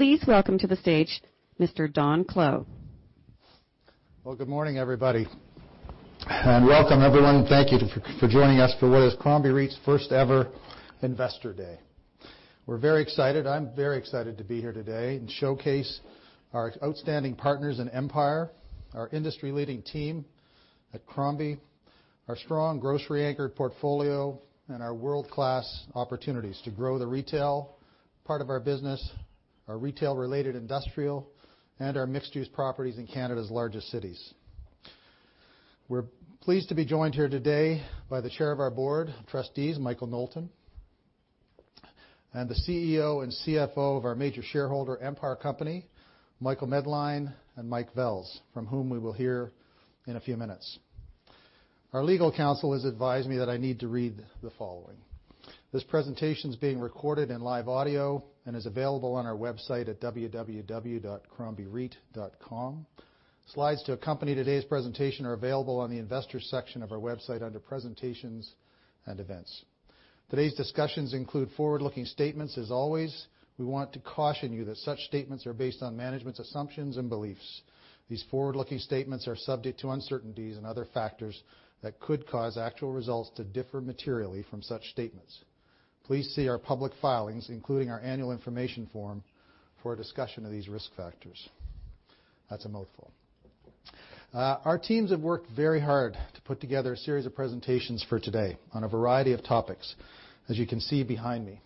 Please welcome to the stage Mr. Don Clow. Well, good morning, everybody, and welcome, everyone. Thank you for joining us for what is Crombie REIT's first-ever Investor Day. We're very excited. I'm very excited to be here today and showcase our outstanding partners in Empire, our industry-leading team at Crombie, our strong grocery-anchored portfolio, and our world-class opportunities to grow the retail part of our business, our retail-related industrial, and our mixed-use properties in Canada's largest cities. We're pleased to be joined here today by the Chair of our Board of Trustees, Michael Knowlton, and the CEO and CFO of our major shareholder, Empire Company, Michael Medline and Mike Vels, from whom we will hear in a few minutes. Our legal counsel has advised me that I need to read the following. This presentation is being recorded in live audio and is available on our website at www.crombiereit.com. Slides to accompany today's presentation are available on the Investors section of our website under Presentations and Events. Today's discussions include forward-looking statements. As always, we want to caution you that such statements are based on management's assumptions and beliefs. These forward-looking statements are subject to uncertainties and other factors that could cause actual results to differ materially from such statements. Please see our public filings, including our annual information form, for a discussion of these risk factors. That's a mouthful. Our teams have worked very hard to put together a series of presentations for today on a variety of topics, as you can see behind me.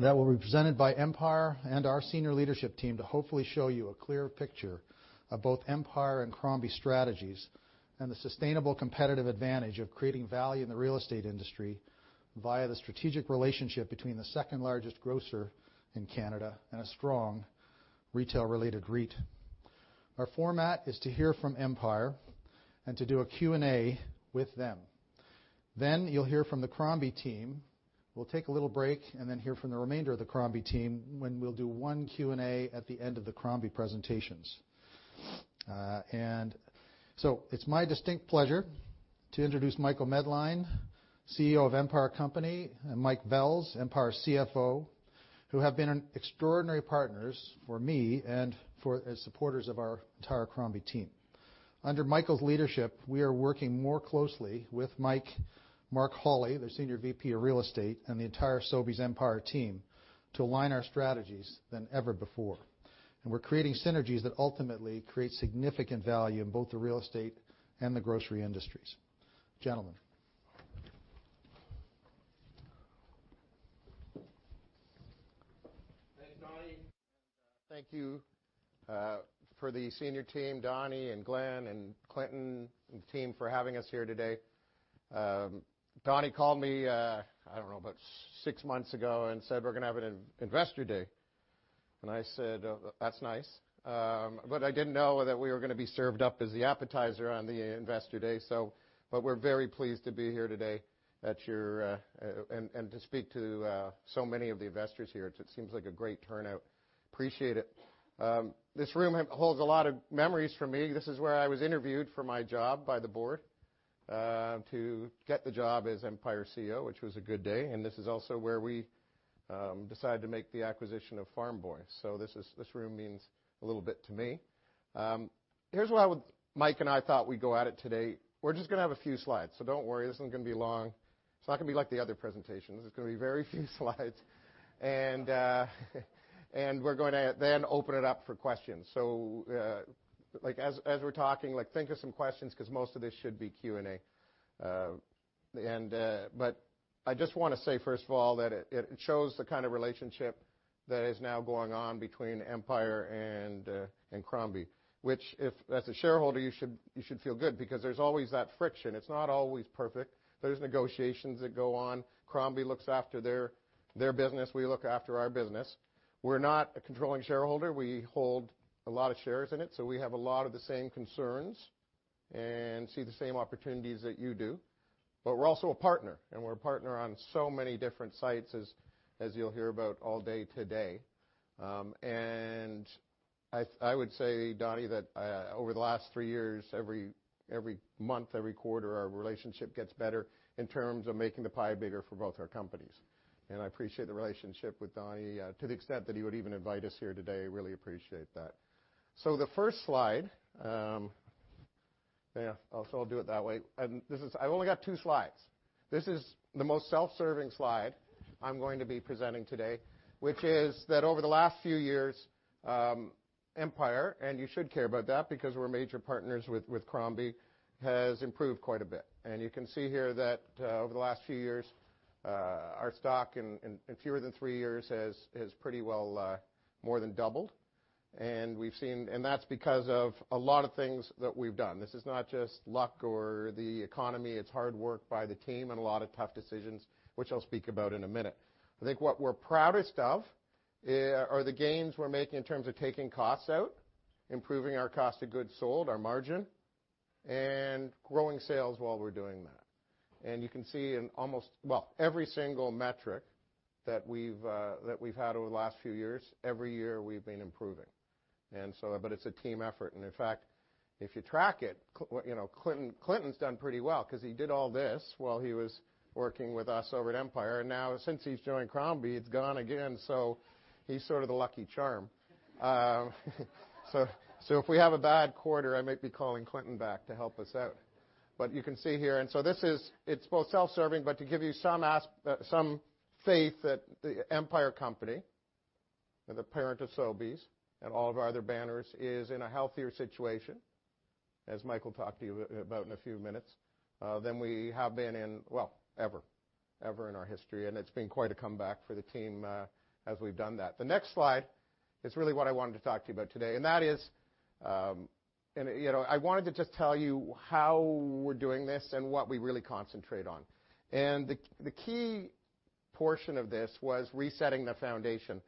That will be presented by Empire and our senior leadership team to hopefully show you a clear picture of both Empire and Crombie strategies and the sustainable competitive advantage of creating value in the real estate industry via the strategic relationship between the second-largest grocer in Canada and a strong retail-related REIT. Our format is to hear from Empire and to do a Q&A with them. You'll hear from the Crombie team. We'll take a little break and then hear from the remainder of the Crombie team when we'll do one Q&A at the end of the Crombie presentations. It's my distinct pleasure to introduce Michael Medline, CEO of Empire Company, and Mike Vels, Empire CFO, who have been extraordinary partners for me and as supporters of our entire Crombie team. Under Michael's leadership, we are working more closely with Mike, Mark Holly, their Senior VP of Real Estate, and the entire Sobeys Empire team to align our strategies than ever before. We're creating synergies that ultimately create significant value in both the real estate and the grocery industries. Gentlemen. Thanks, Donnie. Thank you for the senior team, Donnie and Glenn and Clinton, and the team for having us here today. Donnie called me, I don't know, about six months ago and said, "We're going to have an investor day." I said, "That's nice." I didn't know that we were going to be served up as the appetizer on the investor day. We're very pleased to be here today and to speak to so many of the investors here. It seems like a great turnout. Appreciate it. This room holds a lot of memories for me. This is where I was interviewed for my job by the board, to get the job as Empire CEO, which was a good day, and this is also where we decided to make the acquisition of Farm Boy. This room means a little bit to me. Here's what Mike and I thought we'd go at it today. We're just going to have a few slides. Don't worry, this isn't going to be long. It's not going to be like the other presentations. It's going to be very few slides. We're going to then open it up for questions. As we're talking, think of some questions because most of this should be Q&A. I just want to say, first of all, that it shows the kind of relationship that is now going on between Empire and Crombie. Which, if that's a shareholder, you should feel good because there's always that friction. It's not always perfect. There's negotiations that go on. Crombie looks after their business, we look after our business. We're not a controlling shareholder. We hold a lot of shares in it, so we have a lot of the same concerns and see the same opportunities that you do. We're also a partner, and we're a partner on so many different sites, as you'll hear about all day today. I would say, Donnie, that over the last three years, every month, every quarter, our relationship gets better in terms of making the pie bigger for both our companies. I appreciate the relationship with Donnie to the extent that he would even invite us here today. Really appreciate that. The first slide. I'll do it that way. I've only got two slides. This is the most self-serving slide I'm going to be presenting today, which is that over the last few years, Empire, and you should care about that because we're major partners with Crombie, has improved quite a bit. You can see here that over the last few years, our stock in fewer than three years has pretty well more than doubled. That's because of a lot of things that we've done. This is not just luck or the economy, it's hard work by the team and a lot of tough decisions, which I'll speak about in a minute. I think what we're proudest of are the gains we're making in terms of taking costs out, improving our cost of goods sold, our margin, and growing sales while we're doing that. You can see in almost every single metric that we've had over the last few years, every year we've been improving. But it's a team effort. In fact, if you track it, Clinton's done pretty well because he did all this while he was working with us over at Empire. Now since he's joined Crombie, it's gone again, so he's sort of the lucky charm. If we have a bad quarter, I might be calling Clinton back to help us out. You can see here, and so this is both self-serving, but to give you some faith that the Empire Company, the parent of Sobeys and all of our other banners, is in a healthier situation, as Mike will talk to you about in a few minutes, than we have been in, well, ever in our history. It's been quite a comeback for the team as we've done that. The next slide is really what I wanted to talk to you about today, and that is, I wanted to just tell you how we're doing this and what we really concentrate on. The key portion of this was resetting the foundation.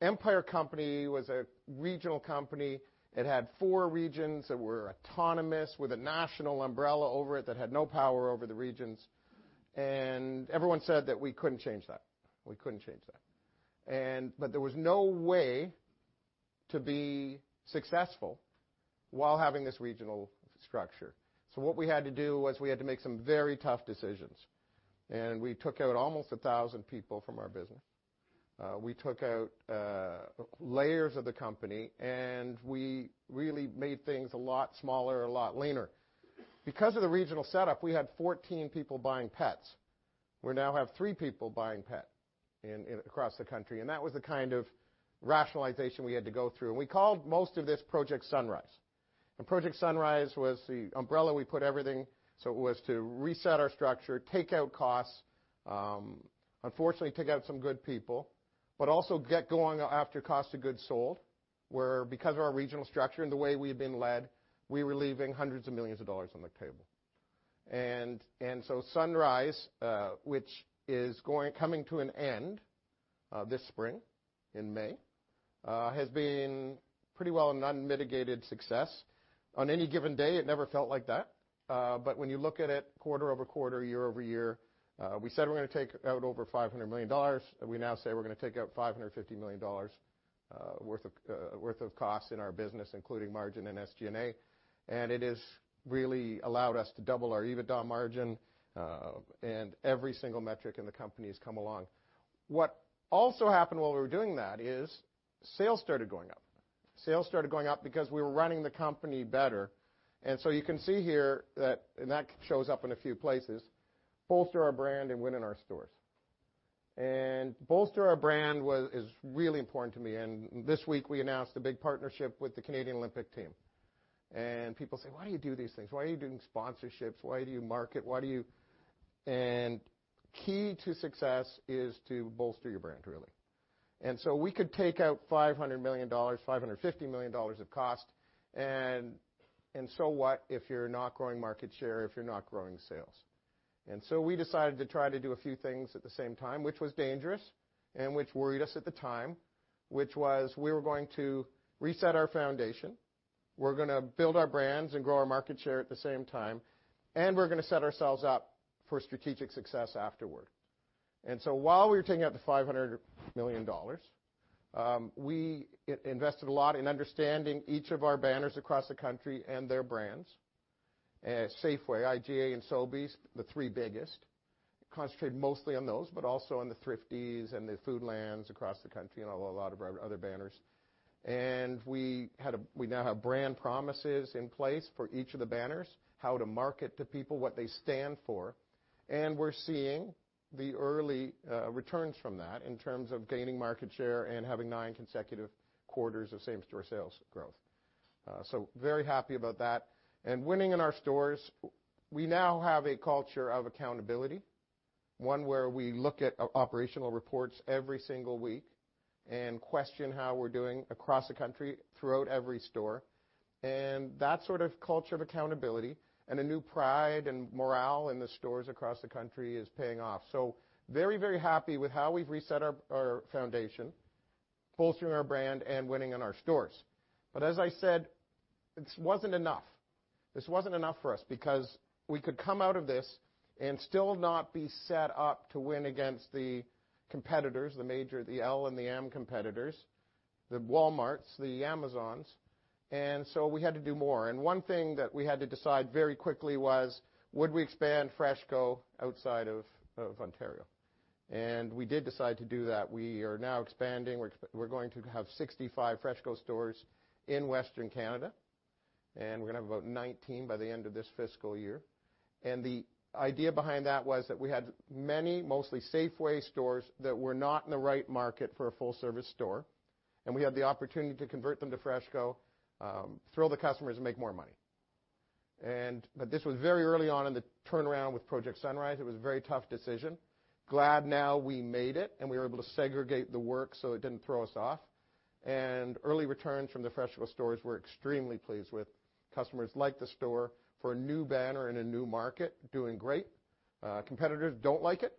Empire Company was a regional company. It had four regions that were autonomous with a national umbrella over it that had no power over the regions. Everyone said that we couldn't change that. There was no way to be successful while having this regional structure. What we had to do was we had to make some very tough decisions, and we took out almost 1,000 people from our business. We took out layers of the company, and we really made things a lot smaller, a lot leaner. Because of the regional setup, we had 14 people buying pets. We now have three people buying pets across the country. That was the kind of rationalization we had to go through. We called most of this Project Sunrise. Project Sunrise was the umbrella we put everything, so it was to reset our structure, take out costs. Unfortunately, take out some good people, but also get going after cost of goods sold, where, because of our regional structure and the way we had been led, we were leaving hundreds of millions of CAD on the table. Project Sunrise, which is coming to an end this spring in May, has been pretty well an unmitigated success. On any given day, it never felt like that. When you look at it quarter-over-quarter, year-over-year, we said we're going to take out over 500 million dollars. We now say we're going to take out 550 million dollars worth of cost in our business, including margin and SG&A. It has really allowed us to double our EBITDA margin, and every single metric in the company has come along. What also happened while we were doing that is sales started going up. Sales started going up because we were running the company better. You can see here that, and that shows up in a few places, bolster our brand and win in our stores. Bolster our brand is really important to me. This week, we announced a big partnership with the Canadian Olympic Team. People say, Why do you do these things? Why are you doing sponsorships? Why do you market? Key to success is to bolster your brand, really. We could take out 500 million dollars, 550 million dollars of cost, what if you're not growing market share, if you're not growing sales? We decided to try to do a few things at the same time, which was dangerous and which worried us at the time. Which was we were going to reset our foundation, we're going to build our brands and grow our market share at the same time, we're going to set ourselves up for strategic success afterward. While we were taking out the 500 million dollars, we invested a lot in understanding each of our banners across the country and their brands. Safeway, IGA, and Sobeys, the three biggest. Concentrated mostly on those, but also on the Thrifty's and the Foodlands across the country and a lot of our other banners. We now have brand promises in place for each of the banners, how to market to people, what they stand for. We're seeing the early returns from that in terms of gaining market share and having nine consecutive quarters of same-store sales growth. Very happy about that. Winning in our stores, we now have a culture of accountability. One where we look at operational reports every single week and question how we're doing across the country, throughout every store. That sort of culture of accountability and a new pride and morale in the stores across the country is paying off. Very happy with how we've reset our foundation, bolstering our brand, and winning in our stores. As I said, this wasn't enough. This wasn't enough for us because we could come out of this and still not be set up to win against the competitors, the major, the L and the M competitors, the Walmarts, the Amazons. We had to do more. One thing that we had to decide very quickly was would we expand FreshCo outside of Ontario? We did decide to do that. We are now expanding. We're going to have 65 FreshCo stores in Western Canada, and we're going to have about 19 by the end of this fiscal year. The idea behind that was that we had many mostly Safeway stores that were not in the right market for a full-service store, and we had the opportunity to convert them to FreshCo, thrill the customers, and make more money. This was very early on in the turnaround with Project Sunrise. It was a very tough decision. Glad now we made it, and we were able to segregate the work so it didn't throw us off. Early returns from the FreshCo stores we're extremely pleased with. Customers like the store for a new banner in a new market, doing great. Competitors don't like it,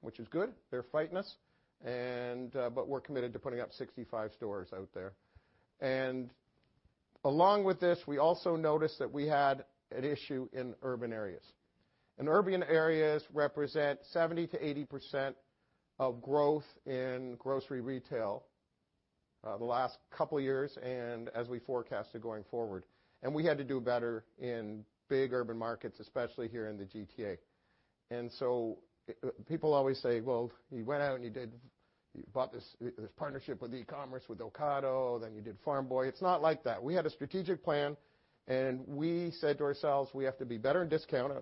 which is good. They're fighting us. We're committed to putting up 65 stores out there. Along with this, we also noticed that we had an issue in urban areas. Urban areas represent 70%-80% of growth in grocery retail, the last couple of years and as we forecast it going forward. We had to do better in big urban markets, especially here in the GTA. People always say, "Well, you went out and you bought this partnership with e-commerce, with Ocado, then you did Farm Boy." It's not like that. We had a strategic plan, and we said to ourselves, we have to be better in discount,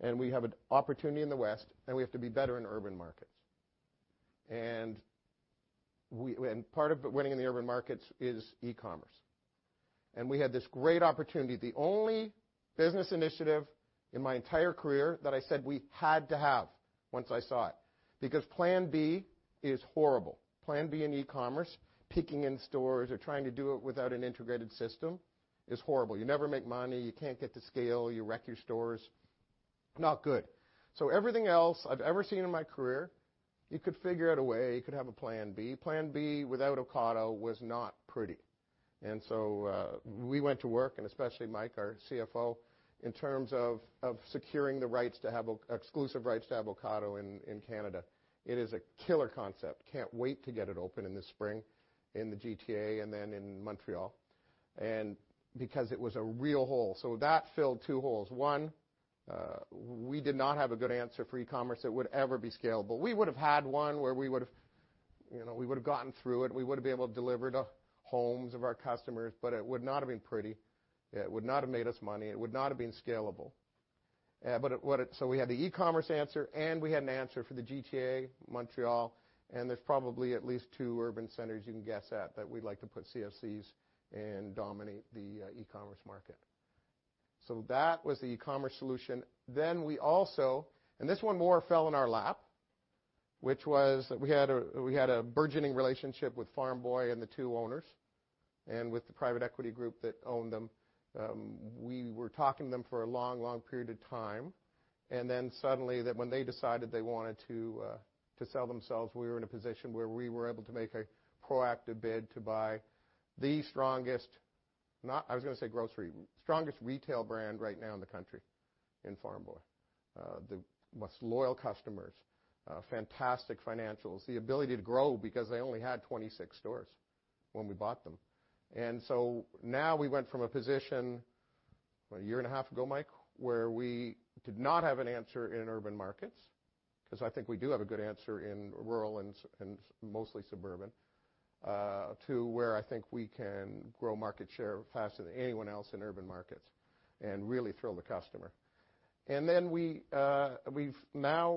and we have an opportunity in the West, and we have to be better in urban markets. Part of winning in the urban markets is e-commerce. We had this great opportunity. The only business initiative in my entire career that I said we had to have once I saw it, because plan B is horrible. Plan B in e-commerce, picking in stores or trying to do it without an integrated system is horrible. You never make money. You can't get to scale. You wreck your stores. Not good. Everything else I've ever seen in my career, you could figure out a way. You could have a plan B. Plan B without Ocado was not pretty. We went to work, and especially Mike, our CFO, in terms of securing the exclusive rights to have Ocado in Canada. It is a killer concept. Can't wait to get it open in the spring in the GTA and then in Montreal. Because it was a real hole. That filled two holes. We did not have a good answer for e-commerce that would ever be scalable. We would have had one where we would have gotten through it. We would have been able to deliver to homes of our customers, it would not have been pretty. It would not have made us money. It would not have been scalable. We had the e-commerce answer, and we had an answer for the GTA, Montreal, and there's probably at least two urban centers you can guess at that we'd like to put CFCs and dominate the e-commerce market. We also, this one more fell in our lap. We had a burgeoning relationship with Farm Boy and the two owners and with the private equity group that owned them. We were talking to them for a long period of time. Suddenly when they decided they wanted to sell themselves, we were in a position where we were able to make a proactive bid to buy the strongest, I was going to say grocery, strongest retail brand right now in the country in Farm Boy. The most loyal customers. Fantastic financials. The ability to grow because they only had 26 stores when we bought them. Now we went from a position, a year and a half ago, Mike, where we did not have an answer in urban markets, because I think we do have a good answer in rural and mostly suburban, to where I think we can grow market share faster than anyone else in urban markets and really thrill the customer. Now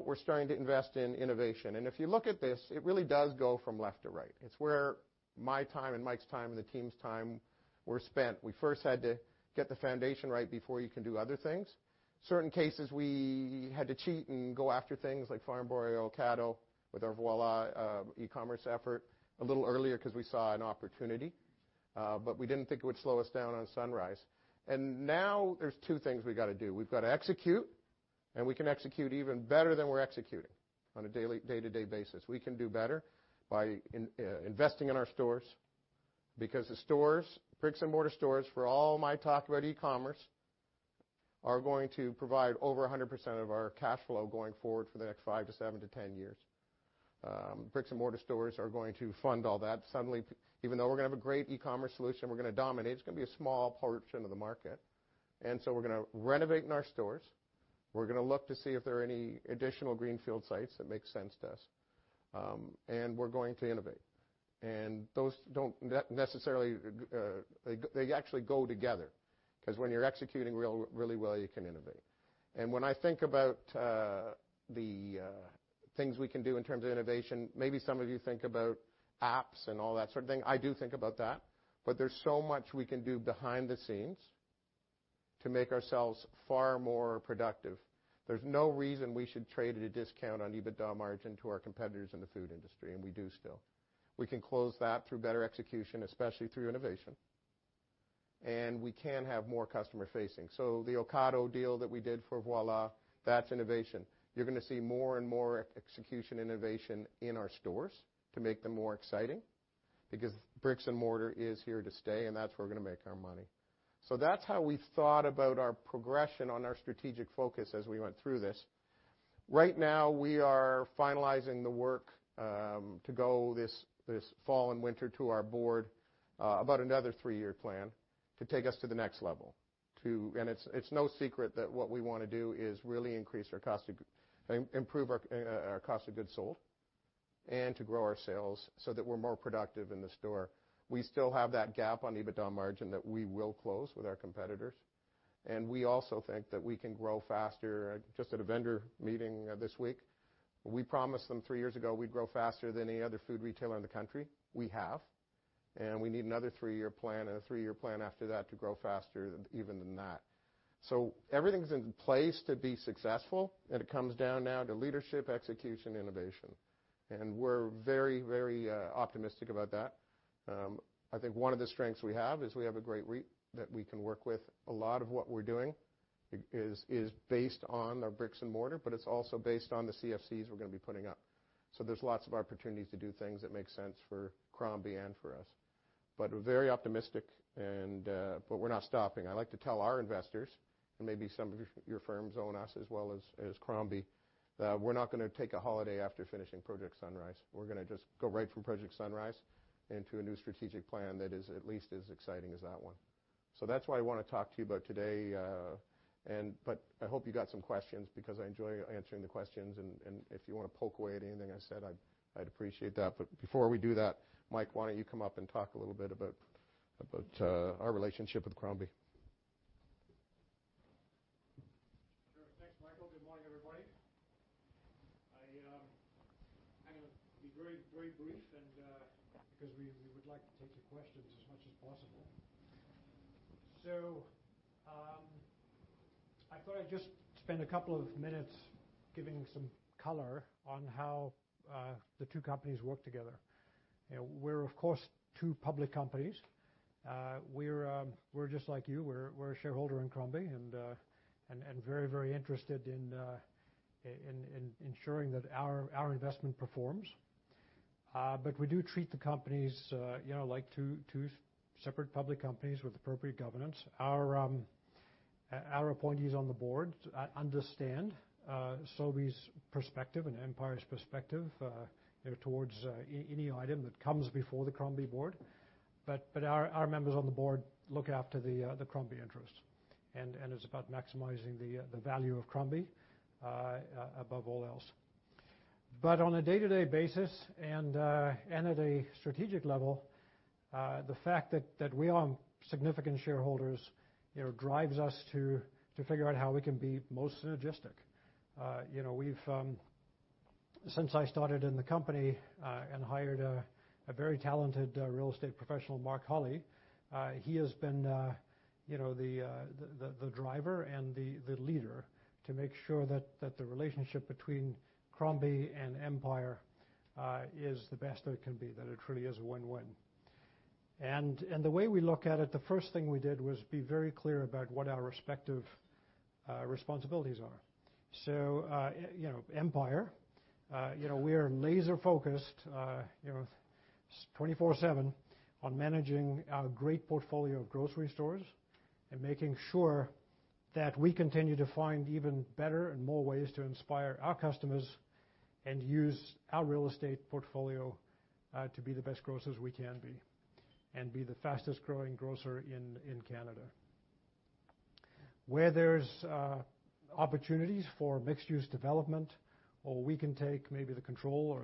we're starting to invest in innovation. If you look at this, it really does go from left to right. It's where my time and Mike's time and the team's time were spent. We first had to get the foundation right before you can do other things. Certain cases, we had to cheat and go after things like Farm Boy, Ocado, with our Voilà e-commerce effort a little earlier because we saw an opportunity. We didn't think it would slow us down on Sunrise. Now there's two things we got to do. We've got to execute, and we can execute even better than we're executing on a day-to-day basis. We can do better by investing in our stores because the stores, bricks and mortar stores, for all my talk about e-commerce, are going to provide over 100% of our cash flow going forward for the next five to seven to 10 years. Bricks and mortar stores are going to fund all that. Suddenly, even though we're going to have a great e-commerce solution, we're going to dominate. It's going to be a small portion of the market. We're going to renovate in our stores. We're going to look to see if there are any additional greenfield sites that make sense to us. We're going to innovate. Those actually go together because when you're executing really well, you can innovate. When I think about the things we can do in terms of innovation, maybe some of you think about apps and all that sort of thing. I do think about that. There's so much we can do behind the scenes to make ourselves far more productive. There's no reason we should trade at a discount on EBITDA margin to our competitors in the food industry, and we do still. We can close that through better execution, especially through innovation. We can have more customer facing. The Ocado deal that we did for Voilà, that's innovation. You're going to see more and more execution innovation in our stores to make them more exciting because bricks and mortar is here to stay, and that's where we're going to make our money. That's how we thought about our progression on our strategic focus as we went through this. Right now, we are finalizing the work to go this fall and winter to our board about another three-year plan to take us to the next level. It's no secret that what we want to do is really improve our cost of goods sold and to grow our sales so that we're more productive in the store. We still have that gap on EBITDA margin that we will close with our competitors. We also think that we can grow faster. Just at a vendor meeting this week, we promised them three years ago we'd grow faster than any other food retailer in the country. We have. We need another three-year plan and a three-year plan after that to grow faster even than that. Everything's in place to be successful, and it comes down now to leadership, execution, innovation. We're very optimistic about that. I think one of the strengths we have is we have a great REIT that we can work with. A lot of what we're doing is based on our bricks and mortar, but it's also based on the CFCs we're going to be putting up. So there's lots of opportunities to do things that make sense for Crombie and for us. We're very optimistic, but we're not stopping. I like to tell our investors, and maybe some of your firms own us as well as Crombie, we're not going to take a holiday after finishing Project Sunrise. We're going to just go right from Project Sunrise into a new strategic plan that is at least as exciting as that one. That's what I want to talk to you about today. I hope you got some questions because I enjoy answering the questions, and if you want to poke away at anything I said, I'd appreciate that. Before we do that, Mike, why don't you come up and talk a little bit about our relationship with Crombie? Sure. Thanks, Michael. Good morning, everybody. I'm going to be very brief because we would like to take the questions as much as possible. I thought I'd just spend a couple of minutes giving some color on how the two companies work together. We're, of course, two public companies. We're just like you. We're a shareholder in Crombie and very interested in ensuring that our investment performs. We do treat the companies like two separate public companies with appropriate governance. Our appointees on the board understand Sobeys' perspective and Empire's perspective towards any item that comes before the Crombie board. Our members on the board look after the Crombie interest, and it's about maximizing the value of Crombie above all else. On a day-to-day basis and at a strategic level, the fact that we are significant shareholders drives us to figure out how we can be most synergistic. Since I started in the company and hired a very talented real estate professional, Mark Holly, he has been the driver and the leader to make sure that the relationship between Crombie and Empire is the best that it can be, that it truly is a win-win. The way we look at it, the first thing we did was be very clear about what our respective responsibilities are. Empire, we are laser-focused 24/7 on managing our great portfolio of grocery stores and making sure that we continue to find even better and more ways to inspire our customers and use our real estate portfolio to be the best grocers we can be and be the fastest-growing grocer in Canada. Where there's opportunities for mixed-use development, or we can take maybe the control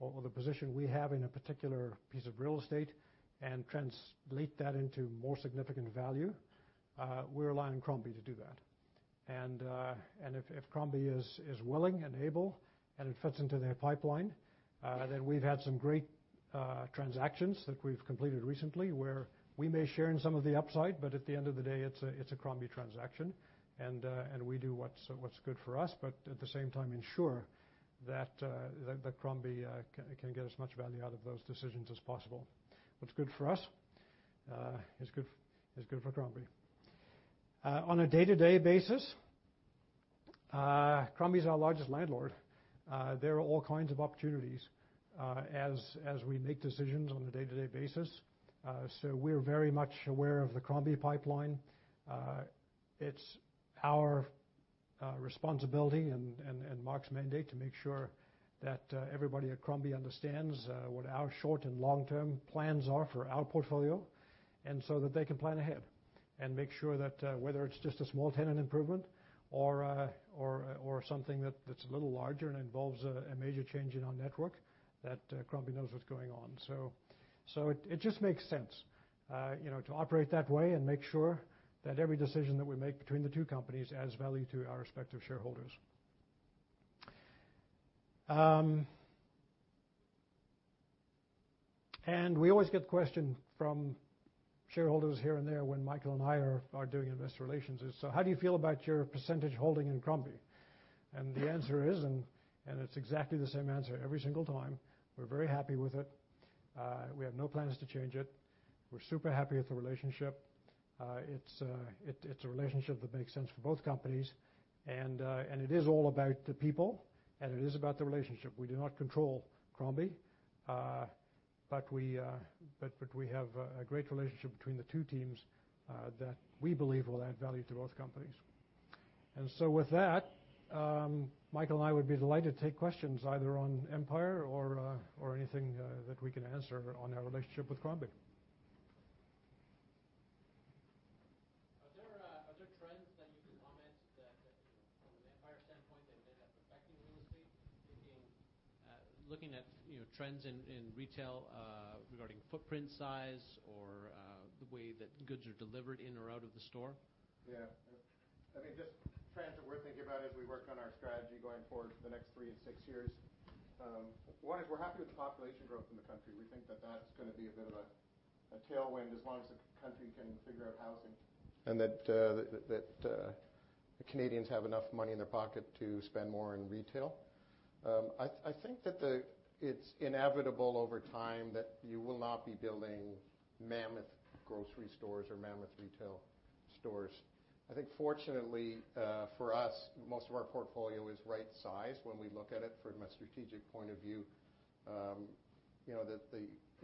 or the position we have in a particular piece of real estate and translate that into more significant value, we're relying on Crombie to do that. If Crombie is willing and able and it fits into their pipeline, then we've had some great transactions that we've completed recently where we may share in some of the upside, but at the end of the day, it's a Crombie transaction, and we do what's good for us, but at the same time ensure that Crombie can get as much value out of those decisions as possible. What's good for us is good for Crombie. On a day-to-day basis, Crombie's our largest landlord. There are all kinds of opportunities as we make decisions on a day-to-day basis. We're very much aware of the Crombie pipeline. It's our responsibility and Mark's mandate to make sure that everybody at Crombie understands what our short and long-term plans are for our portfolio, so that they can plan ahead and make sure that whether it's just a small tenant improvement or something that's a little larger and involves a major change in our network, that Crombie knows what's going on. It just makes sense to operate that way and make sure that every decision that we make between the two companies adds value to our respective shareholders. We always get the question from shareholders here and there when Michael and I are doing investor relations is, "So how do you feel about your percentage holding in Crombie?" The answer is, and it's exactly the same answer every single time, we're very happy with it. We have no plans to change it. We're super happy with the relationship. It's a relationship that makes sense for both companies. It is all about the people, and it is about the relationship. We do not control Crombie. We have a great relationship between the two teams that we believe will add value to both companies. With that, Michael and I would be delighted to take questions either on Empire or anything that we can answer on our relationship with Crombie. Are there trends that you can comment that from an Empire standpoint that may have affected real estate, thinking, looking at trends in retail regarding footprint size or the way that goods are delivered in or out of the store? Yeah. I think just trends that we're thinking about as we work on our strategy going forward for the next 3-6 years. One is we're happy with the population growth in the country. We think that that's going to be a bit of a tailwind as long as the country can figure out housing and that Canadians have enough money in their pocket to spend more in retail. I think that it's inevitable over time that you will not be building mammoth grocery stores or mammoth retail stores. I think fortunately, for us, most of our portfolio is right-sized when we look at it from a strategic point of view.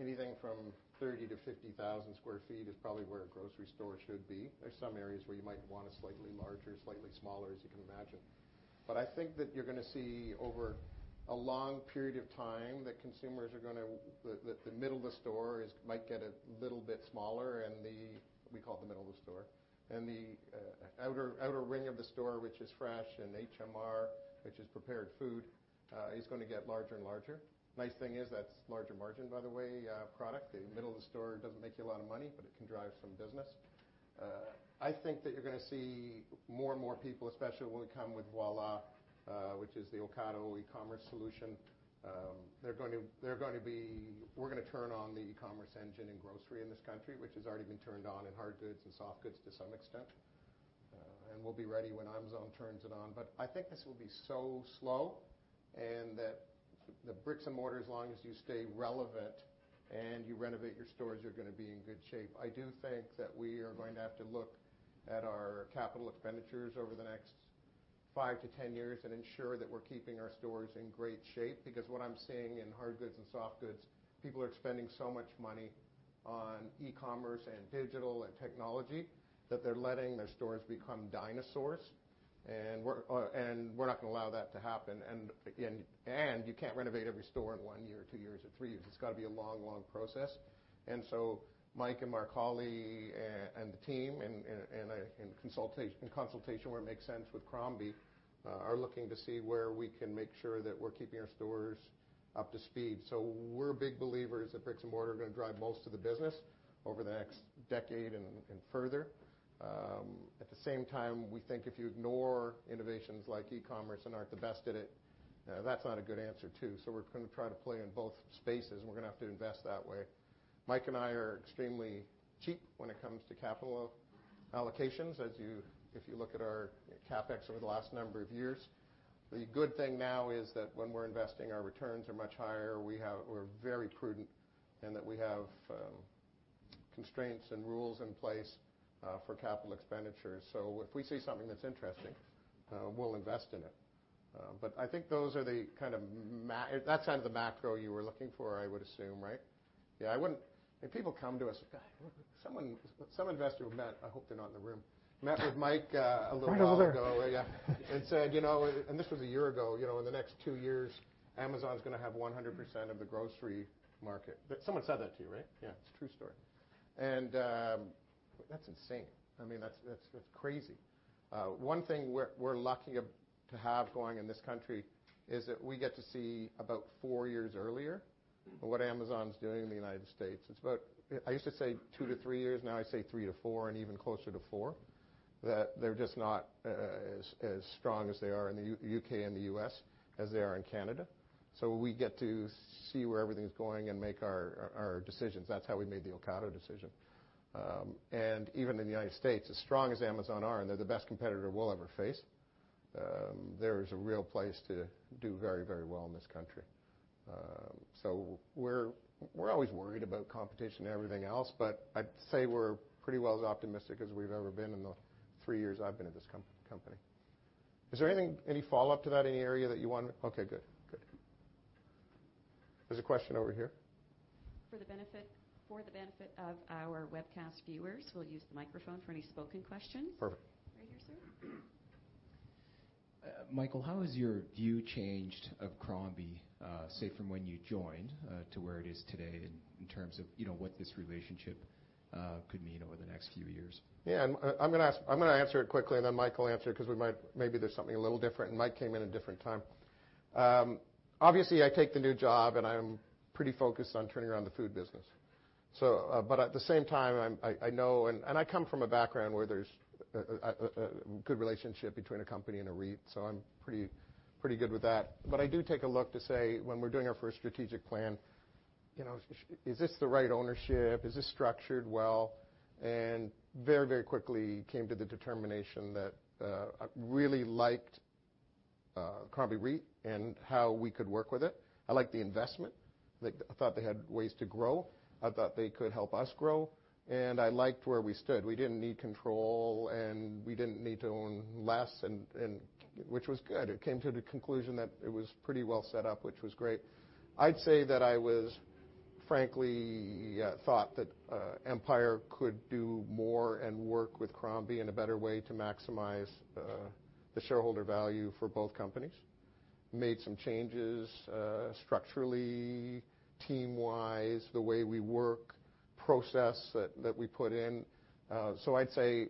Anything from 30,000 to 50,000 sq ft is probably where a grocery store should be. There's some areas where you might want it slightly larger, slightly smaller, as you can imagine. I think that you're going to see over a long period of time that consumers that the middle of the store might get a little bit smaller and the, we call it the middle of the store, and the outer ring of the store, which is fresh and HMR, which is prepared food, is going to get larger and larger. Nice thing is that's larger margin, by the way, product. The middle of the store doesn't make you a lot of money, but it can drive some business. I think that you're going to see more and more people, especially when we come with Voilà, which is the Ocado e-commerce solution. We're going to turn on the e-commerce engine in grocery in this country, which has already been turned on in hard goods and soft goods to some extent. We'll be ready when Amazon turns it on. I think this will be so slow and that the bricks and mortars, as long as you stay relevant and you renovate your stores, you're going to be in good shape. I do think that we are going to have to look at our capital expenditures over the next five to 10 years and ensure that we're keeping our stores in great shape because what I'm seeing in hard goods and soft goods, people are spending so much money on e-commerce and digital and technology that they're letting their stores become dinosaurs. We're not going to allow that to happen. You can't renovate every store in one year, two years, or three years. It's got to be a long process. Mike and Mark Holly and the team in consultation where it makes sense with Crombie, are looking to see where we can make sure that we're keeping our stores up to speed. We're big believers that bricks and mortar are going to drive most of the business over the next decade and further. At the same time, we think if you ignore innovations like e-commerce and aren't the best at it, that's not a good answer, too. We're going to try to play in both spaces, and we're going to have to invest that way. Mike and I are extremely cheap when it comes to capital allocations, if you look at our CapEx over the last number of years. The good thing now is that when we're investing, our returns are much higher. We're very prudent in that we have constraints and rules in place for capital expenditures. If we see something that's interesting, we'll invest in it. I think that's kind of the macro you were looking for, I would assume, right? Yeah. Some investor we met, I hope they're not in the room, met with Mike a little while ago. Where are they? Yeah. This was a year ago. In the next 2 years, Amazon's going to have 100% of the grocery market. Someone said that to you, right? Yeah. It's a true story. That's insane. That's crazy. One thing we're lucky to have going in this country is that we get to see about 4 years earlier what Amazon's doing in the U.S. I used to say 2 to 3 years, now I say 3 to 4 and even closer to 4, that they're just not as strong as they are in the U.K. and the U.S. as they are in Canada. We get to see where everything's going and make our decisions. That's how we made the Ocado decision. Even in the U.S., as strong as Amazon are, and they're the best competitor we'll ever face, there is a real place to do very well in this country. We're always worried about competition and everything else, but I'd say we're pretty well as optimistic as we've ever been in the three years I've been at this company. Is there any follow-up to that? Okay, good. There's a question over here. For the benefit of our webcast viewers, we will use the microphone for any spoken questions. Perfect. Right here, sir. Michael, how has your view changed of Crombie, say, from when you joined to where it is today in terms of what this relationship could mean over the next few years? Yeah, I'm going to answer it quickly, then Mike will answer it because maybe there's something a little different, and Mike came in a different time. Obviously, I take the new job, and I'm pretty focused on turning around the food business. At the same time, I know, and I come from a background where there's a good relationship between a company and a REIT, so I'm pretty good with that. I do take a look to say, when we're doing our first strategic plan, "Is this the right ownership? Is this structured well?" Very quickly came to the determination that I really liked Crombie REIT and how we could work with it. I liked the investment. I thought they had ways to grow. I thought they could help us grow, and I liked where we stood. We didn't need control, and we didn't need to own less, which was good. It came to the conclusion that it was pretty well set up, which was great. I'd say that I was frankly thought that Empire could do more and work with Crombie in a better way to maximize the shareholder value for both companies. We made some changes structurally, team-wise, the way we work, process that we put in. I'd say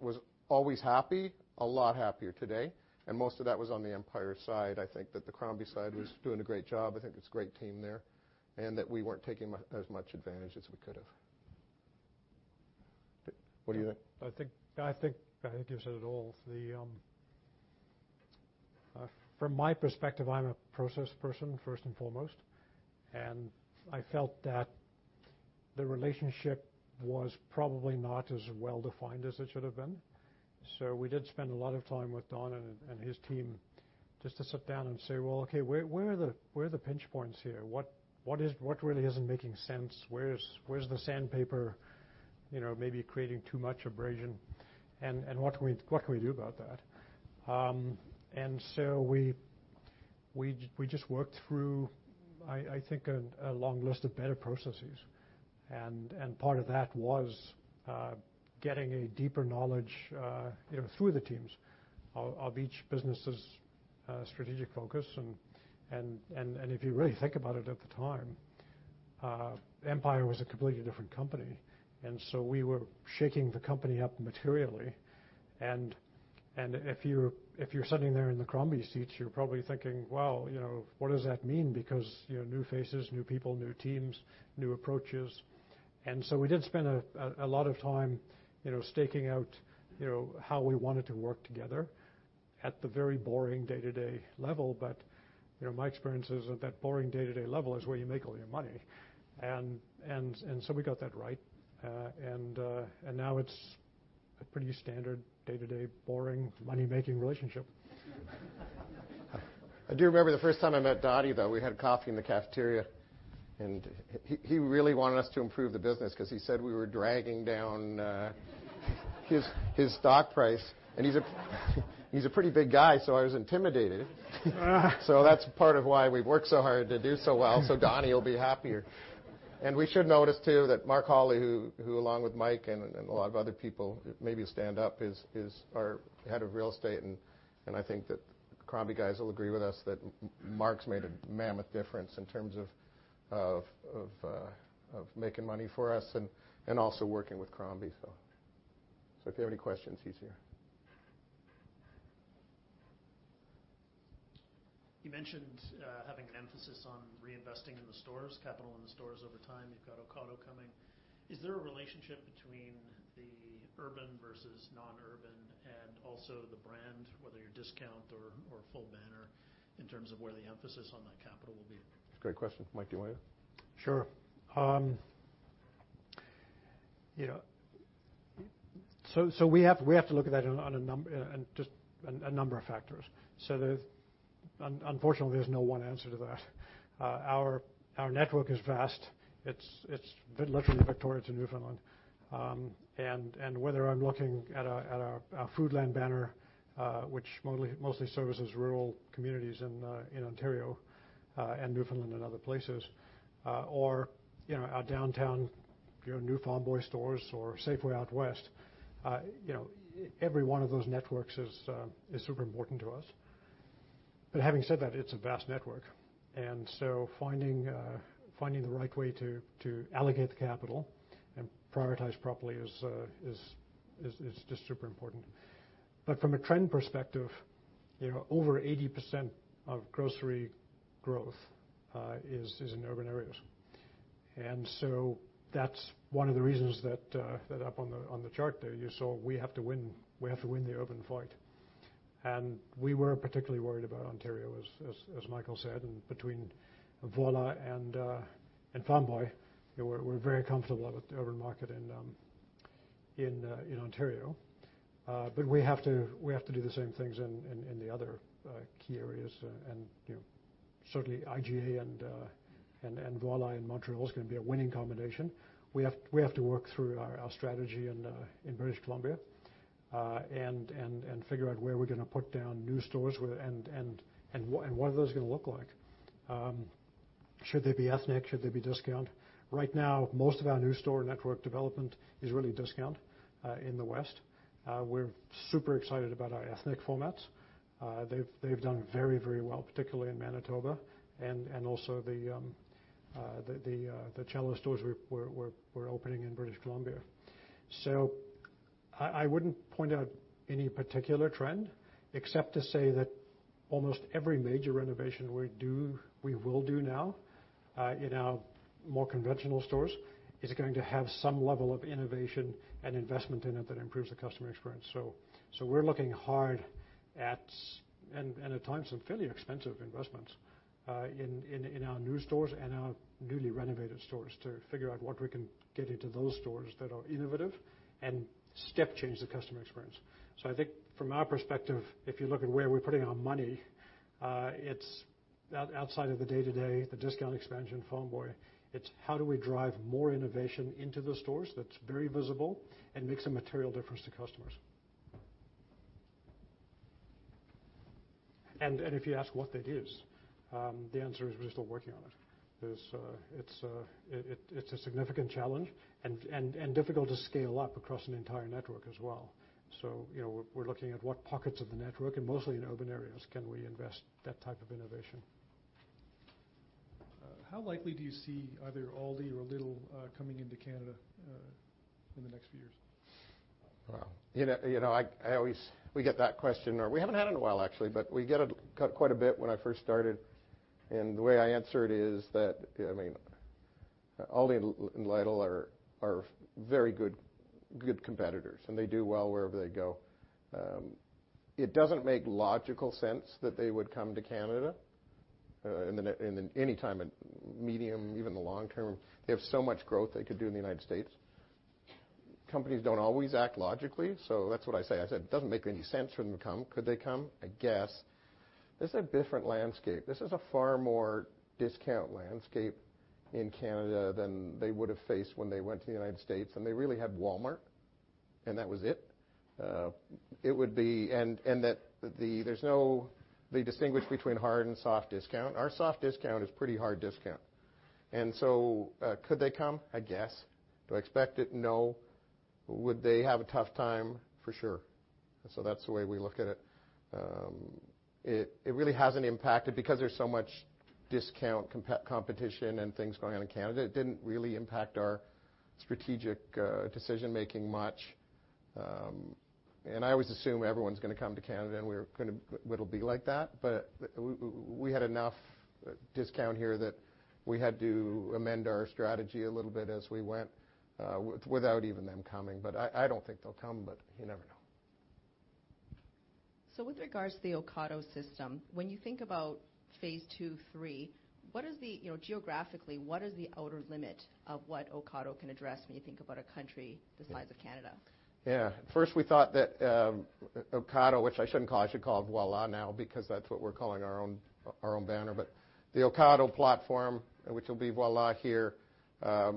was always happy, a lot happier today, and most of that was on the Empire side. I think that the Crombie side was doing a great job. I think it's a great team there, and that we weren't taking as much advantage as we could have. What do you think? I think you said it all. From my perspective, I'm a process person first and foremost, and I felt that the relationship was probably not as well defined as it should have been. We did spend a lot of time with Don and his team just to sit down and say, "Well, okay, where are the pinch points here? What really isn't making sense? Where's the sandpaper maybe creating too much abrasion, and what can we do about that?" We just worked through, I think, a long list of better processes. Part of that was getting a deeper knowledge through the teams of each business's strategic focus. If you really think about it at the time, Empire was a completely different company. We were shaking the company up materially. If you're sitting there in the Crombie seats, you're probably thinking, "Wow, what does that mean?" Because new faces, new people, new teams, new approaches. We did spend a lot of time staking out how we wanted to work together at the very boring day-to-day level. My experience is at that boring day-to-day level is where you make all your money. We got that right. Now it's a pretty standard day-to-day boring money-making relationship. I do remember the first time I met Donnie, though. We had coffee in the cafeteria, he really wanted us to improve the business because he said we were dragging down his stock price. He's a pretty big guy, so I was intimidated. That's part of why we've worked so hard to do so well, so Donnie will be happier. We should notice too that Mark Holly, who along with Mike and a lot of other people maybe stand up, is our head of real estate. I think that Crombie guys will agree with us that Mark's made a mammoth difference in terms of making money for us and also working with Crombie. If you have any questions, he's here. You mentioned having an emphasis on reinvesting in the stores, capital in the stores over time. You've got Ocado coming. Is there a relationship between the urban versus non-urban and also the brand, whether you're discount or full banner, in terms of where the emphasis on that capital will be? Great question. Mike, do you want to? Sure. We have to look at that on a number of factors. Unfortunately, there's no one answer to that. Our network is vast. It's literally Victoria to Newfoundland. Whether I'm looking at a Foodland banner, which mostly services rural communities in Ontario and Newfoundland and other places, or our downtown Farm Boy stores or Safeway out west. Every one of those networks is super important to us. Having said that, it's a vast network. Finding the right way to allocate the capital and prioritize properly is just super important. From a trend perspective, over 80% of grocery growth is in urban areas. That's one of the reasons that up on the chart there, you saw we have to win the urban fight. We were particularly worried about Ontario, as Michael said, and between Voilà and Farm Boy, we're very comfortable about the urban market in Ontario. We have to do the same things in the other key areas. Certainly, IGA and Voilà in Montreal is going to be a winning combination. We have to work through our strategy in British Columbia, and figure out where we're going to put down new stores and what are those going to look like. Should they be ethnic? Should they be discount? Right now, most of our new store network development is really discount in the West. We're super excited about our ethnic formats. They've done very well, particularly in Manitoba and also the Chelo stores we're opening in British Columbia. I wouldn't point out any particular trend, except to say that almost every major renovation we will do now in our more conventional stores is going to have some level of innovation and investment in it that improves the customer experience. We're looking hard at, and at times, some fairly expensive investments in our new stores and our newly renovated stores to figure out what we can get into those stores that are innovative and step change the customer experience. I think from our perspective, if you look at where we're putting our money, it's out outside of the day-to-day, the discount expansion, Farm Boy. It's how do we drive more innovation into the stores that's very visible and makes a material difference to customers. If you ask what that is, the answer is we're still working on it. It's a significant challenge and difficult to scale up across an entire network as well. We're looking at what pockets of the network, and mostly in urban areas, can we invest that type of innovation. How likely do you see either Aldi or Lidl coming into Canada in the next few years? Well, we get that question. We haven't had it in a while, actually, but we get it quite a bit when I first started, and the way I answer it is that, Aldi and Lidl are very good competitors, and they do well wherever they go. It doesn't make logical sense that they would come to Canada in any time, medium, even the long term. They have so much growth they could do in the U.S. Companies don't always act logically, so that's what I say. I said, "It doesn't make any sense for them to come." Could they come? I guess. This is a different landscape. This is a far more discount landscape in Canada than they would have faced when they went to the U.S., and they really had Walmart, and that was it. They distinguish between hard and soft discount. Our soft discount is pretty hard discount. Could they come? I guess. Do I expect it? No. Would they have a tough time? For sure. That's the way we look at it. It really hasn't impacted because there's so much discount competition and things going on in Canada. It didn't really impact our strategic decision making much. I always assume everyone's going to come to Canada, and it'll be like that. We had enough discount here that we had to amend our strategy a little bit as we went without even them coming. I don't think they'll come, but you never know. With regards to the Ocado system, when you think about phase 2, 3, geographically, what is the outer limit of what Ocado can address when you think about a country the size of Canada? Yeah. First we thought that Ocado, which I shouldn't call, I should call Voilà now because that's what we're calling our own banner. The Ocado platform, which will be Voilà here,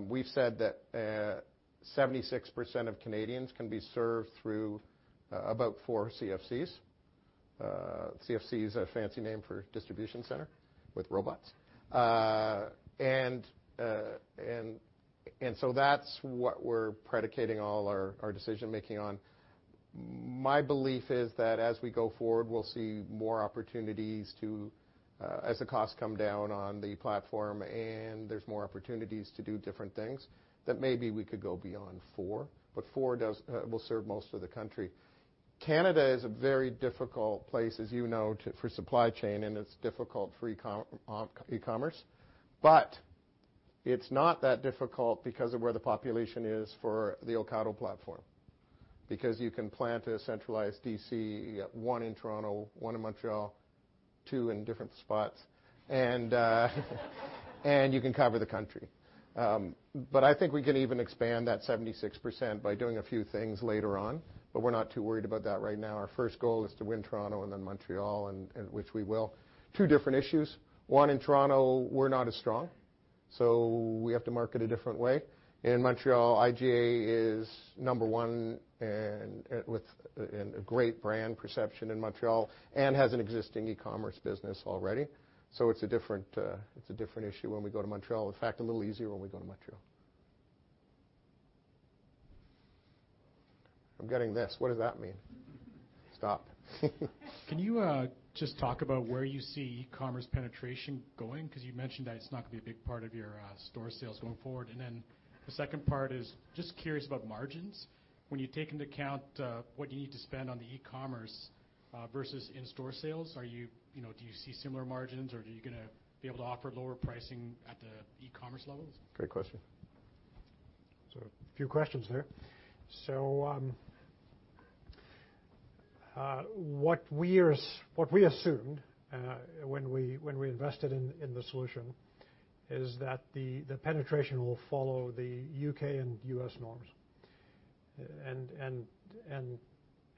we've said that 76% of Canadians can be served through about 4 CFCs. CFC is a fancy name for distribution center with robots. That's what we're predicating all our decision making on. My belief is that as we go forward, we'll see more opportunities to, as the costs come down on the platform, and there's more opportunities to do different things, that maybe we could go beyond 4. 4 will serve most of the country. Canada is a very difficult place, as you know, for supply chain, and it's difficult for e-commerce. It's not that difficult because of where the population is for the Ocado platform. You can plant a centralized DC, one in Toronto, one in Montreal, two in different spots and you can cover the country. I think we can even expand that 76% by doing a few things later on. We're not too worried about that right now. Our first goal is to win Toronto and then Montreal, which we will. Two different issues. One, in Toronto, we're not as strong, we have to market a different way. In Montreal, IGA is number one and with a great brand perception in Montreal and has an existing e-commerce business already. It's a different issue when we go to Montreal. A little easier when we go to Montreal. I'm getting this. What does that mean? Stop. Can you just talk about where you see e-commerce penetration going? You mentioned that it's not going to be a big part of your store sales going forward. The second part is just curious about margins. When you take into account what you need to spend on the e-commerce versus in-store sales, do you see similar margins or are you going to be able to offer lower pricing at the e-commerce levels? Great question. A few questions there. What we assumed when we invested in the solution is that the penetration will follow the U.K. and U.S. norms.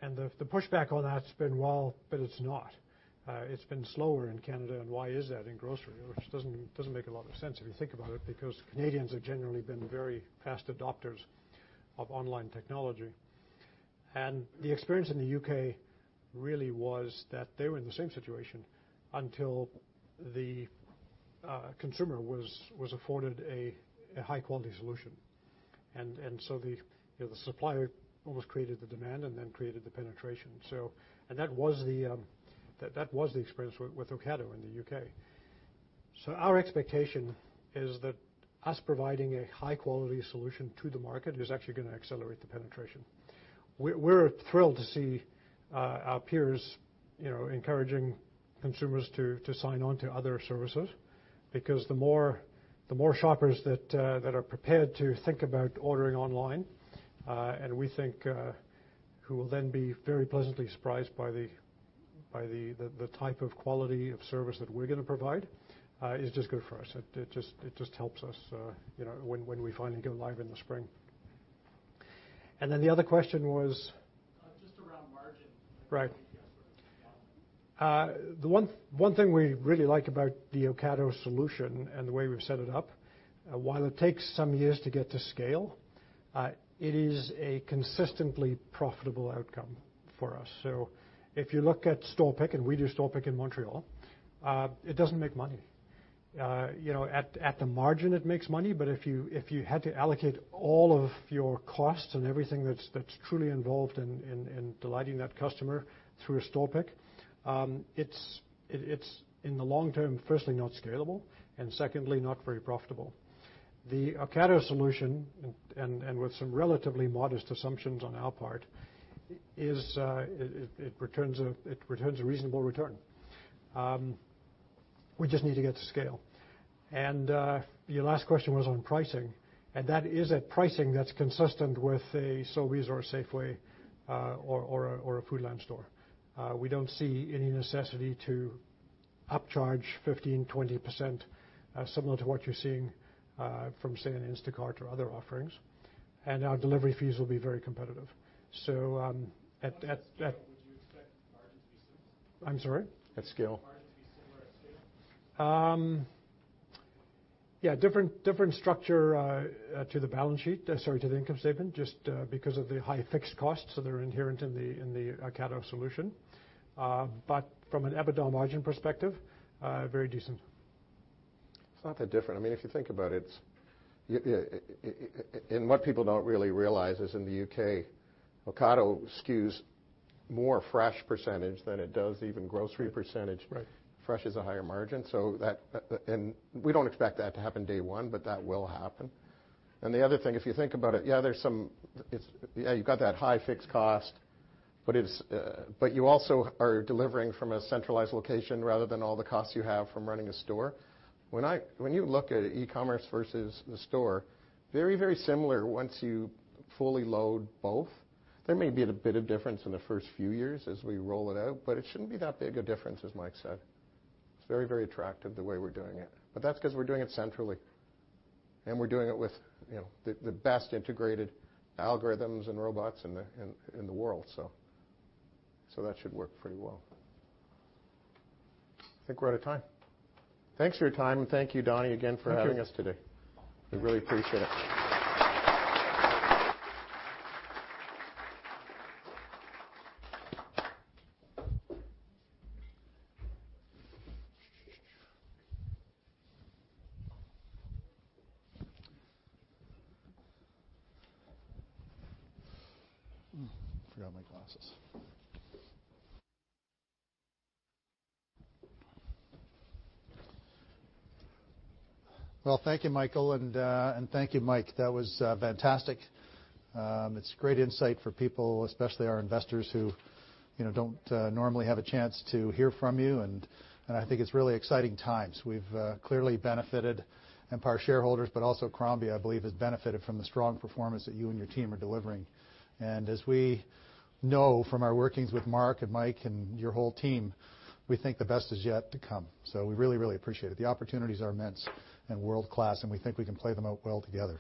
The pushback on that's been well, but it's not. It's been slower in Canada and why is that in grocery? Which doesn't make a lot of sense if you think about it, because Canadians have generally been very fast adopters of online technology. The experience in the U.K. really was that they were in the same situation until the consumer was afforded a high-quality solution. The supplier almost created the demand and then created the penetration. That was the experience with Ocado in the U.K. Our expectation is that us providing a high-quality solution to the market is actually going to accelerate the penetration. We're thrilled to see our peers encouraging consumers to sign on to other services because the more shoppers that are prepared to think about ordering online, and we think who will then be very pleasantly surprised by the type of quality of service that we're going to provide, is just good for us. It just helps us when we finally go live in the spring. The other question was? Just around margin. Right. The one thing we really like about the Ocado solution and the way we've set it up, while it takes some years to get to scale, it is a consistently profitable outcome for us. If you look at store pick, and we do store pick in Montreal, it doesn't make money. At the margin, it makes money. If you had to allocate all of your costs and everything that's truly involved in delighting that customer through a store pick, it's in the long term, firstly, not scalable, and secondly, not very profitable. The Ocado solution, and with some relatively modest assumptions on our part, it returns a reasonable return. We just need to get to scale. Your last question was on pricing, and that is at pricing that's consistent with a Sobeys or a Safeway, or a Foodland store. We don't see any necessity to upcharge 15%-20%, similar to what you're seeing from, say, an Instacart or other offerings. Our delivery fees will be very competitive. Would you expect margin to be similar? I'm sorry? At scale. Margin to be similar at scale? Yeah. Different structure to the balance sheet, sorry, to the income statement, just because of the high fixed costs that are inherent in the Ocado solution. From an EBITDA margin perspective, very decent. It's not that different. If you think about it, and what people don't really realize is in the U.K., Ocado skews more fresh % than it does even grocery %. Right. Fresh is a higher margin. We don't expect that to happen day one, but that will happen. The other thing, if you think about it, yeah, you've got that high fixed cost, but you also are delivering from a centralized location rather than all the costs you have from running a store. When you look at e-commerce versus the store, very similar once you fully load both. There may be a bit of difference in the first few years as we roll it out, but it shouldn't be that big a difference, as Mike said. It's very attractive the way we're doing it. That's because we're doing it centrally, and we're doing it with the best integrated algorithms and robots in the world. That should work pretty well. I think we're out of time. Thanks for your time, and thank you, Donnie, again for joining us today. Thank you. We really appreciate it. Forgot my glasses. Well, thank you, Michael, and thank you, Mike. That was fantastic. It's great insight for people, especially our investors who don't normally have a chance to hear from you, and I think it's really exciting times. We've clearly benefited, Empire shareholders, but also Crombie, I believe, has benefited from the strong performance that you and your team are delivering. As we know from our workings with Mark and Mike and your whole team, we think the best is yet to come. We really appreciate it. The opportunities are immense and world-class, and we think we can play them out well together.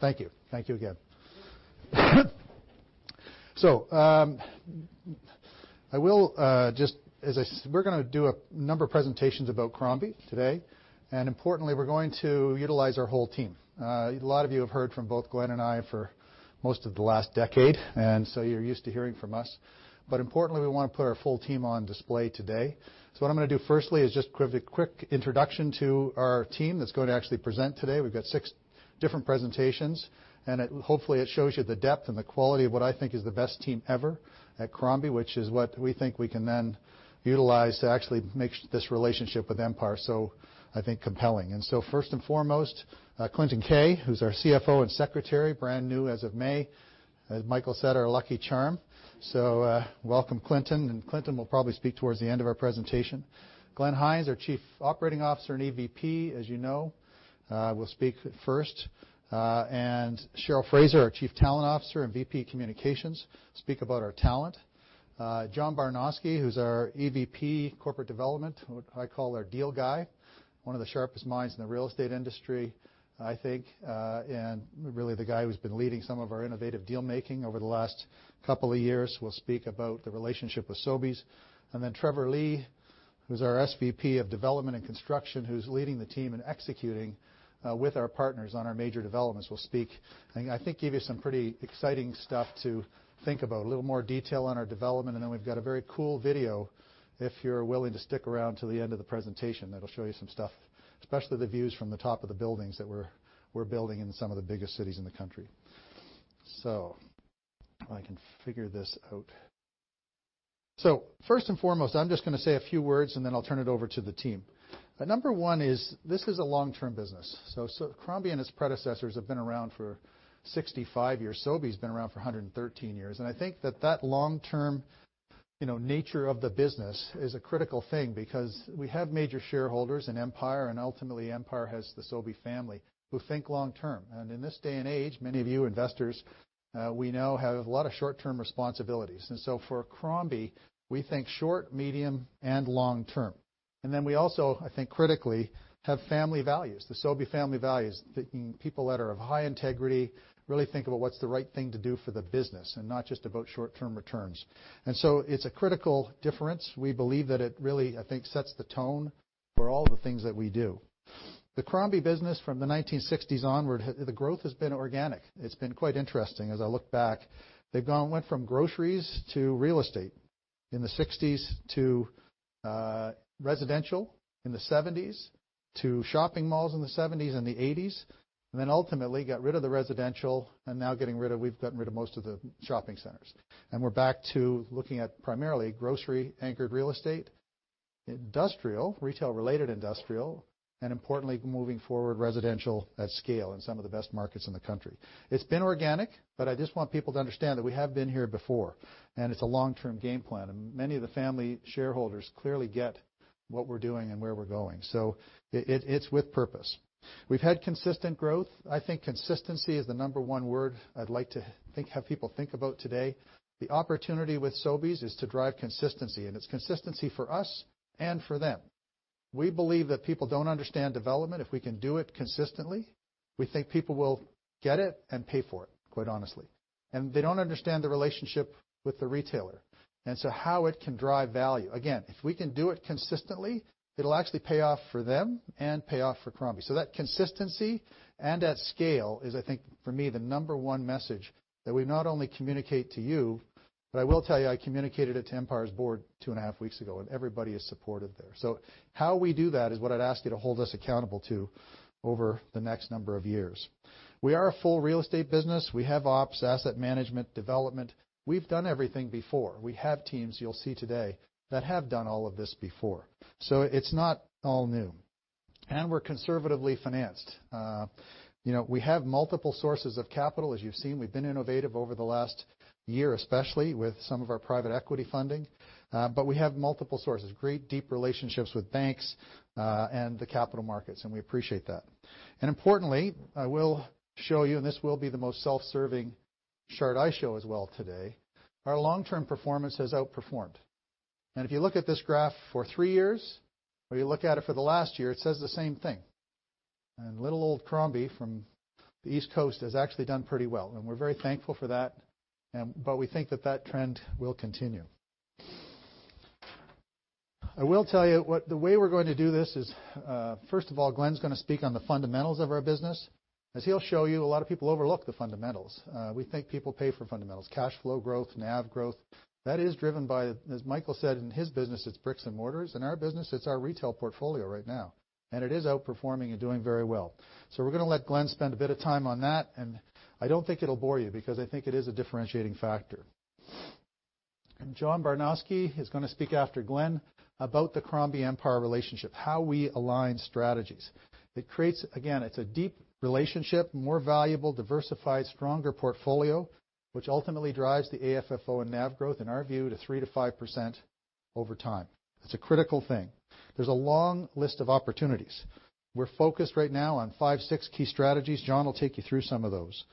Thank you. Thank you again. We're going to do a number of presentations about Crombie today. Importantly, we're going to utilize our whole team. A lot of you have heard from both Glenn and I for most of the last decade, you're used to hearing from us. Importantly, we want to put our full team on display today. What I'm going to do firstly is just give a quick introduction to our team that's going to actually present today. We've got six different presentations, and hopefully, it shows you the depth and the quality of what I think is the best team ever at Crombie, which is what we think we can then utilize to actually make this relationship with Empire so compelling. First and foremost, Clinton Keay, who's our CFO and Secretary, brand new as of May. As Michael said, our lucky charm. Welcome, Clinton. Clinton will probably speak towards the end of our presentation. Glenn Hynes, our Chief Operating Officer and EVP, as you know, will speak first. Cheryl Fraser, our Chief Talent Officer and VP Communications, speak about our talent. John Barnoski, who's our EVP Corporate Development, who I call our deal guy, one of the sharpest minds in the real estate industry, I think, and really the guy who's been leading some of our innovative deal-making over the last couple of years, will speak about the relationship with Sobeys. Trevor Lee, who's our SVP of Development and Construction, who's leading the team and executing with our partners on our major developments, will speak and I think give you some pretty exciting stuff to think about. A little more detail on our development, then we've got a very cool video if you're willing to stick around till the end of the presentation that'll show you some stuff, especially the views from the top of the buildings that we're building in some of the biggest cities in the country. If I can figure this out. First and foremost, I'm just going to say a few words, then I'll turn it over to the team. Number 1 is this is a long-term business. Crombie and its predecessors have been around for 65 years. Sobeys' been around for 113 years. I think that long-term nature of the business is a critical thing because we have major shareholders in Empire, and ultimately Empire has the Sobey family who think long-term. In this day and age, many of you investors, we know, have a lot of short-term responsibilities. For Crombie, we think short, medium, and long term. Then we also, I think critically, have family values, the Sobey family values. People that are of high integrity really think about what's the right thing to do for the business and not just about short-term returns. It's a critical difference. We believe that it really, I think, sets the tone for all the things that we do. The Crombie business from the 1960s onward, the growth has been organic. It's been quite interesting as I look back. They went from groceries to real estate in the '60s to residential in the '70s to shopping malls in the '70s and the '80s, and then ultimately got rid of the residential and now we've gotten rid of most of the shopping centers. We're back to looking at primarily grocery-anchored real estate, industrial, retail-related industrial, and importantly, moving forward residential at scale in some of the best markets in the country. It's been organic, but I just want people to understand that we have been here before, and it's a long-term game plan. Many of the family shareholders clearly get what we're doing and where we're going. It's with purpose. We've had consistent growth. I think consistency is the number one word I'd like to have people think about today. The opportunity with Sobeys is to drive consistency, and it's consistency for us and for them. We believe that people don't understand development. If we can do it consistently, we think people will get it and pay for it, quite honestly. They don't understand the relationship with the retailer, and so how it can drive value. Again, if we can do it consistently, it'll actually pay off for them and pay off for Crombie. That consistency and at scale is, I think, for me, the number one message that we not only communicate to you, but I will tell you, I communicated it to Empire's board two and a half weeks ago, and everybody is supported there. How we do that is what I'd ask you to hold us accountable to over the next number of years. We are a full real estate business. We have ops, asset management, development. We've done everything before. We have teams you'll see today that have done all of this before. It's not all new. We're conservatively financed. We have multiple sources of capital. As you've seen, we've been innovative over the last year, especially with some of our private equity funding. We have multiple sources, great deep relationships with banks, and the capital markets, and we appreciate that. Importantly, I will show you, and this will be the most self-serving chart I show as well today. Our long-term performance has outperformed. If you look at this graph for three years, or you look at it for the last year, it says the same thing. Little old Crombie from the East Coast has actually done pretty well, and we're very thankful for that. We think that that trend will continue. I will tell you, the way we're going to do this is, first of all, Glenn's going to speak on the fundamentals of our business. As he'll show you, a lot of people overlook the fundamentals. We think people pay for fundamentals. Cash flow growth, NAV growth. That is driven by, as Michael said, in his business it's bricks and mortars. In our business, it's our retail portfolio right now, and it is outperforming and doing very well. We're going to let Glenn spend a bit of time on that, and I don't think it'll bore you because I think it is a differentiating factor. John Barnoski is going to speak after Glenn about the Crombie-Empire relationship, how we align strategies. It creates, again, it's a deep relationship, more valuable, diversified, stronger portfolio, which ultimately drives the AFFO and NAV growth, in our view, to 3% to 5% over time. It's a critical thing. There's a long list of opportunities. We're focused right now on five, six key strategies. John will take you through some of those.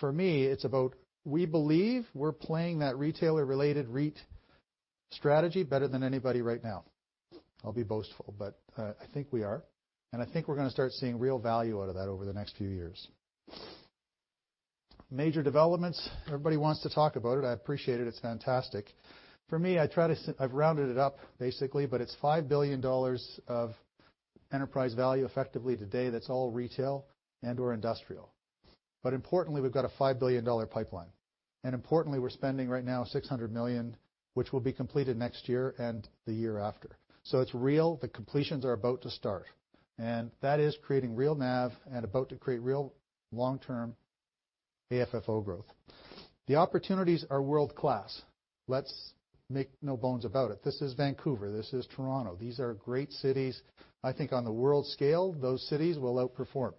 For me, it's about we believe we're playing that retailer-related REIT strategy better than anybody right now. I'll be boastful, but I think we are, and I think we're going to start seeing real value out of that over the next few years. Major developments. Everybody wants to talk about it. I appreciate it. It's fantastic. For me, I've rounded it up basically, but it's 5 billion dollars of enterprise value effectively today that's all retail and/or industrial. Importantly, we've got a 5 billion dollar pipeline. Importantly, we're spending right now 600 million, which will be completed next year and the year after. It's real. The completions are about to start. That is creating real NAV and about to create real long-term AFFO growth. The opportunities are world-class. Let's make no bones about it. This is Vancouver. This is Toronto. These are great cities. I think on the world scale, those cities will outperform.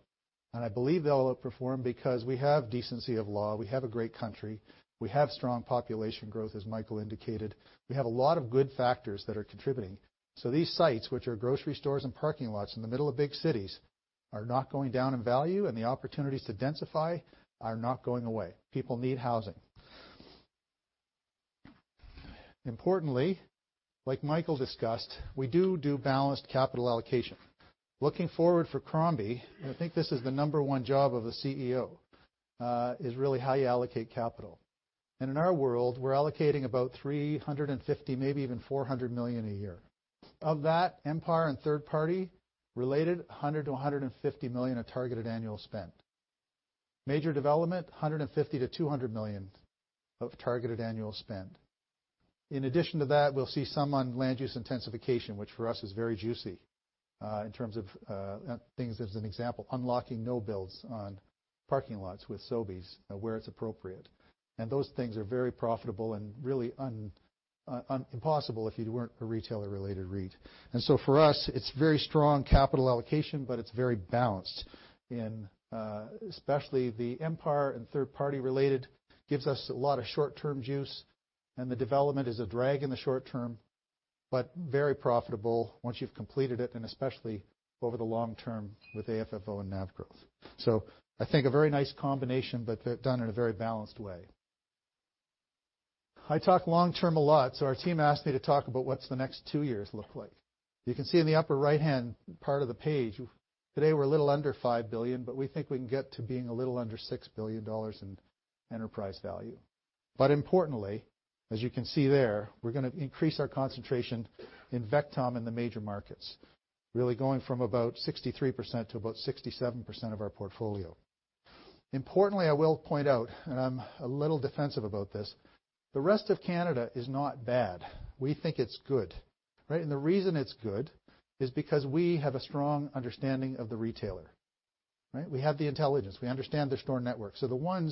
I believe they'll outperform because we have decency of law. We have a great country. We have strong population growth, as Michael indicated. We have a lot of good factors that are contributing. These sites, which are grocery stores and parking lots in the middle of big cities, are not going down in value and the opportunities to densify are not going away. People need housing. Importantly, like Michael discussed, we do balanced capital allocation. Looking forward for Crombie, I think this is the number one job of a CEO, is really how you allocate capital. In our world, we're allocating about 350, maybe even 400 million a year. Of that, Empire and third party related, 100 million-150 million of targeted annual spend. Major development, 150 million-200 million of targeted annual spend. In addition to that, we'll see some on land use intensification, which for us is very juicy, in terms of things as an example, unlocking no builds on parking lots with Sobeys where it's appropriate. Those things are very profitable and really impossible if you weren't a retailer-related REIT. For us, it's very strong capital allocation, but it's very balanced. Especially the Empire and third party related gives us a lot of short-term juice, and the development is a drag in the short term, but very profitable once you've completed it, and especially over the long term with AFFO and NAV growth. I think a very nice combination, but done in a very balanced way. I talk long term a lot, so our team asked me to talk about what's the next two years look like. You can see in the upper right-hand part of the page, today we're a little under 5 billion, but we think we can get to being a little under 6 billion dollars in enterprise value. Importantly, as you can see there, we're going to increase our concentration in VECTOM in the major markets, really going from about 63% to about 67% of our portfolio. Importantly, I will point out, and I'm a little defensive about this, the rest of Canada is not bad. We think it's good, right? The reason it's good is because we have a strong understanding of the retailer, right? We have the intelligence. We understand the store network. If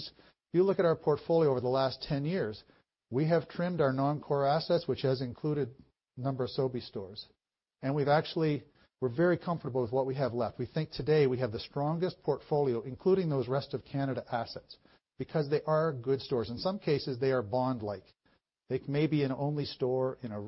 you look at our portfolio over the last 10 years, we have trimmed our non-core assets, which has included a number of Sobeys stores. We're very comfortable with what we have left. We think today we have the strongest portfolio, including those rest of Canada assets, because they are good stores. In some cases, they are bond-like. They may be an only store in a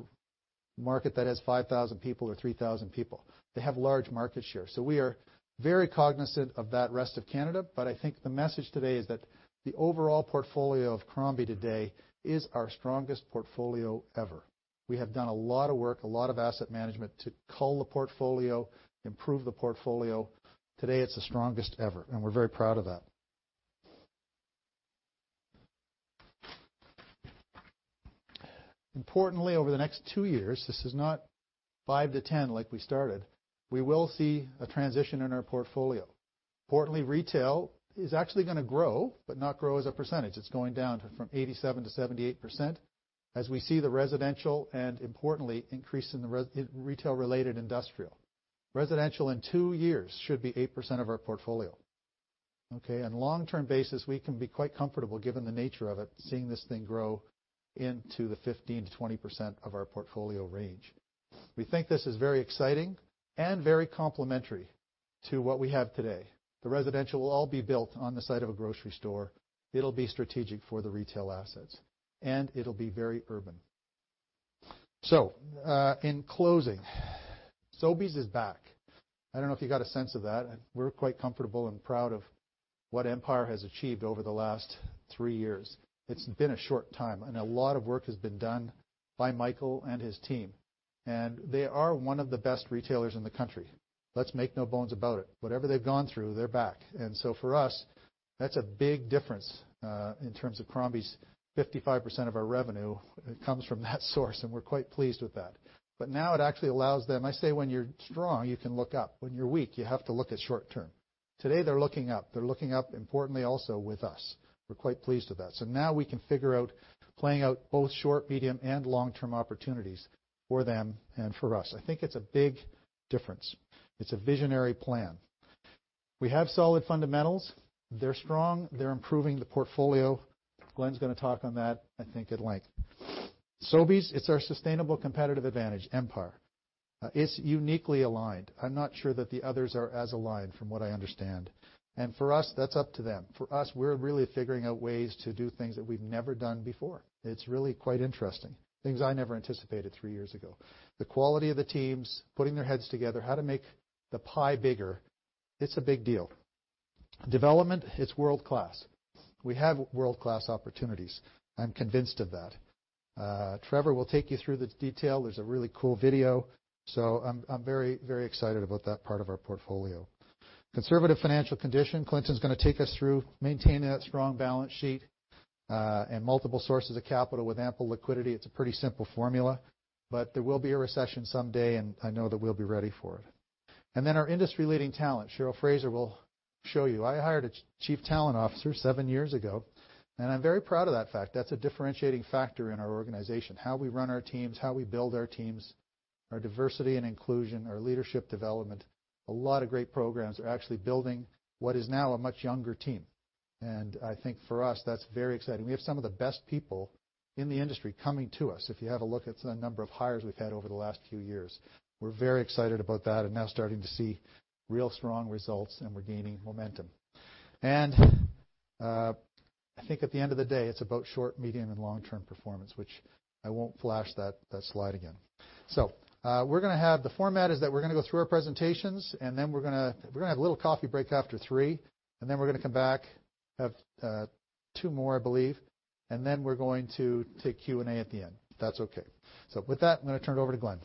market that has 5,000 people or 3,000 people. They have large market share. We are very cognizant of that rest of Canada. I think the message today is that the overall portfolio of Crombie today is our strongest portfolio ever. We have done a lot of work, a lot of asset management to cull the portfolio, improve the portfolio. Today, it's the strongest ever, and we're very proud of that. Over the next two years, this is not five to 10 like we started, we will see a transition in our portfolio. Retail is actually going to grow, but not grow as a percentage. It's going down from 87% to 78% as we see the residential and importantly, increase in the retail-related industrial. Residential in two years should be 8% of our portfolio, okay? On a long-term basis, we can be quite comfortable given the nature of it, seeing this thing grow into the 15%-20% of our portfolio range. We think this is very exciting and very complementary to what we have today. The residential will all be built on the site of a grocery store. It'll be strategic for the retail assets, it'll be very urban. In closing, Sobeys is back. I don't know if you got a sense of that. We're quite comfortable and proud of what Empire has achieved over the last three years. It's been a short time, a lot of work has been done by Michael and his team, they are one of the best retailers in the country. Let's make no bones about it. Whatever they've gone through, they're back. For us, that's a big difference, in terms of Crombie's 55% of our revenue comes from that source, we're quite pleased with that. Now it actually allows them. I say when you're strong, you can look up. When you're weak, you have to look at short-term. Today, they're looking up. They're looking up, importantly also with us. We're quite pleased with that. Now we can figure out playing out both short, medium, and long-term opportunities for them and for us. I think it's a big difference. It's a visionary plan. We have solid fundamentals. They're strong. They're improving the portfolio. Glenn's going to talk on that, I think, at length. Sobeys, it's our sustainable competitive advantage, Empire. It's uniquely aligned. I'm not sure that the others are as aligned from what I understand. For us, that's up to them. For us, we're really figuring out ways to do things that we've never done before. It's really quite interesting. Things I never anticipated three years ago. The quality of the teams, putting their heads together, how to make the pie bigger. It's a big deal. Development, it's world-class. We have world-class opportunities. I'm convinced of that. Trevor Lee will take you through the detail. There's a really cool video. I'm very excited about that part of our portfolio. Conservative financial condition. Clinton Keay's going to take us through maintaining that strong balance sheet, and multiple sources of capital with ample liquidity. It's a pretty simple formula, but there will be a recession someday, and I know that we'll be ready for it. Our industry-leading talent, Cheryl Fraser will show you. I hired a chief talent officer seven years ago, and I'm very proud of that fact. That's a differentiating factor in our organization, how we run our teams, how we build our teams, our diversity and inclusion, our leadership development. A lot of great programs are actually building what is now a much younger team. I think for us, that's very exciting. We have some of the best people in the industry coming to us. If you have a look at the number of hires we've had over the last few years. We're very excited about that and now starting to see real strong results and we're gaining momentum. I think at the end of the day, it's about short, medium, and long-term performance, which I won't flash that slide again. We're going to have the format is that we're going to go through our presentations, and then we're going to have a little coffee break after 3:00, and then we're going to come back, have two more, I believe. We're going to take Q&A at the end, if that's okay. With that, I'm going to turn it over to Glenn.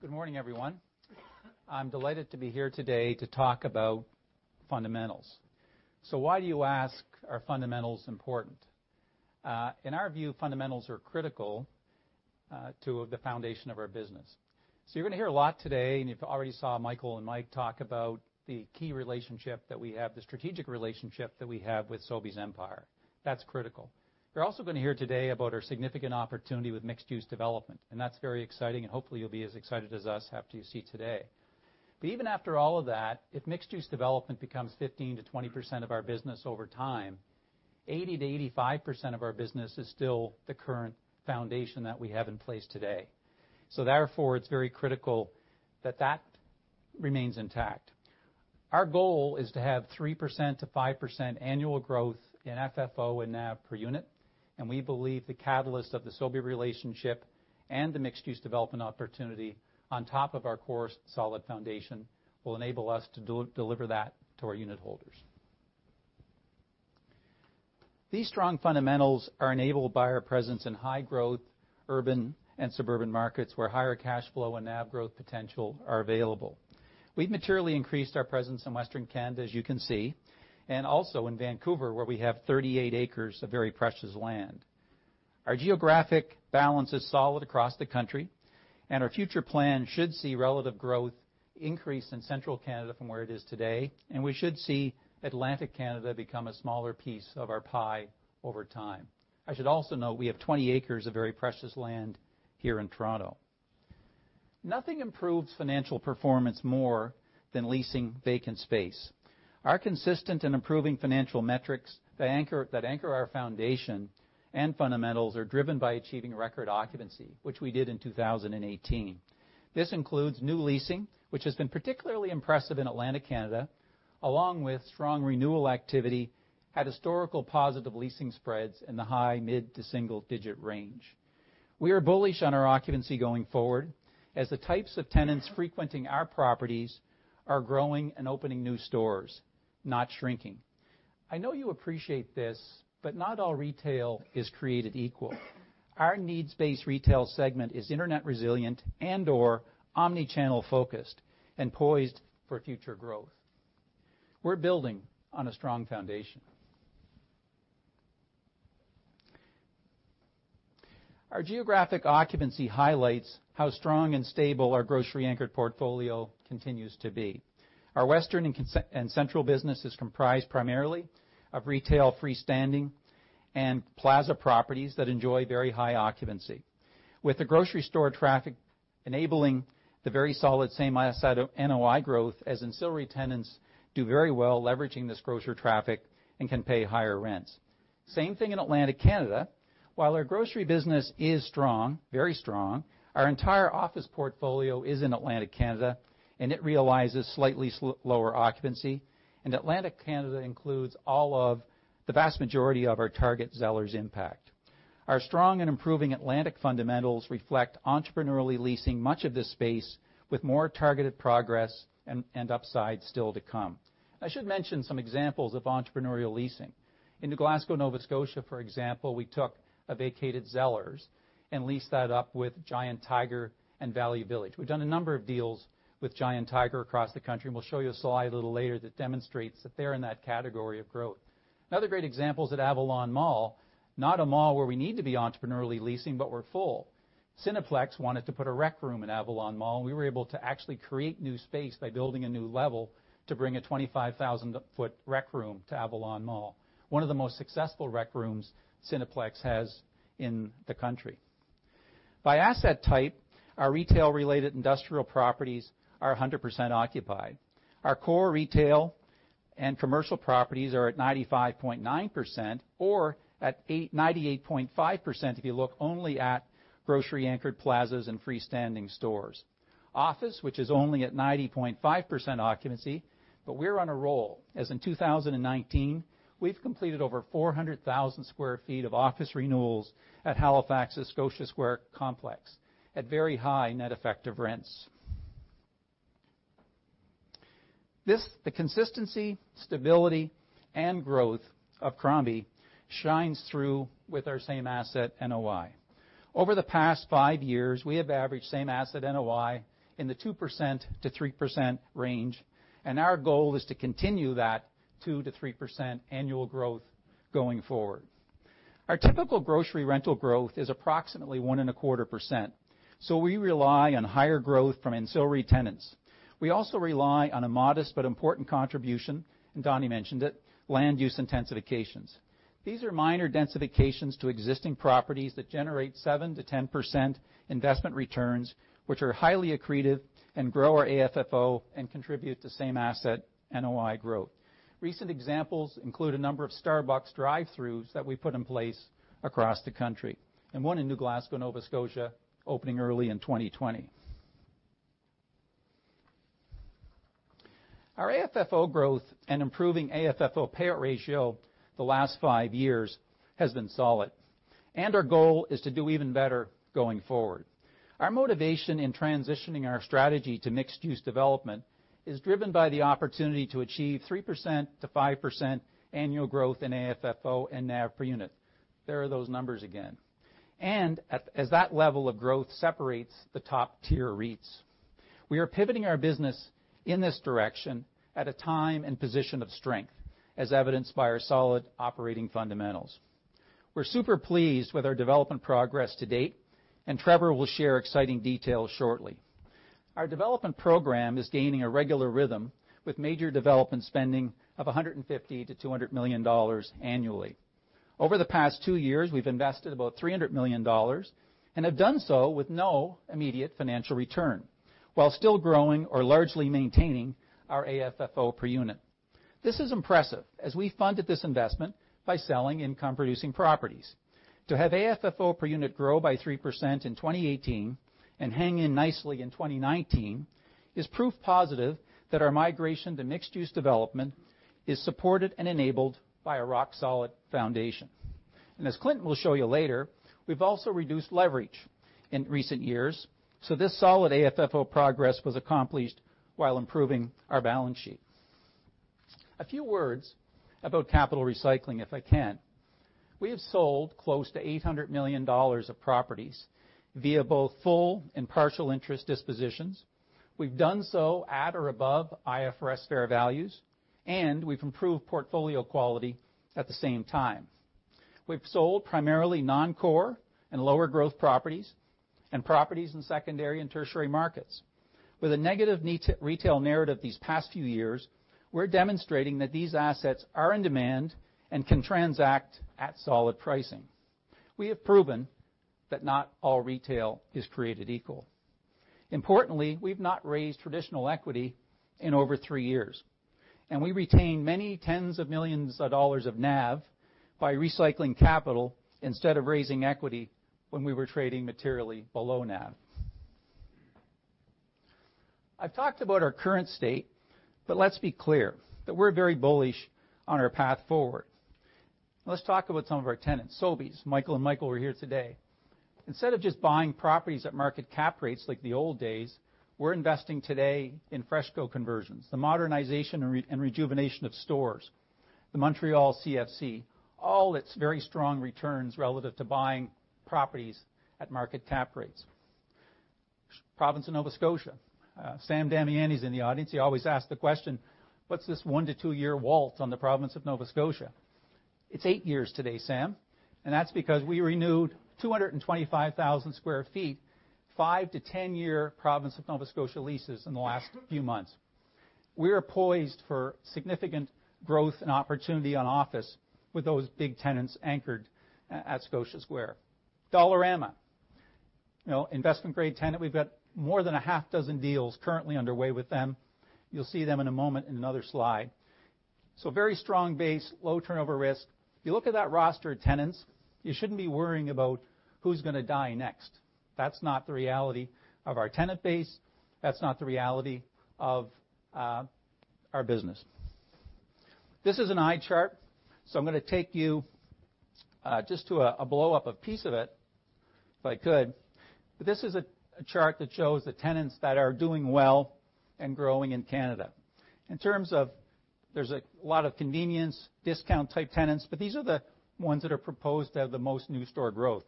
Good morning, everyone. I'm delighted to be here today to talk about fundamentals. Why, you ask, are fundamentals important? In our view, fundamentals are critical to the foundation of our business. You're going to hear a lot today, and you've already saw Michael and Mike talk about the key relationship that we have, the strategic relationship that we have with Sobeys Empire. That's critical. You're also going to hear today about our significant opportunity with mixed-use development, and that's very exciting and hopefully you'll be as excited as us after you see today. Even after all of that, if mixed-use development becomes 15%-20% of our business over time, 80%-85% of our business is still the current foundation that we have in place today. Therefore, it's very critical that that remains intact. Our goal is to have 3% to 5% annual growth in FFO and NAV per unit, and we believe the catalyst of the Sobeys relationship and the mixed-use development opportunity on top of our core solid foundation will enable us to deliver that to our unit holders. These strong fundamentals are enabled by our presence in high-growth urban and suburban markets where higher cash flow and NAV growth potential are available. We've materially increased our presence in Western Canada, as you can see, and also in Vancouver, where we have 38 acres of very precious land. Our geographic balance is solid across the country, and our future plan should see relative growth increase in central Canada from where it is today, and we should see Atlantic Canada become a smaller piece of our pie over time. I should also note we have 20 acres of very precious land here in Toronto. Nothing improves financial performance more than leasing vacant space. Our consistent and improving financial metrics that anchor our foundation and fundamentals are driven by achieving record occupancy, which we did in 2018. This includes new leasing, which has been particularly impressive in Atlantic Canada, along with strong renewal activity at historical positive leasing spreads in the high mid to single-digit range. We are bullish on our occupancy going forward as the types of tenants frequenting our properties are growing and opening new stores, not shrinking. I know you appreciate this, but not all retail is created equal. Our needs-based retail segment is internet resilient and/or omni-channel focused and poised for future growth. We're building on a strong foundation. Our geographic occupancy highlights how strong and stable our grocery-anchored portfolio continues to be. Our Western and Central business is comprised primarily of retail freestanding and plaza properties that enjoy very high occupancy. With the grocery store traffic enabling the very solid same asset NOI growth as ancillary tenants do very well leveraging this grocery traffic and can pay higher rents. Same thing in Atlantic Canada. While our grocery business is strong, very strong, our entire office portfolio is in Atlantic Canada, and it realizes slightly lower occupancy. Atlantic Canada includes all of the vast majority of our target Zellers impact. Our strong and improving Atlantic fundamentals reflect entrepreneurially leasing much of this space with more targeted progress and upside still to come. I should mention some examples of entrepreneurial leasing. In New Glasgow, Nova Scotia, for example, we took a vacated Zellers and leased that up with Giant Tiger and Value Village. We've done a number of deals with Giant Tiger across the country. We'll show you a slide a little later that demonstrates that they're in that category of growth. Another great example is at Avalon Mall, not a mall where we need to be entrepreneurially leasing, but we're full. Cineplex wanted to put a rec room in Avalon Mall. We were able to actually create new space by building a new level to bring a 25,000-foot rec room to Avalon Mall, one of the most successful rec rooms Cineplex has in the country. By asset type, our retail-related industrial properties are 100% occupied. Our core retail and commercial properties are at 95.9%, or at 98.5% if you look only at grocery-anchored plazas and freestanding stores. Office, which is only at 90.5% occupancy, but we're on a roll as in 2019, we've completed over 400,000 sq ft of office renewals at Halifax's Scotia Square complex at very high net effective rents. The consistency, stability, and growth of Crombie shines through with our same asset NOI. Over the past five years, we have averaged same asset NOI in the 2%-3% range, our goal is to continue that 2%-3% annual growth going forward. Our typical grocery rental growth is approximately one and a quarter %. We rely on higher growth from ancillary tenants. We also rely on a modest but important contribution, Donnie mentioned it, land use intensifications. These are minor densifications to existing properties that generate 7%-10% investment returns, which are highly accretive and grow our AFFO and contribute to same asset NOI growth. Recent examples include a number of Starbucks drive-throughs that we put in place across the country, and one in New Glasgow, Nova Scotia, opening early in 2020. Our AFFO growth and improving AFFO payout ratio the last five years has been solid. Our goal is to do even better going forward. Our motivation in transitioning our strategy to mixed-use development is driven by the opportunity to achieve 3%-5% annual growth in AFFO and NAV per unit. There are those numbers again. As that level of growth separates the top-tier REITs, we are pivoting our business in this direction at a time and position of strength, as evidenced by our solid operating fundamentals. We're super pleased with our development progress to date, and Trevor will share exciting details shortly. Our development program is gaining a regular rhythm with major development spending of 150 million-200 million dollars annually. Over the past two years, we've invested about 300 million dollars and have done so with no immediate financial return while still growing or largely maintaining our AFFO per unit. This is impressive as we funded this investment by selling income-producing properties. To have AFFO per unit grow by 3% in 2018 and hang in nicely in 2019 is proof positive that our migration to mixed-use development is supported and enabled by a rock-solid foundation. As Clinton will show you later, we've also reduced leverage in recent years, so this solid AFFO progress was accomplished while improving our balance sheet. A few words about capital recycling, if I can. We have sold close to 800 million dollars of properties via both full and partial interest dispositions. We've done so at or above IFRS fair values, and we've improved portfolio quality at the same time. We've sold primarily non-core and lower growth properties and properties in secondary and tertiary markets. With a negative retail narrative these past few years, we're demonstrating that these assets are in demand and can transact at solid pricing. We have proven that not all retail is created equal. Importantly, we've not raised traditional equity in over three years, and we retain many tens of millions of CAD of NAV by recycling capital instead of raising equity when we were trading materially below NAV. I've talked about our current state, but let's be clear that we're very bullish on our path forward. Let's talk about some of our tenants. Sobeys, Michael and Michael are here today. Instead of just buying properties at market cap rates like the old days, we're investing today in FreshCo conversions, the modernization and rejuvenation of stores. The Montreal CFC, all its very strong returns relative to buying properties at market cap rates. Province of Nova Scotia. Sam Damiani is in the audience. He always asks the question, "What's this one- to two-year WALT on the Province of Nova Scotia?" It's eight years today, Sam, and that's because we renewed 225,000 sq ft, five- to 10-year Province of Nova Scotia leases in the last few months. We are poised for significant growth and opportunity on office with those big tenants anchored at Scotia Square. Dollarama, investment-grade tenant. We've got more than a half dozen deals currently underway with them. You'll see them in a moment in another slide. Very strong base, low turnover risk. You look at that roster of tenants, you shouldn't be worrying about who's going to die next. That's not the reality of our tenant base. That's not the reality of our business. This is an eye chart. I'm going to take you just to a blow-up a piece of it, if I could. This is a chart that shows the tenants that are doing well and growing in Canada. In terms of, there's a lot of convenience, discount-type tenants, but these are the ones that are proposed to have the most new store growth.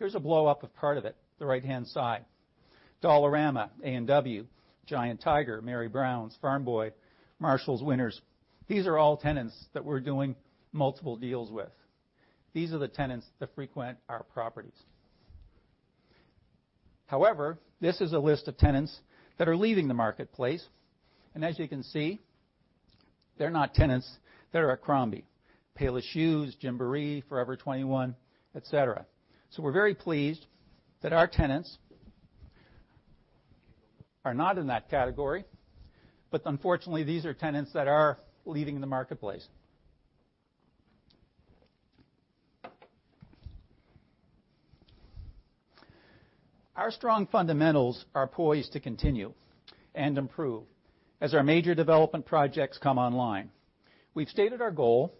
Here's a blow-up of part of it, the right-hand side. Dollarama, A&W, Giant Tiger, Mary Brown's, Farm Boy, Marshalls, Winners. These are all tenants that we're doing multiple deals with. These are the tenants that frequent our properties. However, this is a list of tenants that are leaving the marketplace. As you can see, they're not tenants that are at Crombie. Payless Shoes, Gymboree, Forever 21, et cetera. We're very pleased that our tenants are not in that category. Unfortunately, these are tenants that are leaving the marketplace. Our strong fundamentals are poised to continue and improve as our major development projects come online. We've stated our goal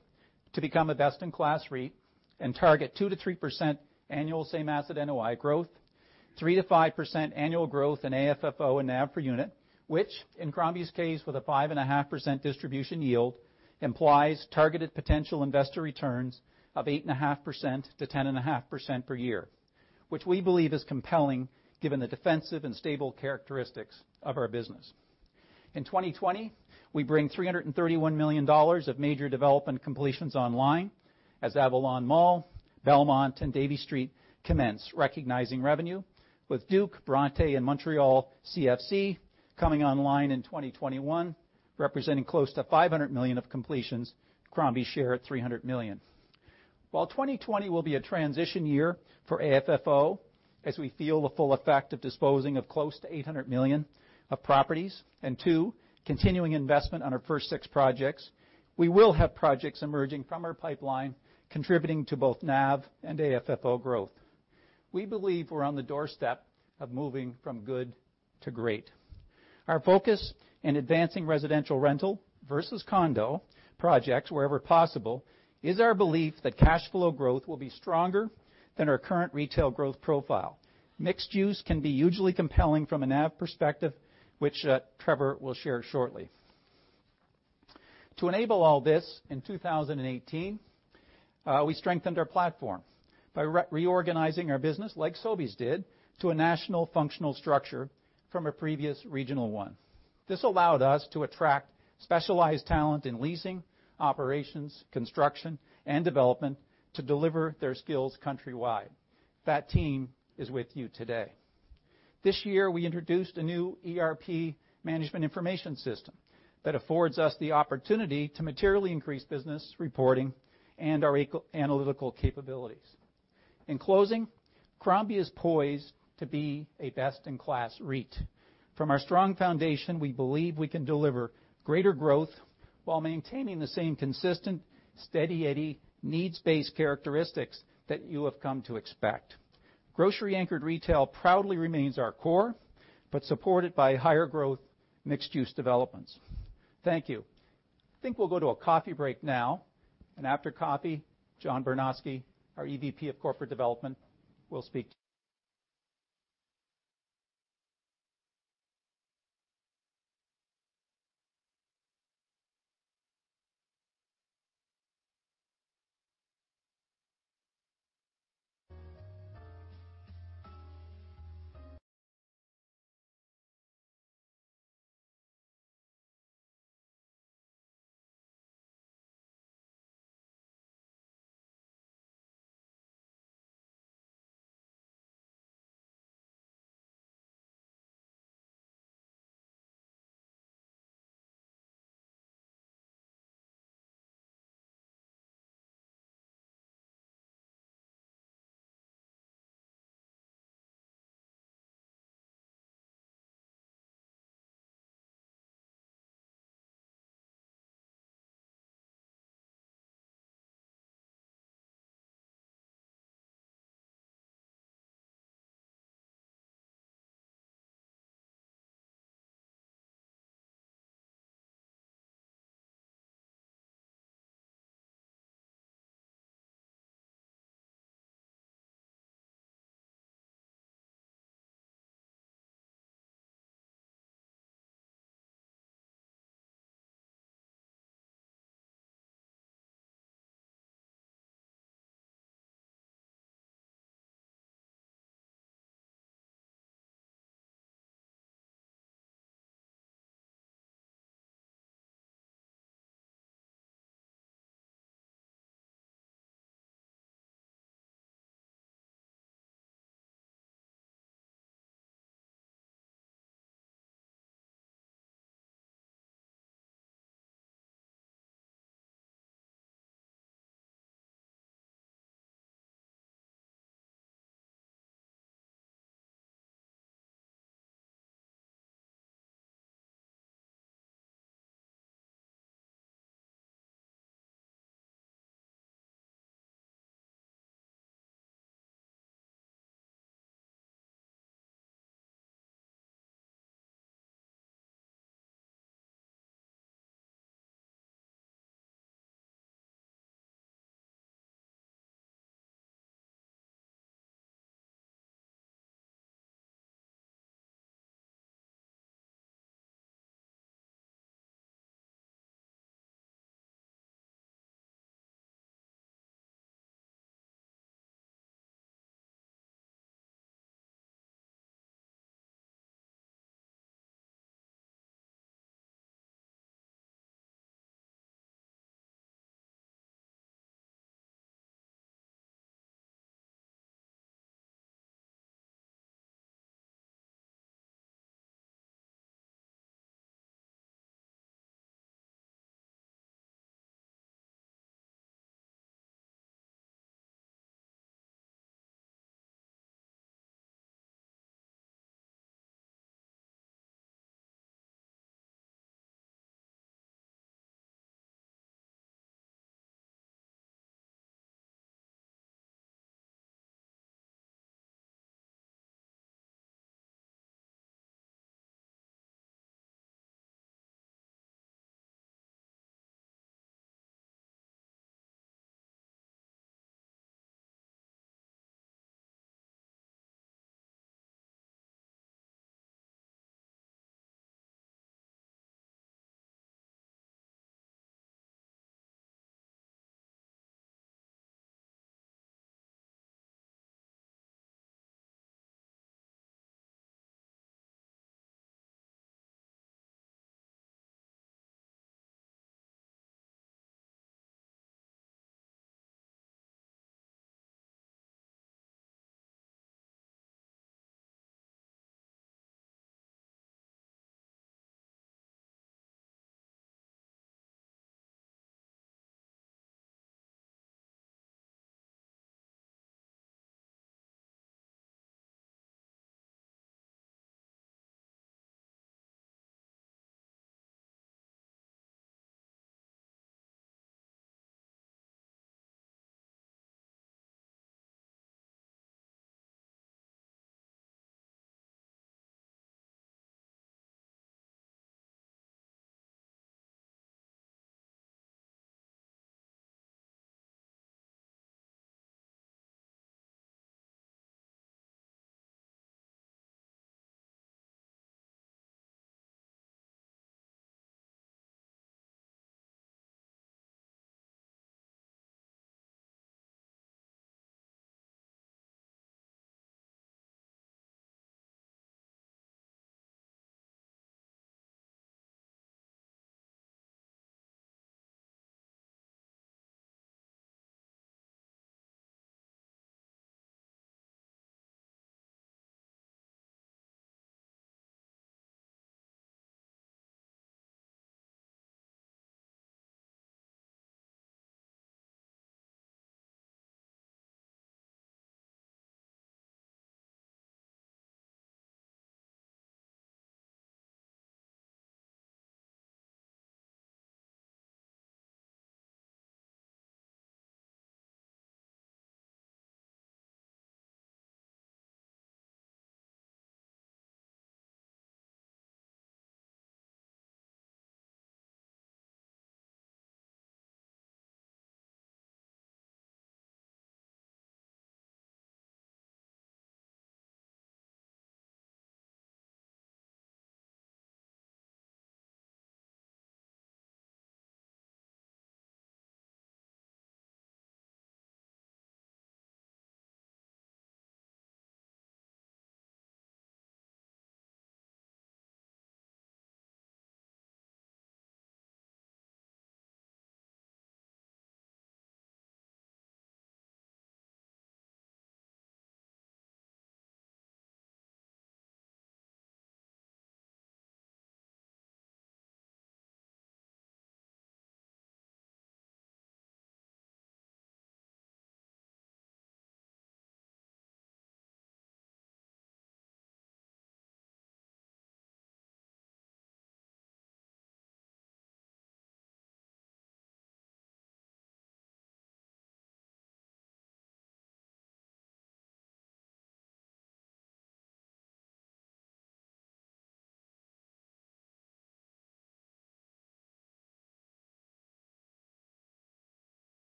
to become a best-in-class REIT and target 2%-3% annual same asset NOI growth, 3%-5% annual growth in AFFO and NAV per unit, which in Crombie's case, with a 5.5% distribution yield, implies targeted potential investor returns of 8.5%-10.5% per year, which we believe is compelling given the defensive and stable characteristics of our business. In 2020, we bring 331 million dollars of major development completions online as Avalon Mall, Belmont, and Davie Street commence recognizing revenue, with Duke, Bronte, and Montreal CFC coming online in 2021, representing close to 500 million of completions, Crombie's share at 300 million. While 2020 will be a transition year for AFFO, as we feel the full effect of disposing of close to 800 million of properties and 2, continuing investment on our first six projects, we will have projects emerging from our pipeline contributing to both NAV and AFFO growth. We believe we're on the doorstep of moving from good to great. Our focus in advancing residential rental versus condo projects wherever possible is our belief that cash flow growth will be stronger than our current retail growth profile. Mixed use can be usually compelling from a NAV perspective, which Trevor will share shortly. To enable all this, in 2018, we strengthened our platform by reorganizing our business, like Sobeys did, to a national functional structure from a previous regional one. This allowed us to attract specialized talent in leasing, operations, construction, and development to deliver their skills countrywide. That team is with you today. This year, we introduced a new ERP management information system that affords us the opportunity to materially increase business reporting and our analytical capabilities. In closing, Crombie is poised to be a best-in-class REIT. From our strong foundation, we believe we can deliver greater growth while maintaining the same consistent, steady Eddie needs-based characteristics that you have come to expect. Grocery-anchored retail proudly remains our core, but supported by higher growth mixed-use developments. Thank you. I think we'll go to a coffee break now, and after coffee, John Barnoski, our EVP of Corporate Development, will speak.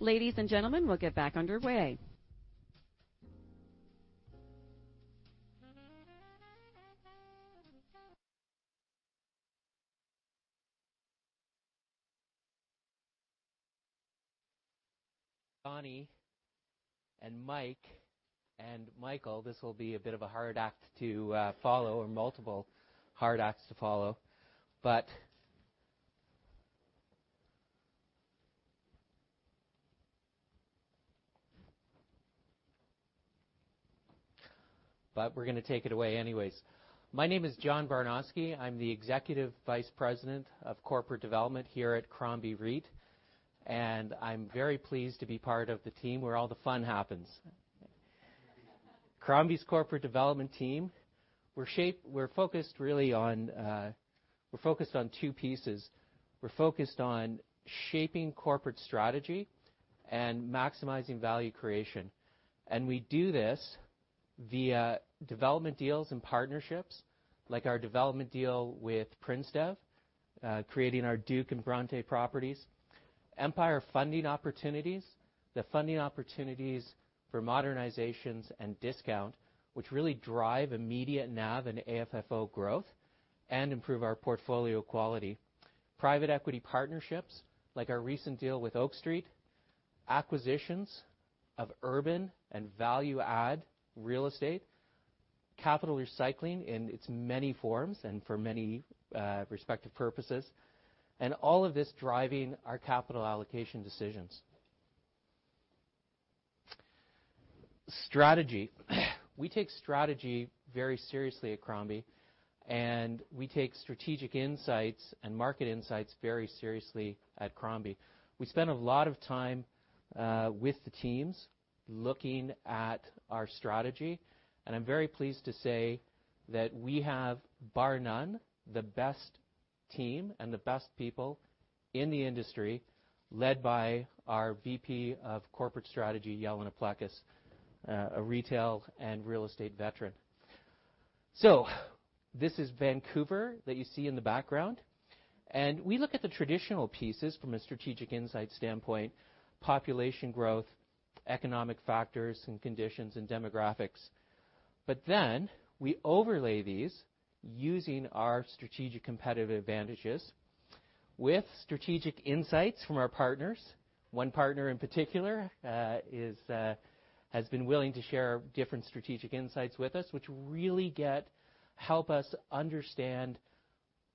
Ladies and gentlemen, we'll get back underway. Donnie and Mike and Michael, this will be a bit of a hard act to follow, or multiple hard acts to follow. We're going to take it away anyways. My name is John Barnoski. I'm the Executive Vice President of Corporate Development here at Crombie REIT, and I'm very pleased to be part of the team where all the fun happens. Crombie's corporate development team, we're focused on two pieces. We're focused on shaping corporate strategy and maximizing value creation. We do this via development deals and partnerships, like our development deal with PrinceDev, creating our Duke and Bronte properties. Empire funding opportunities, the funding opportunities for modernizations and discount, which really drive immediate NAV and AFFO growth and improve our portfolio quality. Private equity partnerships, like our recent deal with Oak Street. Acquisitions of urban and value-add real estate. Capital recycling in its many forms and for many respective purposes. All of this driving our capital allocation decisions. Strategy. We take strategy very seriously at Crombie, and we take strategic insights and market insights very seriously at Crombie. We spend a lot of time with the teams looking at our strategy, and I'm very pleased to say that we have, bar none, the best team and the best people in the industry, led by our VP of Corporate Strategy, Jelena Plecas, a retail and real estate veteran. This is Vancouver that you see in the background. We look at the traditional pieces from a strategic insight standpoint: population growth, economic factors and conditions, and demographics. We overlay these using our strategic competitive advantages with strategic insights from our partners. One partner, in particular, has been willing to share different strategic insights with us, which really help us understand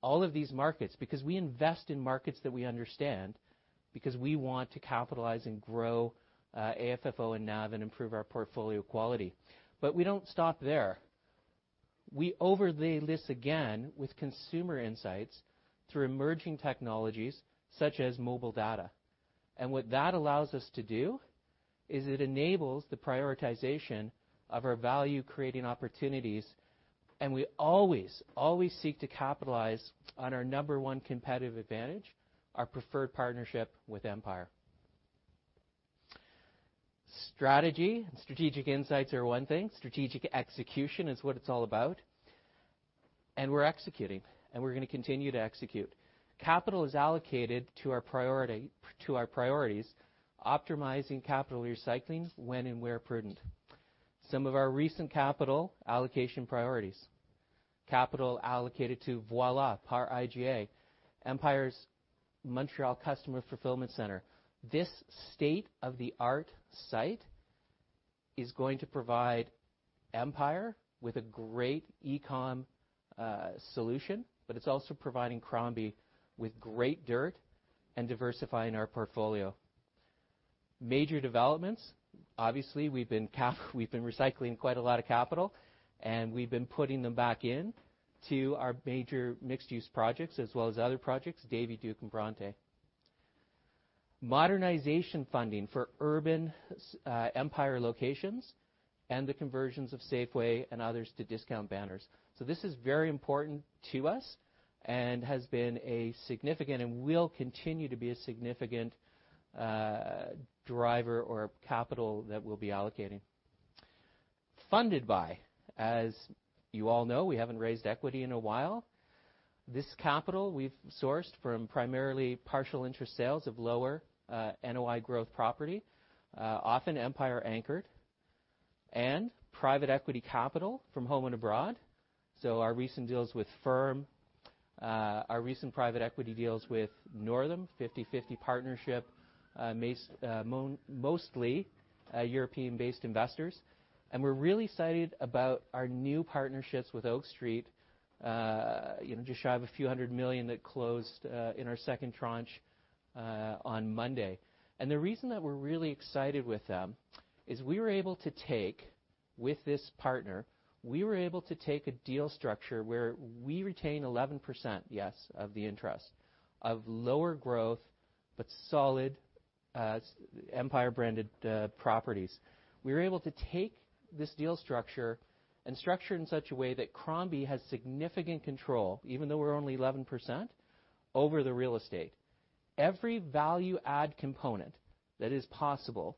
all of these markets because we invest in markets that we understand because we want to capitalize and grow AFFO and NAV and improve our portfolio quality. We don't stop there. We overlay this again with consumer insights through emerging technologies such as mobile data. What that allows us to do is it enables the prioritization of our value-creating opportunities, and we always seek to capitalize on our number one competitive advantage, our preferred partnership with Empire. Strategy and strategic insights are one thing. Strategic execution is what it's all about. We're executing, and we're going to continue to execute. Capital is allocated to our priorities, optimizing capital recycling when and where prudent. Some of our recent capital allocation priorities. Capital allocated to Voilà par IGA, Empire's Montreal customer fulfillment center. This state-of-the-art site is going to provide Empire with a great e-com solution, but it's also providing Crombie with great dirt and diversifying our portfolio. Major developments. Obviously, we've been recycling quite a lot of capital, and we've been putting them back in to our major mixed-use projects as well as other projects, Davie, Le Duke, and Bronte. Modernization funding for urban Empire locations and the conversions of Safeway and others to discount banners. This is very important to us and has been a significant and will continue to be a significant driver or capital that we'll be allocating. Funded by. As you all know, we haven't raised equity in a while. This capital we've sourced from primarily partial interest sales of lower NOI growth property, often Empire-anchored, and private equity capital from home and abroad. Our recent deals with Firm, our recent private equity deals with Northam, 50/50 partnership, mostly European-based investors. We're really excited about our new partnerships with Oak Street. Just shy of CAD few hundred million that closed in our second tranche on Monday. The reason that we're really excited with them is we were able to take, with this partner, we were able to take a deal structure where we retain 11%, yes, of the interest of lower growth, but solid-Empire-branded properties. We were able to take this deal structure and structure it in such a way that Crombie has significant control, even though we're only 11%, over the real estate. Every value-add component that is possible,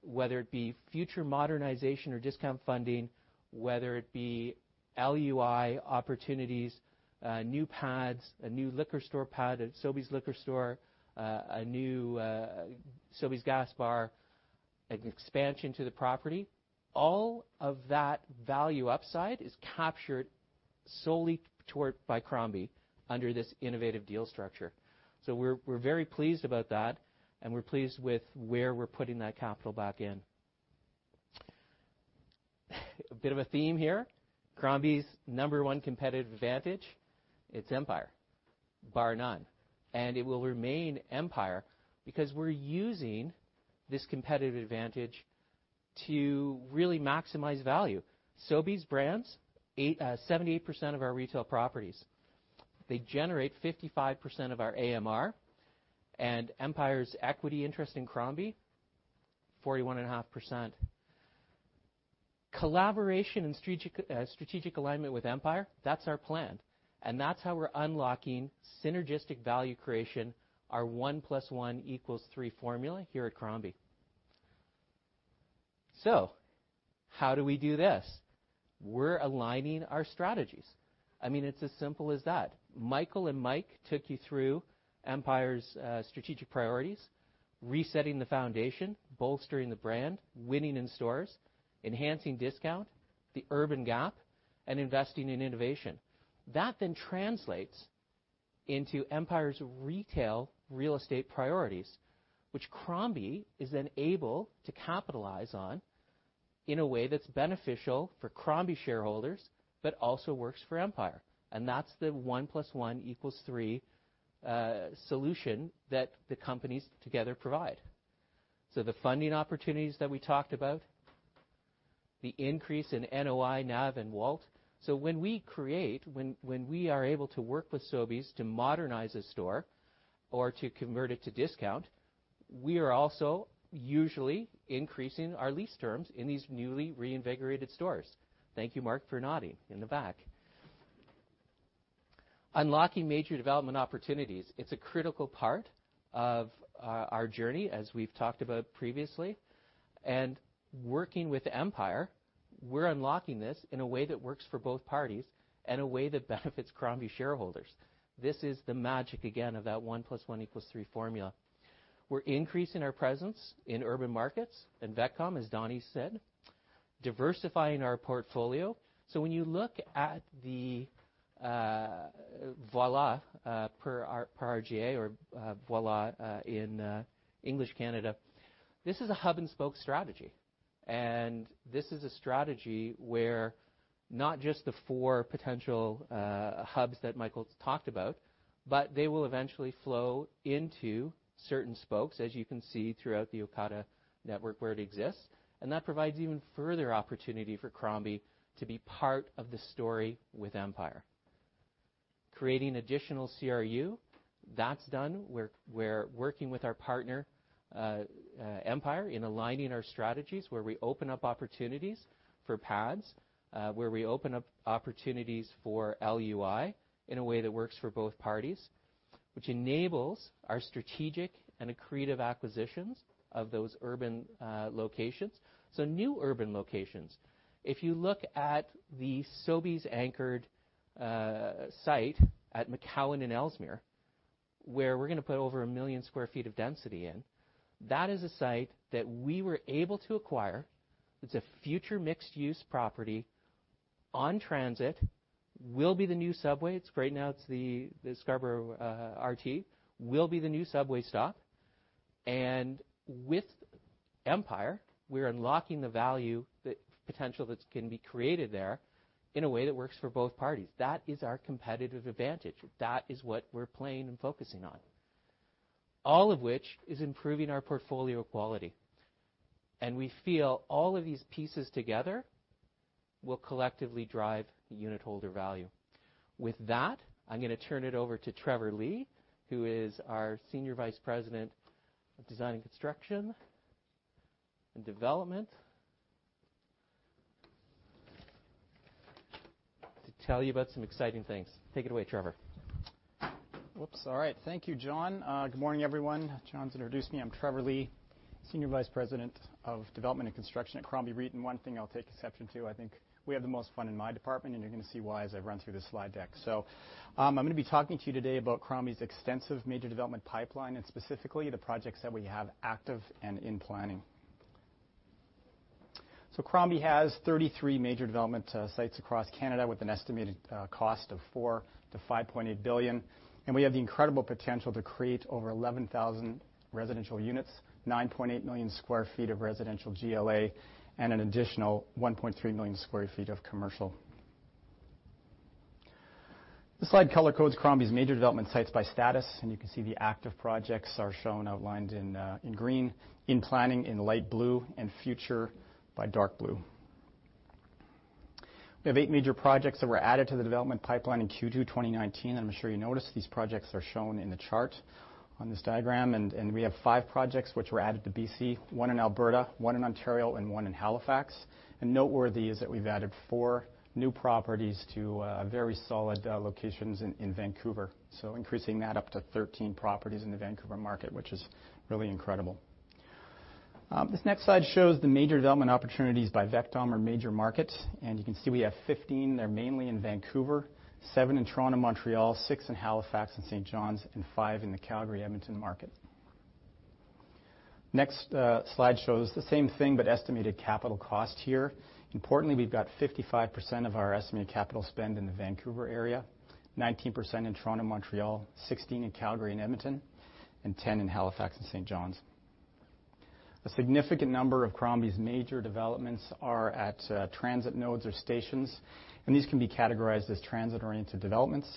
whether it be future modernization or discount funding, whether it be LUI opportunities, new pads, a new liquor store pad at Sobeys Liquor store, a new Sobeys Fast Fuel, an expansion to the property, all of that value upside is captured solely toward by Crombie under this innovative deal structure. We're very pleased about that, and we're pleased with where we're putting that capital back in. A bit of a theme here. Crombie's number one competitive advantage, it's Empire, bar none, and it will remain Empire because we're using this competitive advantage to really maximize value. Sobeys brands, 78% of our retail properties. They generate 55% of our AMR and Empire's equity interest in Crombie, 41.5%. Collaboration and strategic alignment with Empire, that's our plan, and that's how we're unlocking synergistic value creation, our one plus one equals three formula here at Crombie. How do we do this? We're aligning our strategies. I mean, it's as simple as that. Michael and Mike took you through Empire's strategic priorities, resetting the foundation, bolstering the brand, winning in stores, enhancing discount, the urban gap, and investing in innovation. This then translates into Empire's retail real estate priorities, which Crombie is then able to capitalize on in a way that's beneficial for Crombie shareholders but also works for Empire, and that's the one plus one equals three solution that the companies together provide. The funding opportunities that we talked about, the increase in NOI, NAV, and WALT. When we are able to work with Sobeys to modernize a store or to convert it to discount, we are also usually increasing our lease terms in these newly reinvigorated stores. Thank you, Mark, for nodding in the back. Unlocking major development opportunities, it's a critical part of our journey, as we've talked about previously. Working with Empire, we're unlocking this in a way that works for both parties and a way that benefits Crombie shareholders. This is the magic, again, of that one plus one equals three formula. We're increasing our presence in urban markets and VECTOM, as Donnie said. Diversifying our portfolio. When you look at the Voilà par IGA, or Voilà in English, Canada, this is a hub and spoke strategy. This is a strategy where not just the four potential hubs that Michael talked about, but they will eventually flow into certain spokes, as you can see throughout the Ocado network where it exists. That provides even further opportunity for Crombie to be part of the story with Empire. Creating additional CRU, that's done. We're working with our partner, Empire, in aligning our strategies where we open up opportunities for pads, where we open up opportunities for LUI in a way that works for both parties, which enables our strategic and accretive acquisitions of those urban locations. New urban locations. If you look at the Sobeys-anchored site at McCowan and Ellesmere, where we're going to put over 1 million sq ft of density in, that is a site that we were able to acquire. It's a future mixed-use property on transit, will be the new subway. It's great now it's the Scarborough RT, will be the new subway stop. With Empire, we're unlocking the value potential that can be created there in a way that works for both parties. That is our competitive advantage. That is what we're playing and focusing on. All of which is improving our portfolio quality. We feel all of these pieces together will collectively drive the unitholder value. With that, I'm going to turn it over to Trevor Lee, who is our Senior Vice President of Design and Construction and Development, to tell you about some exciting things. Take it away, Trevor. Oops. All right. Thank you, John. Good morning, everyone. John's introduced me. I'm Trevor Lee, Senior Vice President of Development and Construction at Crombie REIT. One thing I'll take exception to, I think we have the most fun in my department, and you're going to see why as I run through this slide deck. I'm going to be talking to you today about Crombie's extensive major development pipeline and specifically the projects that we have active and in planning. Crombie has 33 major development sites across Canada with an estimated cost of 4 billion-5.8 billion. We have the incredible potential to create over 11,000 residential units, 9.8 million sq ft of residential GLA, and an additional 1.3 million sq ft of commercial. This slide color-codes Crombie's major development sites by status. You can see the active projects are shown outlined in green, in planning in light blue, and future by dark blue. We have eight major projects that were added to the development pipeline in Q2 2019. I'm sure you noticed, these projects are shown in the chart on this diagram. We have five projects which were added to B.C., one in Alberta, one in Ontario, and one in Halifax. Noteworthy is that we've added four new properties to very solid locations in Vancouver, so increasing that up to 13 properties in the Vancouver market, which is really incredible. This next slide shows the major development opportunities by VECTOM or major market. You can see we have 15, they're mainly in Vancouver, seven in Toronto, Montreal, six in Halifax and St. John's, and five in the Calgary, Edmonton market. Next slide shows the same thing, but estimated capital cost here. Importantly, we've got 55% of our estimated capital spend in the Vancouver area, 19% in Toronto, Montreal, 16 in Calgary and Edmonton, and 10 in Halifax and St. John's. A significant number of Crombie's major developments are at transit nodes or stations, and these can be categorized as transit-oriented developments.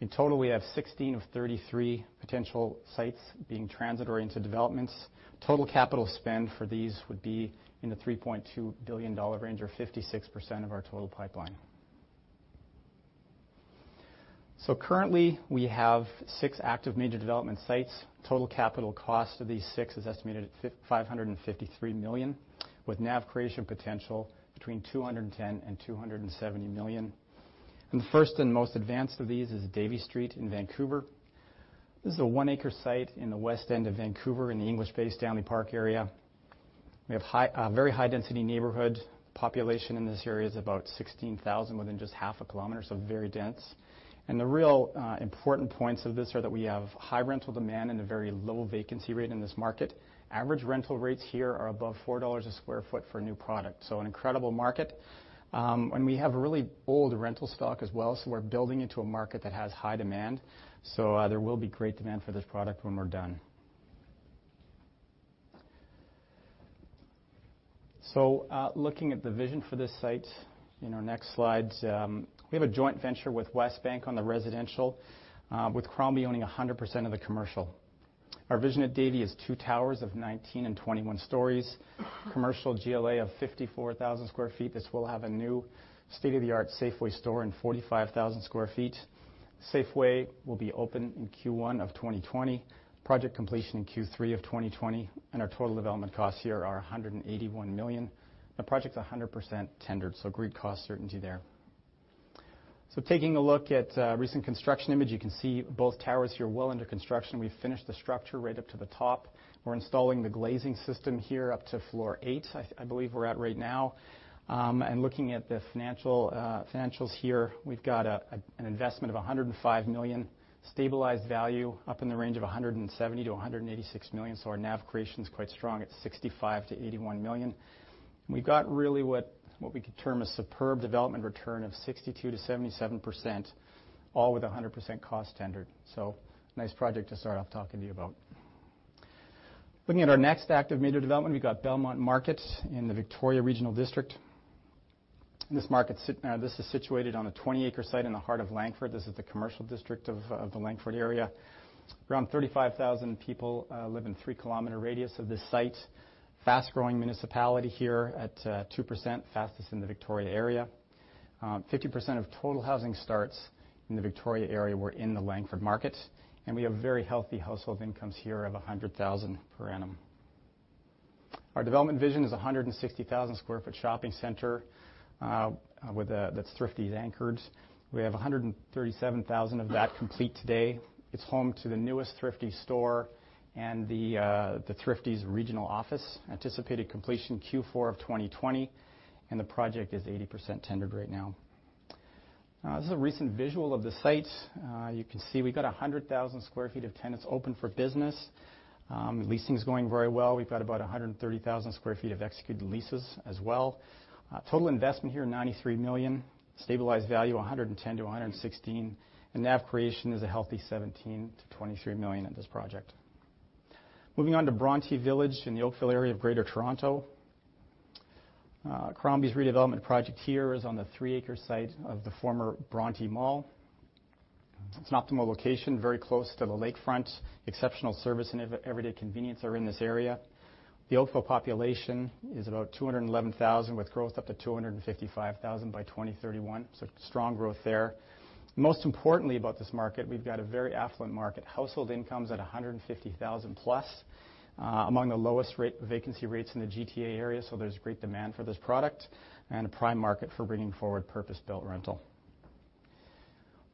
In total, we have 16 of 33 potential sites being transit-oriented developments. Total capital spend for these would be in the 3.2 billion dollar range or 56% of our total pipeline. Currently, we have six active major development sites. Total capital cost of these six is estimated at 553 million, with NAV creation potential between 210 million and 270 million. The first and most advanced of these is Davie Street in Vancouver. This is a one-acre site in the west end of Vancouver in the English Bay, Stanley Park area. We have a very high-density neighborhood. Population in this area is about 16,000 within just half a kilometer, so very dense. The real important points of this are that we have high rental demand and a very low vacancy rate in this market. Average rental rates here are above 4 dollars a sq ft for new product. An incredible market. We have a really old rental stock as well, so we're building into a market that has high demand. There will be great demand for this product when we're done. We are looking at the vision for this site in our next slides. We have a joint venture with Westbank on the residential, with Crombie owning 100% of the commercial. Our vision at Davie is two towers of 19 and 21 stories. Commercial GLA of 54,000 sq ft. This will have a new state-of-the-art Safeway store and 45,000 sq ft. Safeway will be open in Q1 of 2020. Project completion in Q3 of 2020. Our total development costs here are 181 million. The project's 100% tendered, agreed cost certainty there. Taking a look at a recent construction image. You can see both towers here well under construction. We've finished the structure right up to the top. We're installing the glazing system here up to floor eight, I believe we're at right now. Looking at the financials here, we've got an investment of 105 million, stabilized value up in the range of 170 million-186 million, our NAV creation is quite strong at 65 million-81 million. We've got really what we could term a superb development return of 62%-77%, all with 100% cost tendered. Nice project to start off talking to you about. Looking at our next active major development. We've got Belmont Markets in the Victoria Regional District. This is situated on a 20-acre site in the heart of Langford. This is the commercial district of the Langford area. Around 35,000 people live in three-kilometer radius of this site. Fast-growing municipality here at 2%, fastest in the Victoria area. 50% of total housing starts in the Victoria area were in the Langford market, we have very healthy household incomes here of 100,000 per annum. Our development vision is 160,000 sq ft shopping center that's Thrifty anchored. We have 137,000 of that complete today. It's home to the newest Thrifty store and the Thrifty's regional office. Anticipated completion Q4 of 2020, and the project is 80% tendered right now. This is a recent visual of the site. You can see we got 100,000 sq ft of tenants open for business. Leasing is going very well. We've got about 130,000 sq ft of executed leases as well. Total investment here, 93 million. Stabilized value, 110 million to 116 million. NAV creation is a healthy 17 million to 23 million in this project. Moving on to Bronte Village in the Oakville area of Greater Toronto. Crombie's redevelopment project here is on the three-acre site of the former Bronte Mall. It's an optimal location, very close to the lakefront, exceptional service, and everyday convenience are in this area. The Oakville population is about 211,000, with growth up to 255,000 by 2031. Strong growth there. Most importantly about this market, we've got a very affluent market. Household income's at 150,000-plus. Among the lowest vacancy rates in the GTA area, so there's great demand for this product and a prime market for bringing forward purpose-built rental.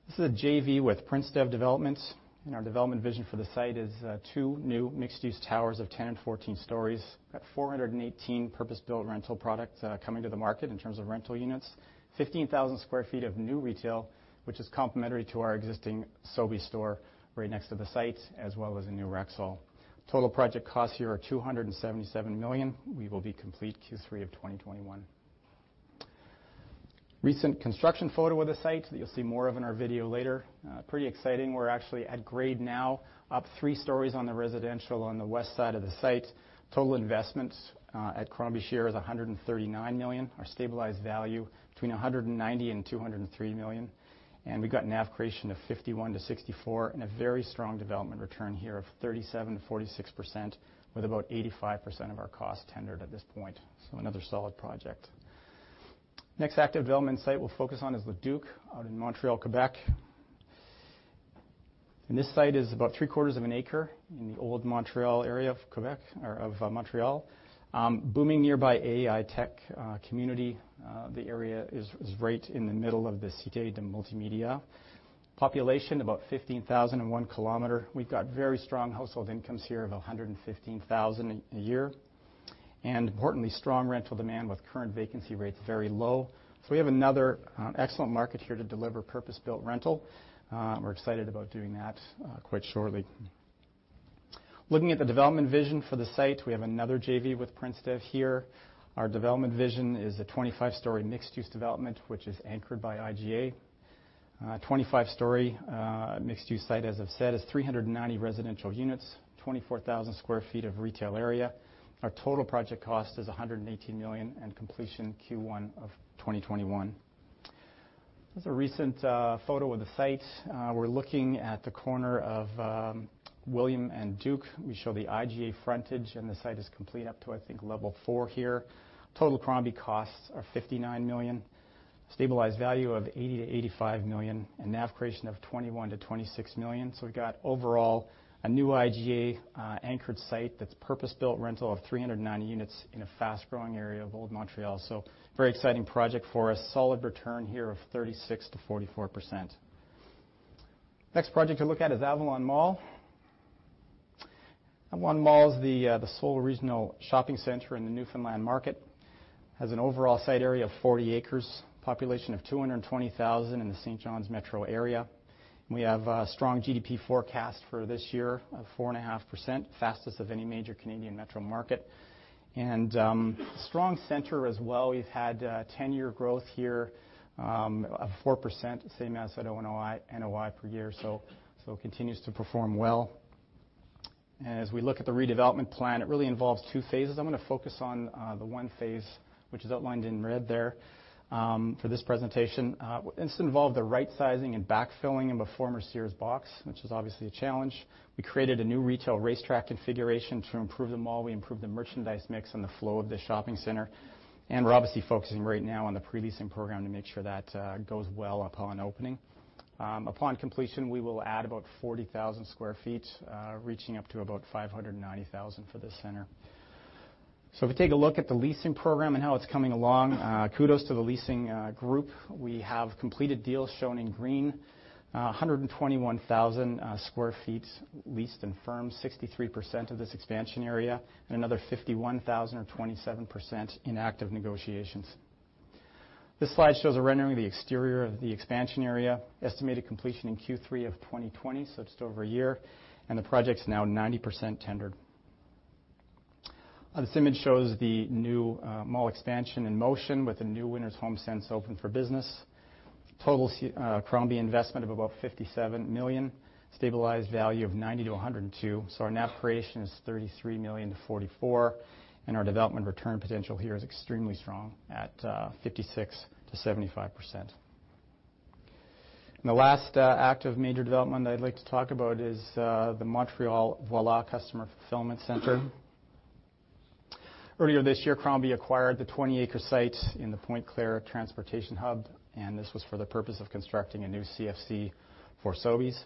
This is a JV with PrinceDev development, and our development vision for the site is two new mixed-use towers of 10 and 14 stories. We've got 418 purpose-built rental products coming to the market in terms of rental units. 15,000 sq ft of new retail, which is complementary to our existing Sobeys store right next to the site, as well as a new Rexall. Total project costs here are 277 million. We will be complete Q3 of 2021. Recent construction photo of the site that you'll see more of in our video later. Pretty exciting. We're actually at grade now, up 3 stories on the residential on the west side of the site. Total investments at Crombie here is 139 million. Our stabilized value between 190 million and 203 million. We've got NAV creation of 51-64 and a very strong development return here of 37%-46%, with about 85% of our cost tendered at this point. Another solid project. Next active development site we'll focus on is Le Duke out in Montreal, Quebec. This site is about three-quarters of an acre in the old Montreal area of Quebec or of Montreal. Booming nearby AI tech community. The area is right in the middle of the Cité du Multimédia. Population, about 15,000 one kilometer. We've got very strong household incomes here of 115,000 a year, and importantly, strong rental demand with current vacancy rates very low. We have another excellent market here to deliver purpose-built rental. We're excited about doing that quite shortly. Looking at the development vision for the site, we have another JV with PrinceDev here. Our development vision is a 25-story mixed-use development, which is anchored by IGA. 25-story mixed-use site, as I've said, is 390 residential units, 24,000 sq ft of retail area. Our total project cost is 118 million and completion Q1 of 2021. This is a recent photo of the site. We're looking at the corner of William and Duke. We show the IGA frontage and the site is complete up to, I think, level 4 here. Total Crombie costs are 59 million. Stabilized value of 80 million-85 million, and NAV creation of 21 million-26 million. We've got overall a new IGA-anchored site that's purpose-built rental of 309 units in a fast-growing area of old Montreal. Very exciting project for a solid return here of 36%-44%. Next project to look at is Avalon Mall. Avalon Mall is the sole regional shopping center in the Newfoundland market. Has an overall site area of 40 acres, population of 220,000 in the St. John's metro area. We have a strong GDP forecast for this year of 4.5%, fastest of any major Canadian metro market. Strong center as well. We've had 10-year growth here of 4%, same as at NOI per year. Continues to perform well. As we look at the redevelopment plan, it really involves two phases. I'm going to focus on the one phase which is outlined in red there for this presentation. This involved the right sizing and backfilling of a former Sears box, which was obviously a challenge. We created a new retail racetrack configuration to improve the mall. We improved the merchandise mix and the flow of the shopping center, and we're obviously focusing right now on the pre-leasing program to make sure that goes well upon opening. Upon completion, we will add about 40,000 square feet, reaching up to about 590,000 for this center. If we take a look at the leasing program and how it's coming along, kudos to the leasing group. We have completed deals shown in green, 121,000 square feet leased and firmed, 63% of this expansion area and another 51,000 or 27% in active negotiations. This slide shows a rendering of the exterior of the expansion area. Estimated completion in Q3 of 2020, so just over a year, and the project's now 90% tendered. This image shows the new mall expansion in motion with a new Winners/HomeSense open for business. Total Crombie investment of about 57 million. Stabilized value of 90 million-102 million. Our NAV creation is 33 million-44 million, and our development return potential here is extremely strong at 56%-75%. The last active major development I'd like to talk about is the Montreal Voilà Customer Fulfillment Center. Earlier this year, Crombie acquired the 20-acre site in the Pointe-Claire transportation hub, and this was for the purpose of constructing a new CFC for Sobeys.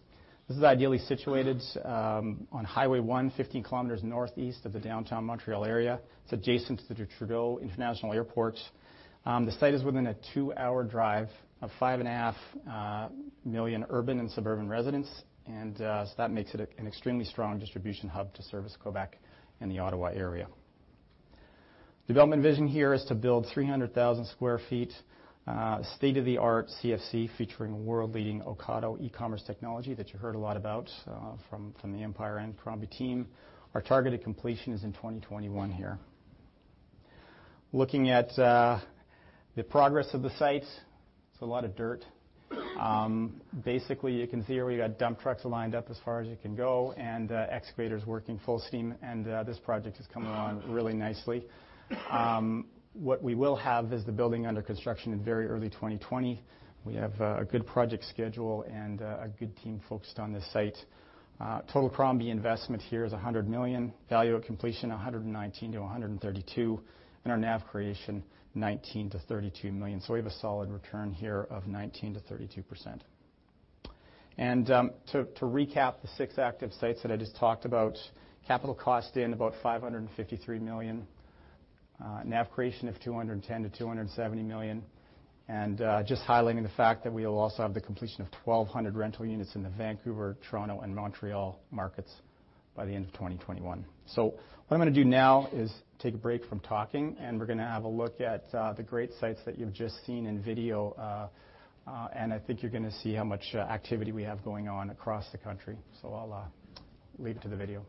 This is ideally situated on Highway 40, 15 kilometers northeast of the downtown Montreal area. It's adjacent to the Trudeau International Airport. The site is within a two-hour drive of 5.5 million urban and suburban residents, and so that makes it an extremely strong distribution hub to service Quebec and the Ottawa area. Development vision here is to build 300,000 sq ft, state-of-the-art CFC featuring world-leading Ocado e-commerce technology that you heard a lot about from the Empire and Crombie team. Our targeted completion is in 2021 here. Looking at the progress of the site, it's a lot of dirt. Basically, you can see where we got dump trucks lined up as far as you can go and excavators working full steam and this project is coming along really nicely. What we will have is the building under construction in very early 2020. We have a good project schedule and a good team focused on this site. Total Crombie investment here is 100 million. Value at completion, 119 million-132 million, and our NAV creation, 19 million-32 million. We have a solid return here of 19%-32%. To recap the six active sites that I just talked about, capital cost in about 553 million, NAV creation of 210 million-270 million. Just highlighting the fact that we will also have the completion of 1,200 rental units in the Vancouver, Toronto, and Montreal markets by the end of 2021. What I'm going to do now is take a break from talking, and we're going to have a look at the great sites that you've just seen in video. I think you're going to see how much activity we have going on across the country. I'll leave it to the video.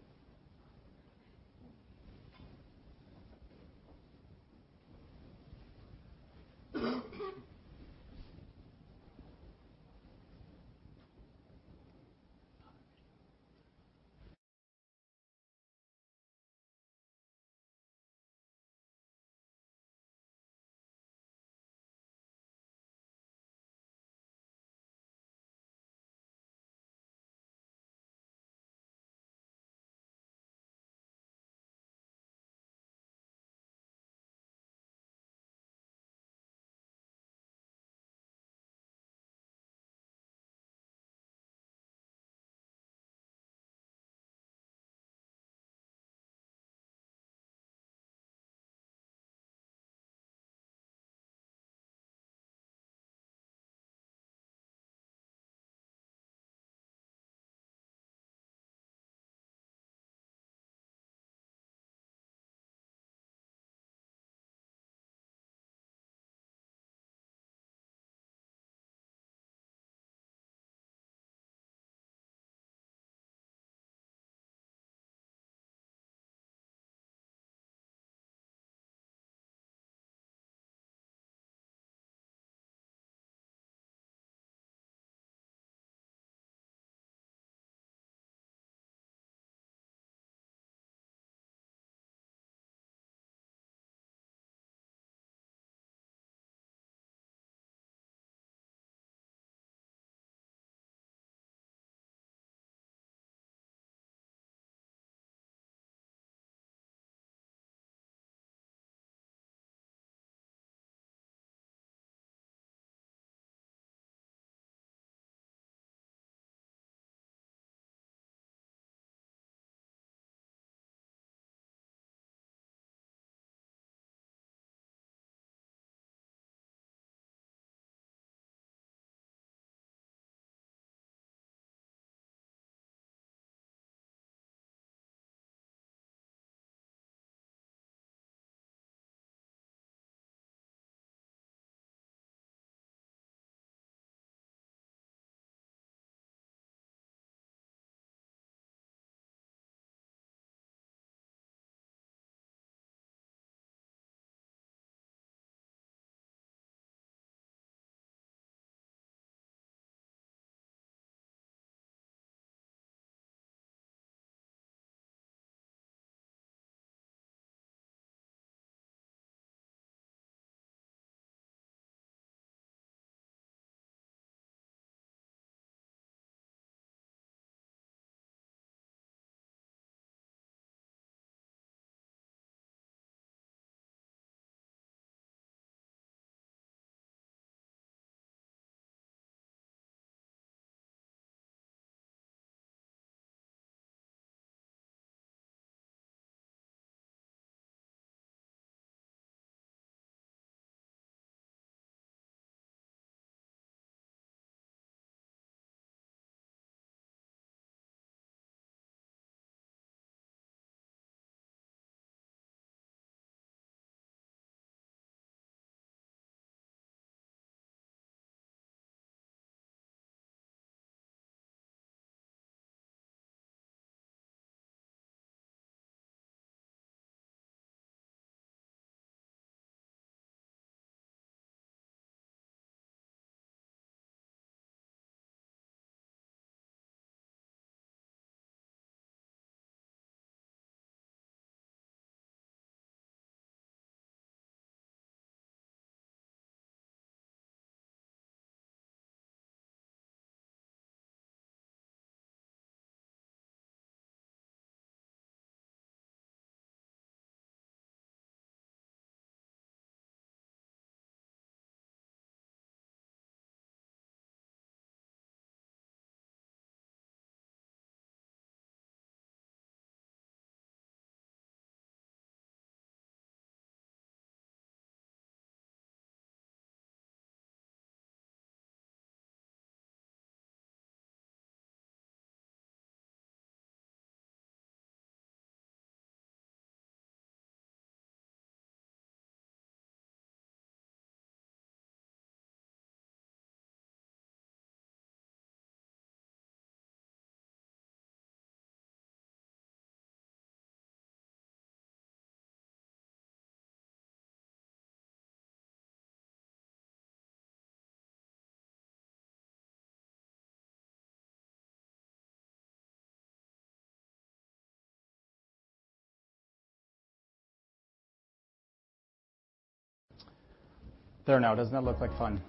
There now, doesn't that look like fun?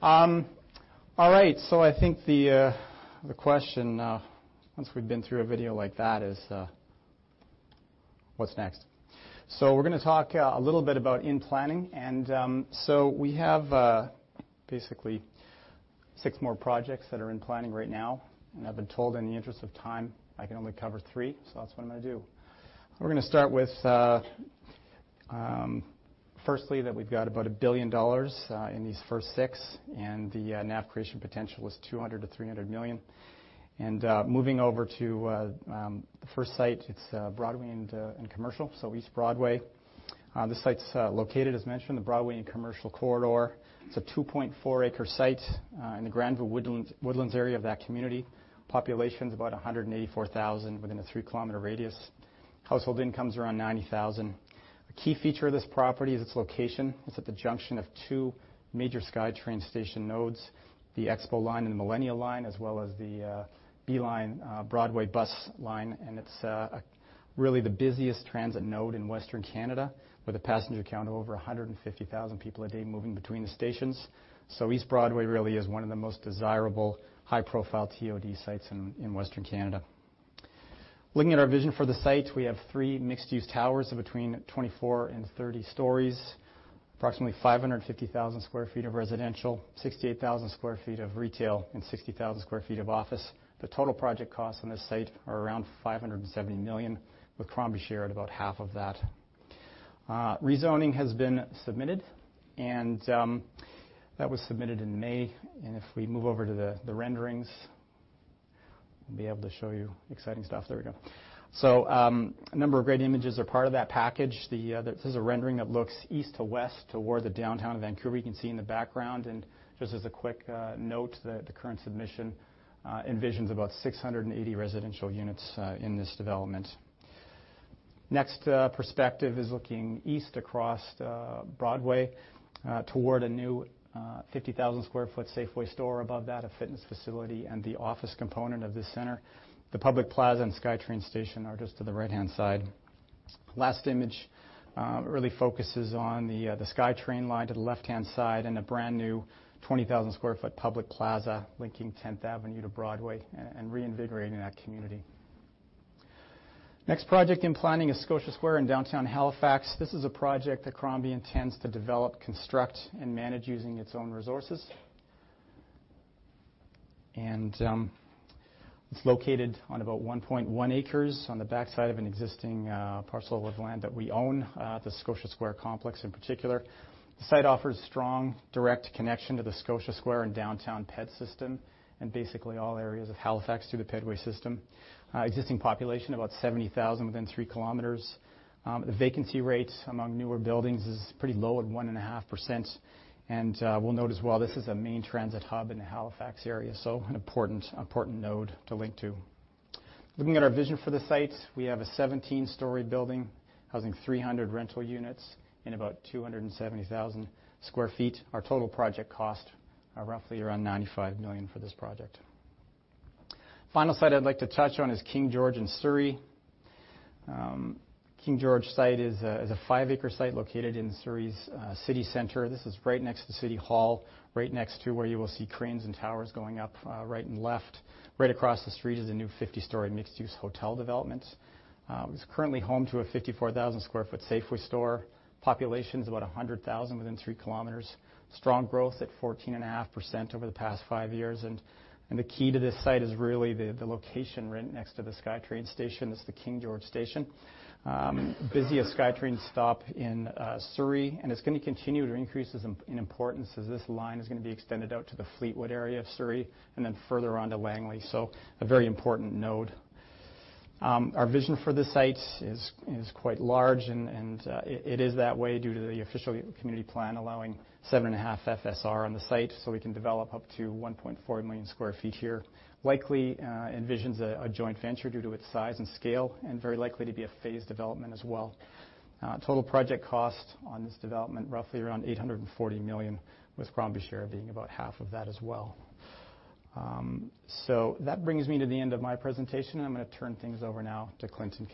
All right. I think the question, once we've been through a video like that, is what's next? We're going to talk a little bit about in planning. We have basically 6 more projects that are in planning right now, I've been told in the interest of time I can only cover 3, that's what I'm going to do. We're going to start with, firstly, that we've got about 1 billion dollars in these first 6, the NAV creation potential is 200 million-300 million. Moving over to the first site, it's Broadway and Commercial, East Broadway. This site's located, as mentioned, the Broadway and Commercial Corridor. It's a 2.4 acre site in the Grandview-Woodland area of that community. Population is about 184,000 within a 3-kilometer radius. Household income's around 90,000. A key feature of this property is its location. It's at the junction of 2 major SkyTrain station nodes, the Expo Line and the Millennium Line, as well as the B-Line Broadway bus line. It's really the busiest transit node in Western Canada, with a passenger count of over 150,000 people a day moving between the stations. East Broadway really is one of the most desirable high-profile TOD sites in Western Canada. Looking at our vision for the site, we have three mixed-use towers of between 24 and 30 stories, approximately 550,000 sq ft of residential, 68,000 sq ft of retail, and 60,000 sq ft of office. The total project costs on this site are around 570 million, with Crombie's share at about half of that. Rezoning has been submitted, and that was submitted in May. If we move over to the renderings, we'll be able to show you exciting stuff. There we go. A number of great images are part of that package. This is a rendering that looks east to west toward the downtown of Vancouver. You can see in the background, just as a quick note, the current submission envisions about 680 residential units in this development. Next perspective is looking east across Broadway toward a new 50,000 sq ft Safeway store. Above that, a fitness facility and the office component of this center. The public plaza and SkyTrain station are just to the right-hand side. Last image really focuses on the SkyTrain line to the left-hand side and a brand-new 20,000 sq ft public plaza linking Tenth Avenue to Broadway and reinvigorating that community. Next project in planning is Scotia Square in downtown Halifax. This is a project that Crombie intends to develop, construct, and manage using its own resources. It's located on about 1.1 acres on the backside of an existing parcel of land that we own, the Scotia Square complex in particular. The site offers strong direct connection to the Scotia Square and Downtown Pedway system, basically all areas of Halifax through the Pedway system. Existing population, about 70,000 within 3 km. The vacancy rate among newer buildings is pretty low at 1.5%. We'll note as well, this is a main transit hub in the Halifax area, so an important node to link to. Looking at our vision for the site, we have a 17-story building housing 300 rental units in about 270,000 sq ft. Our total project cost are roughly around 95 million for this project. Final site I'd like to touch on is King George in Surrey. King George site is a five-acre site located in Surrey's city center. This is right next to City Hall, right next to where you will see cranes and towers going up right and left. Right across the street is a new 50-story mixed-use hotel development. It's currently home to a 54,000 sq ft Safeway store. Population is about 100,000 within three kilometers. Strong growth at 14.5% over the past five years, and the key to this site is really the location right next to the SkyTrain station. It's the King George station. Busiest SkyTrain stop in Surrey, and it's going to continue to increase in importance as this line is going to be extended out to the Fleetwood area of Surrey, and then further on to Langley. A very important node. Our vision for this site is quite large, and it is that way due to the official community plan allowing 7.5 FSR on the site so we can develop up to 1.4 million sq ft here. Likely envisions a joint venture due to its size and scale, and very likely to be a phased development as well. Total project cost on this development, roughly around 840 million, with Crombie's share being about half of that as well. That brings me to the end of my presentation. I'm going to turn things over now to Clinton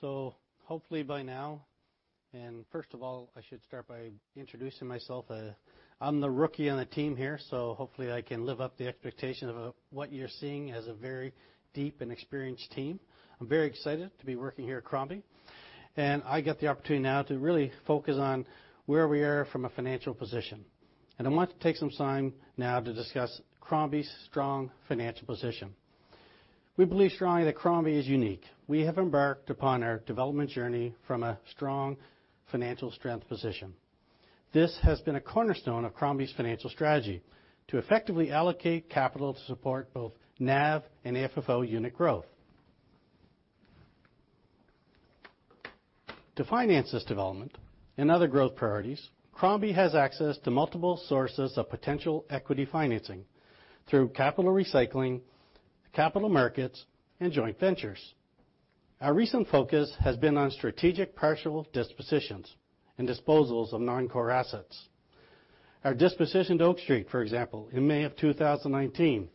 Keay. Hopefully by now, and first of all, I should start by introducing myself. I'm the rookie on the team here, so hopefully I can live up to the expectation of what you're seeing as a very deep and experienced team. I'm very excited to be working here at Crombie. I get the opportunity now to really focus on where we are from a financial position. I want to take some time now to discuss Crombie's strong financial position. We believe strongly that Crombie is unique. We have embarked upon our development journey from a strong financial strength position. This has been a cornerstone of Crombie's financial strategy to effectively allocate capital to support both NAV and FFO unit growth. To finance this development and other growth priorities, Crombie has access to multiple sources of potential equity financing through capital recycling, capital markets, and joint ventures. Our recent focus has been on strategic partial dispositions and disposals of non-core assets. Our disposition to Oak Street, for example, in May of 2019,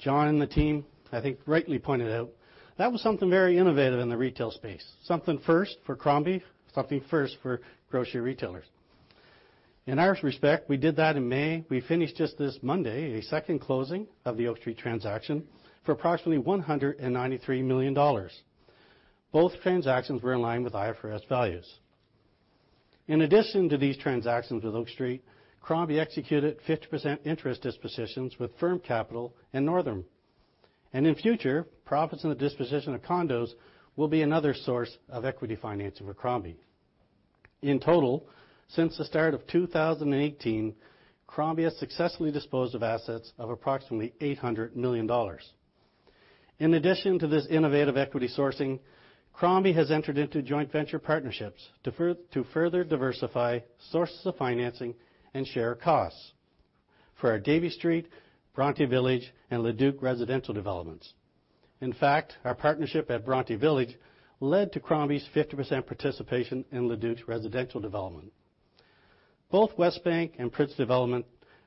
John and the team, I think, rightly pointed out that was something very innovative in the retail space, something first for Crombie, something first for grocery retailers. In our respect, we did that in May. We finished just this Monday, a second closing of the Oak Street transaction for approximately 193 million dollars. Both transactions were in line with IFRS values. In addition to these transactions with Oak Street, Crombie executed 50% interest dispositions with Firm Capital in Northam. In future, profits in the disposition of condos will be another source of equity financing for Crombie. In total, since the start of 2018, Crombie has successfully disposed of assets of approximately 800 million dollars. In addition to this innovative equity sourcing, Crombie has entered into joint venture partnerships to further diversify sources of financing and share costs for our Davie Street, Bronte Village, and Le Duke residential developments. In fact, our partnership at Bronte Village led to Crombie's 50% participation in Le Duke's residential development. Both Westbank and Prince Development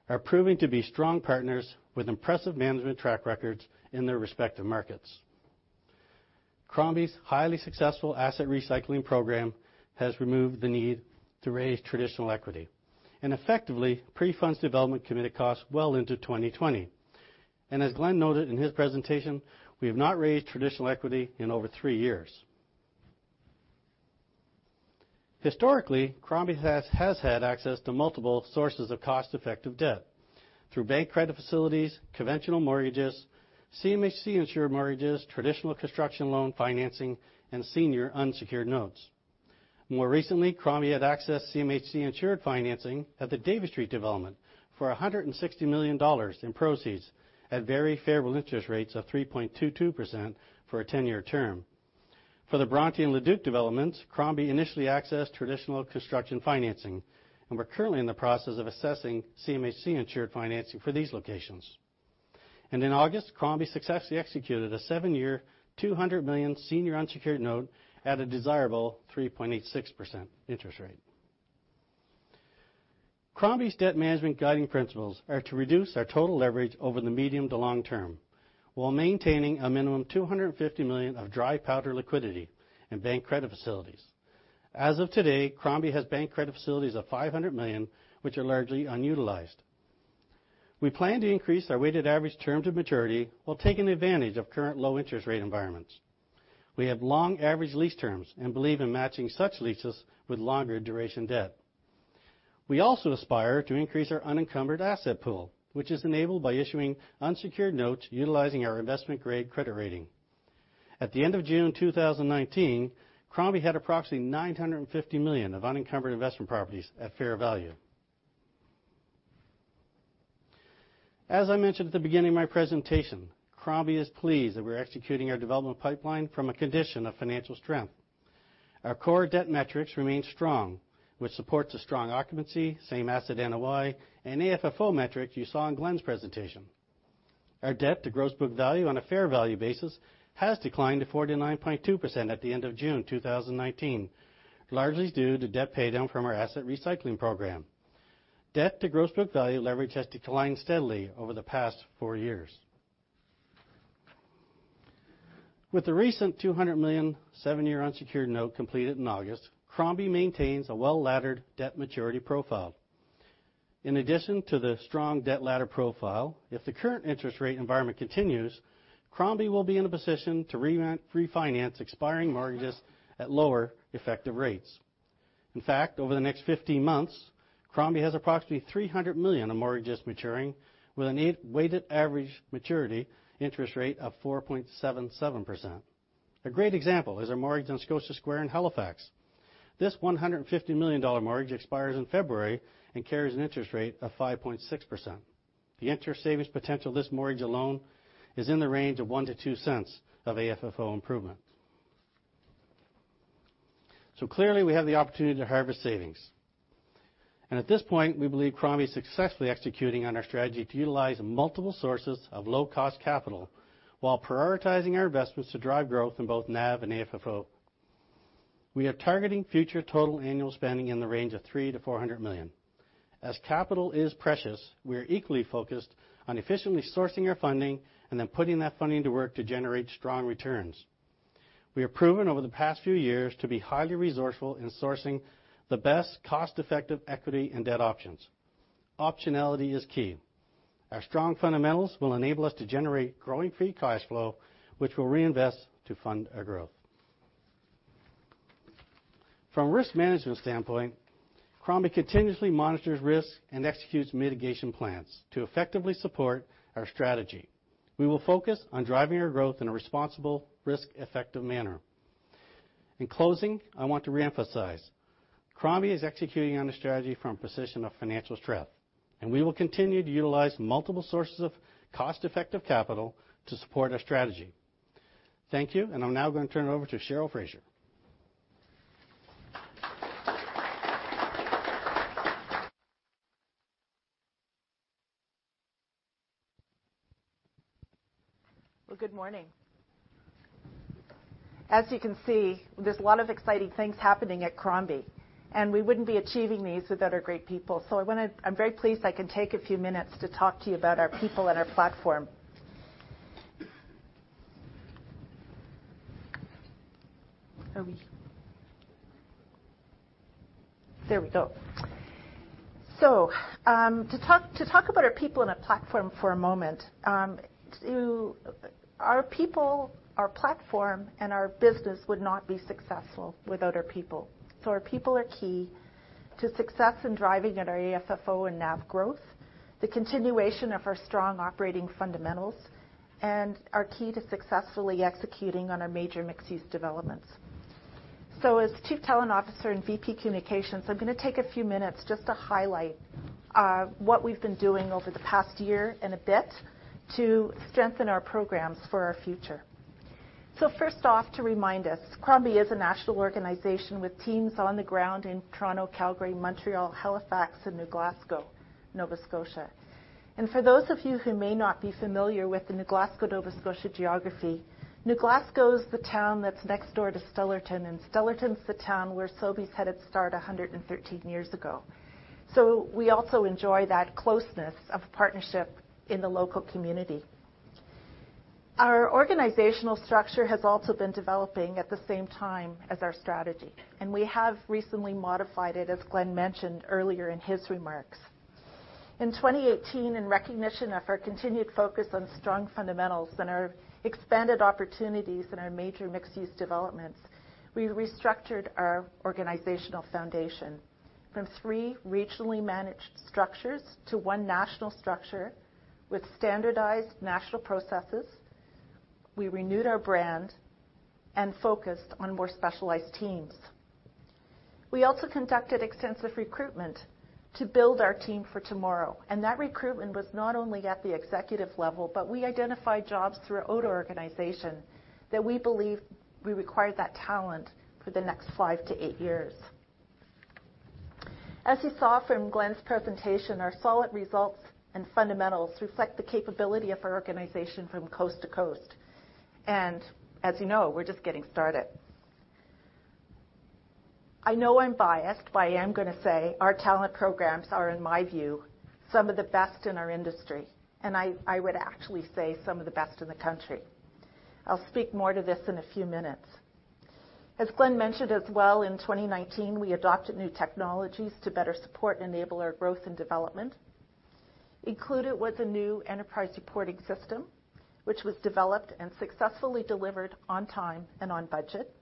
are proving to be strong partners with impressive management track records in their respective markets. Crombie's highly successful asset recycling program has removed the need to raise traditional equity and effectively pre-funds development committed costs well into 2020. As Glenn noted in his presentation, we have not raised traditional equity in over three years. Historically, Crombie has had access to multiple sources of cost-effective debt through bank credit facilities, conventional mortgages, CMHC-insured mortgages, traditional construction loan financing, and senior unsecured notes. More recently, Crombie had accessed CMHC-insured financing at the Davie Street development for 160 million dollars in proceeds at very favorable interest rates of 3.22% for a 10-year term. For the Bronte and Le Duke developments, Crombie initially accessed traditional construction financing. We're currently in the process of assessing CMHC-insured financing for these locations. In August, Crombie successfully executed a seven-year, 200 million senior unsecured note at a desirable 3.86% interest rate. Crombie's debt management guiding principles are to reduce our total leverage over the medium to long term while maintaining a minimum 250 million of dry powder liquidity and bank credit facilities. As of today, Crombie has bank credit facilities of 500 million, which are largely unutilized. We plan to increase our weighted average terms of maturity while taking advantage of current low-interest rate environments. We have long average lease terms and believe in matching such leases with longer duration debt. We also aspire to increase our unencumbered asset pool, which is enabled by issuing unsecured notes utilizing our investment-grade credit rating. At the end of June 2019, Crombie had approximately 950 million of unencumbered investment properties at fair value. As I mentioned at the beginning of my presentation, Crombie is pleased that we're executing our development pipeline from a condition of financial strength. Our core debt metrics remain strong, which supports a strong occupancy, same asset NOI, and AFFO metric you saw in Glenn's presentation. Our debt-to-gross book value on a fair value basis has declined to 49.2% at the end of June 2019, largely due to debt paydown from our asset recycling program. Debt-to-gross book value leverage has declined steadily over the past four years. With the recent 200 million, 7-year unsecured note completed in August, Crombie maintains a well-laddered debt maturity profile. In addition to the strong debt ladder profile, if the current interest rate environment continues, Crombie will be in a position to refinance expiring mortgages at lower effective rates. Over the next 15 months, Crombie has approximately 300 million of mortgages maturing with a weighted average maturity interest rate of 4.77%. A great example is our mortgage on Scotia Square in Halifax. This 150 million dollar mortgage expires in February and carries an interest rate of 5.6%. The interest savings potential of this mortgage alone is in the range of 0.01-0.02 of AFFO improvement. Clearly, we have the opportunity to harvest savings. At this point, we believe Crombie is successfully executing on our strategy to utilize multiple sources of low-cost capital while prioritizing our investments to drive growth in both NAV and AFFO. We are targeting future total annual spending in the range of 3 million-400 million. As capital is precious, we are equally focused on efficiently sourcing our funding and then putting that funding to work to generate strong returns. We have proven over the past few years to be highly resourceful in sourcing the best cost-effective equity and debt options. Optionality is key. Our strong fundamentals will enable us to generate growing free cash flow, which we'll reinvest to fund our growth. From a risk management standpoint, Crombie continuously monitors risk and executes mitigation plans to effectively support our strategy. We will focus on driving our growth in a responsible, risk-effective manner. In closing, I want to reemphasize, Crombie is executing on a strategy from a position of financial strength, and we will continue to utilize multiple sources of cost-effective capital to support our strategy. Thank you, and I'm now going to turn it over to Cheryl Fraser. Well, good morning. As you can see, there's a lot of exciting things happening at Crombie, and we wouldn't be achieving these without our great people. I'm very pleased I can take a few minutes to talk to you about our people and our platform. There we go. To talk about our people and our platform for a moment. Our people, our platform, and our business would not be successful without our people. Our people are key to success in driving at our AFFO and NAV growth, the continuation of our strong operating fundamentals, and are key to successfully executing on our major mixed-use developments. As Chief Talent Officer and VP Communications, I'm going to take a few minutes just to highlight what we've been doing over the past year and a bit to strengthen our programs for our future. First off, to remind us, Crombie is a national organization with teams on the ground in Toronto, Calgary, Montreal, Halifax, and New Glasgow, Nova Scotia. For those of you who may not be familiar with the New Glasgow, Nova Scotia geography, New Glasgow is the town that's next door to Stellarton, and Stellarton's the town where Sobeys had its start 113 years ago. We also enjoy that closeness of partnership in the local community. Our organizational structure has also been developing at the same time as our strategy, and we have recently modified it, as Glenn mentioned earlier in his remarks. In 2018, in recognition of our continued focus on strong fundamentals and our expanded opportunities in our major mixed-use developments, we restructured our organizational foundation from three regionally managed structures to one national structure with standardized national processes. We renewed our brand and focused on more specialized teams. We also conducted extensive recruitment to build our team for tomorrow, and that recruitment was not only at the executive level, but we identified jobs throughout our organization that we believe we required that talent for the next five to eight years. As you saw from Glenn's presentation, our solid results and fundamentals reflect the capability of our organization from coast to coast. As you know, we're just getting started. I know I'm biased, but I am going to say our talent programs are, in my view, some of the best in our industry, and I would actually say some of the best in the country. I'll speak more to this in a few minutes. As Glenn mentioned as well, in 2019, we adopted new technologies to better support and enable our growth and development. Included was a new enterprise supporting system, which was developed and successfully delivered on time and on budget.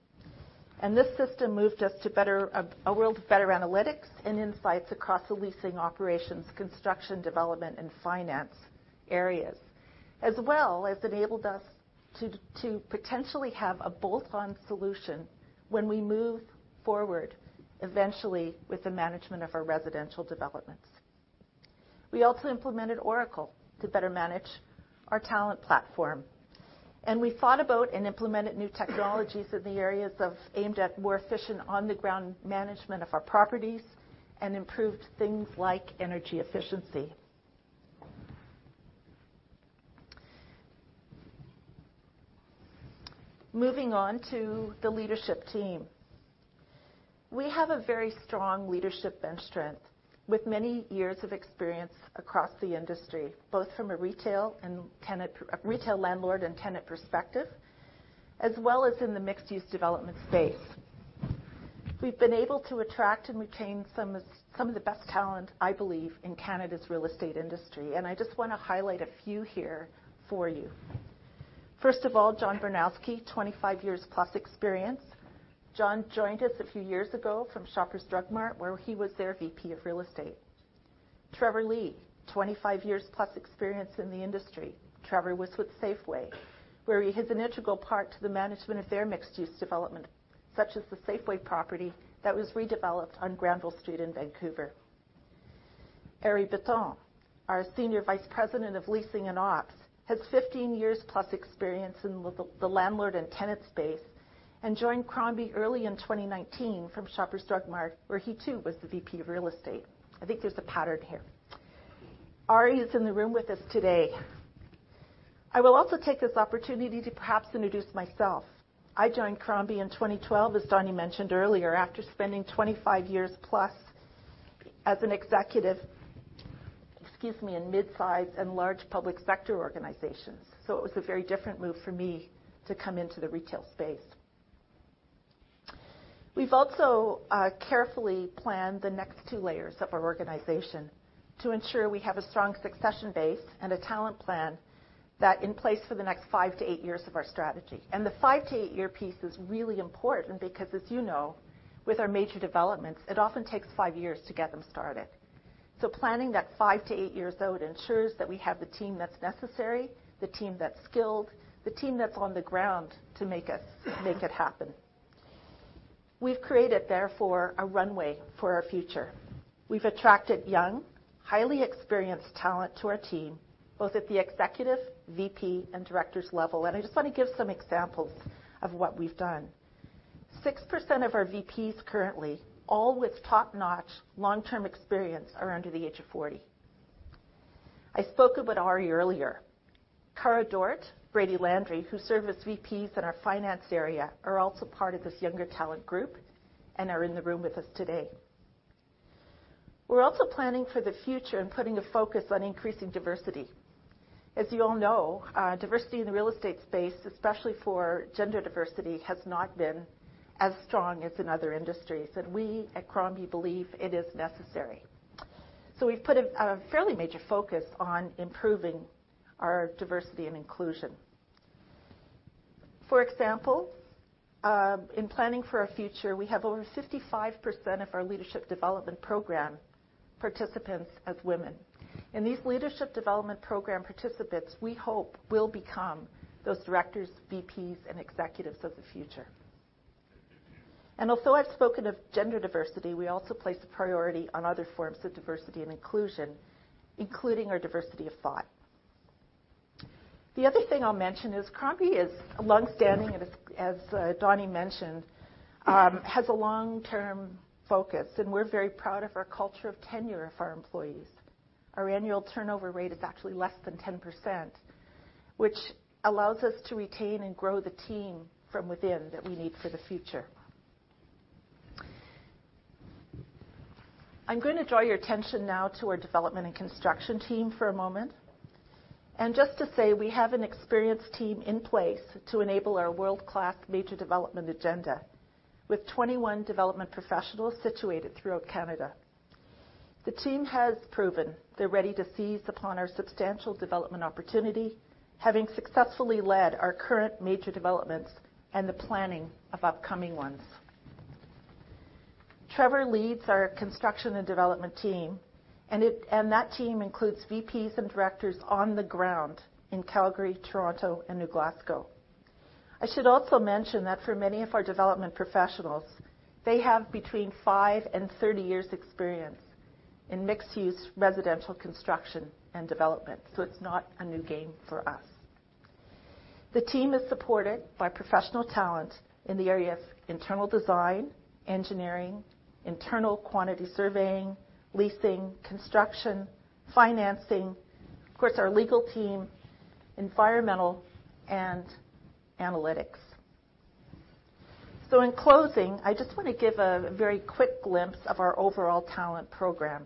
This system moved us to a world of better analytics and insights across the leasing, operations, construction, development, and finance areas, as well as enabled us to potentially have a bolt-on solution when we move forward, eventually, with the management of our residential developments. We also implemented Oracle to better manage our talent platform. We thought about and implemented new technologies in the areas aimed at more efficient on-the-ground management of our properties and improved things like energy efficiency. Moving on to the leadership team. We have a very strong leadership bench strength with many years of experience across the industry, both from a retail landlord and tenant perspective, as well as in the mixed-use development space. We've been able to attract and retain some of the best talent, I believe, in Canada's real estate industry, I just want to highlight a few here for you. John Barnoski, 25-years-plus experience. John joined us a few years ago from Shoppers Drug Mart, where he was their VP of Real Estate. Trevor Lee, 25-years-plus experience in the industry. Trevor was with Safeway, where he is an integral part to the management of their mixed-use development, such as the Safeway property that was redeveloped on Granville Street in Vancouver. Arie Bitton, our Senior Vice President of Leasing and Ops, has 15-years-plus experience in the landlord and tenant space, and joined Crombie early in 2019 from Shoppers Drug Mart, where he too was the VP of Real Estate. I think there's a pattern here. Arie is in the room with us today. I will also take this opportunity to perhaps introduce myself. I joined Crombie in 2012, as Donnie mentioned earlier, after spending 25 years plus as an executive, excuse me, in mid-size and large public sector organizations. It was a very different move for me to come into the retail space. We've also carefully planned the next two layers of our organization to ensure we have a strong succession base and a talent plan that in place for the next 5-8 years of our strategy. The 5-8-year piece is really important because, as you know, with our major developments, it often takes five years to get them started. Planning that 5-8 years out ensures that we have the team that's necessary, the team that's skilled, the team that's on the ground to make it happen. We've created, therefore, a runway for our future. We've attracted young, highly experienced talent to our team, both at the executive, VP, and directors level. I just want to give some examples of what we've done. 6% of our VPs currently, all with top-notch long-term experience, are under the age of 40. I spoke about Arie earlier. Kara Cameron, Brady Landry, who serve as VPs in our finance area, are also part of this younger talent group and are in the room with us today. We're also planning for the future and putting a focus on increasing diversity. As you all know, diversity in the real estate space, especially for gender diversity, has not been as strong as in other industries, and we at Crombie believe it is necessary. We've put a fairly major focus on improving our diversity and inclusion. For example, in planning for our future, we have over 55% of our leadership development program participants as women. These leadership development program participants, we hope, will become those directors, VPs, and executives of the future. Although I've spoken of gender diversity, we also place a priority on other forms of diversity and inclusion, including our diversity of thought. The other thing I'll mention is Crombie is longstanding, and as Donnie mentioned, has a long-term focus, and we're very proud of our culture of tenure of our employees. Our annual turnover rate is actually less than 10%. Which allows us to retain and grow the team from within that we need for the future. I'm going to draw your attention now to our development and construction team for a moment. Just to say, we have an experienced team in place to enable our world-class major development agenda with 21 development professionals situated throughout Canada. The team has proven they're ready to seize upon our substantial development opportunity, having successfully led our current major developments and the planning of upcoming ones. Trevor leads our construction and development team, and that team includes VPs and directors on the ground in Calgary, Toronto, and New Glasgow. I should also mention that for many of our development professionals, they have between five and 30 years' experience in mixed-use residential construction and development. It's not a new game for us. The team is supported by professional talent in the areas internal design, engineering, internal quantity surveying, leasing, construction, financing, of course, our legal team, environmental, and analytics. In closing, I just want to give a very quick glimpse of our overall talent program.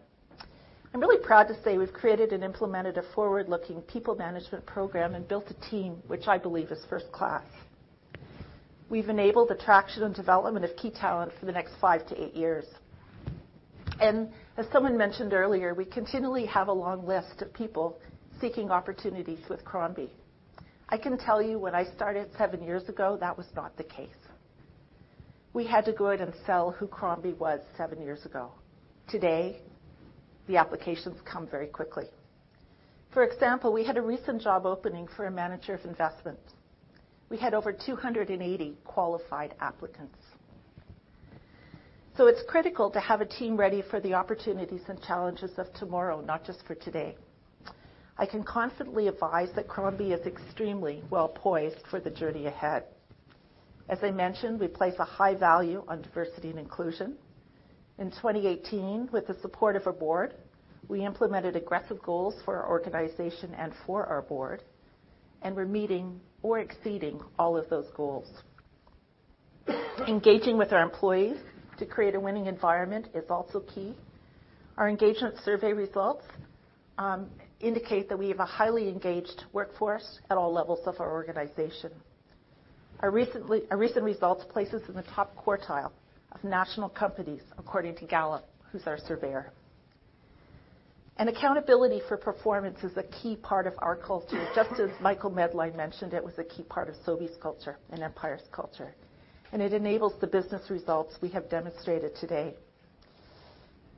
I'm really proud to say we've created and implemented a forward-looking people management program and built a team which I believe is first class. We've enabled attraction and development of key talent for the next five to eight years. As someone mentioned earlier, we continually have a long list of people seeking opportunities with Crombie. I can tell you when I started seven years ago, that was not the case. We had to go out and sell who Crombie was seven years ago. Today, the applications come very quickly. For example, we had a recent job opening for a manager of investment. We had over 280 qualified applicants. It's critical to have a team ready for the opportunities and challenges of tomorrow, not just for today. I can confidently advise that Crombie is extremely well-poised for the journey ahead. As I mentioned, we place a high value on diversity and inclusion. In 2018, with the support of our board, we implemented aggressive goals for our organization and for our board, and we're meeting or exceeding all of those goals. Engaging with our employees to create a winning environment is also key. Our engagement survey results indicate that we have a highly engaged workforce at all levels of our organization. Our recent results place us in the top quartile of national companies, according to Gallup, who's our surveyor. Accountability for performance is a key part of our culture, just as Michael Medline mentioned it was a key part of Sobeys' culture and Empire's culture, and it enables the business results we have demonstrated today.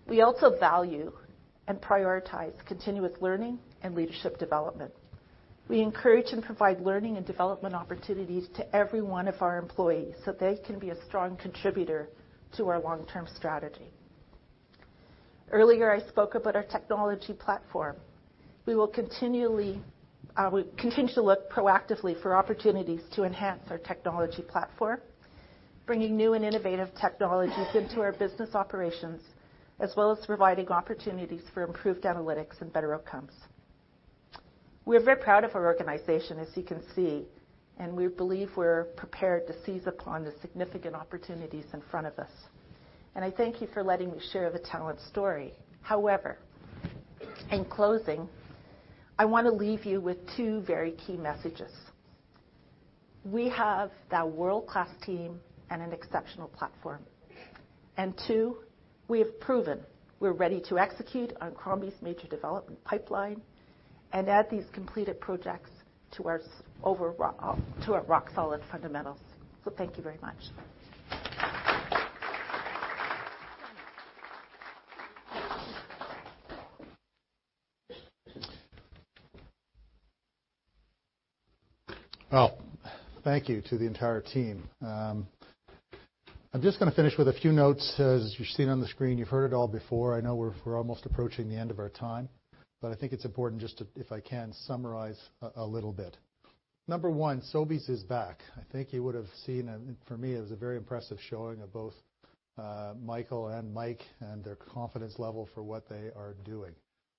We also value and prioritize continuous learning and leadership development. We encourage and provide learning and development opportunities to every one of our employees so they can be a strong contributor to our long-term strategy. Earlier, I spoke about our technology platform. We will continue to look proactively for opportunities to enhance our technology platform, bringing new and innovative technologies into our business operations, as well as providing opportunities for improved analytics and better outcomes. We're very proud of our organization, as you can see, and we believe we're prepared to seize upon the significant opportunities in front of us. I thank you for letting me share the talent story. However, in closing, I want to leave you with two very key messages. We have that world-class team and an exceptional platform. Two, we have proven we're ready to execute on Crombie's major development pipeline and add these completed projects to our rock-solid fundamentals. Thank you very much. Well, thank you to the entire team. I'm just going to finish with a few notes. As you're seeing on the screen, you've heard it all before. I know we're almost approaching the end of our time, but I think it's important just to, if I can, summarize a little bit. Number one, Sobeys is back. I think you would have seen, for me, it was a very impressive showing of both Michael and Mike and their confidence level for what they are doing.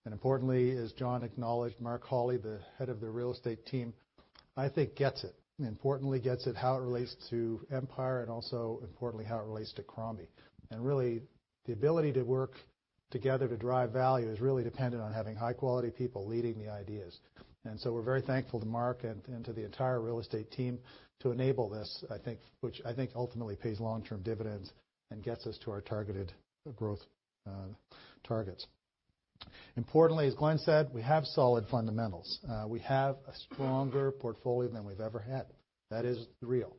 Importantly, as John acknowledged, Mark Holly, the head of the real estate team, I think gets it. Importantly gets it, how it relates to Empire and also importantly, how it relates to Crombie. Really, the ability to work together to drive value is really dependent on having high-quality people leading the ideas. We're very thankful to Mark and to the entire real estate team to enable this, which I think ultimately pays long-term dividends and gets us to our targeted growth targets. Importantly, as Glenn said, we have solid fundamentals. We have a stronger portfolio than we've ever had. That is real.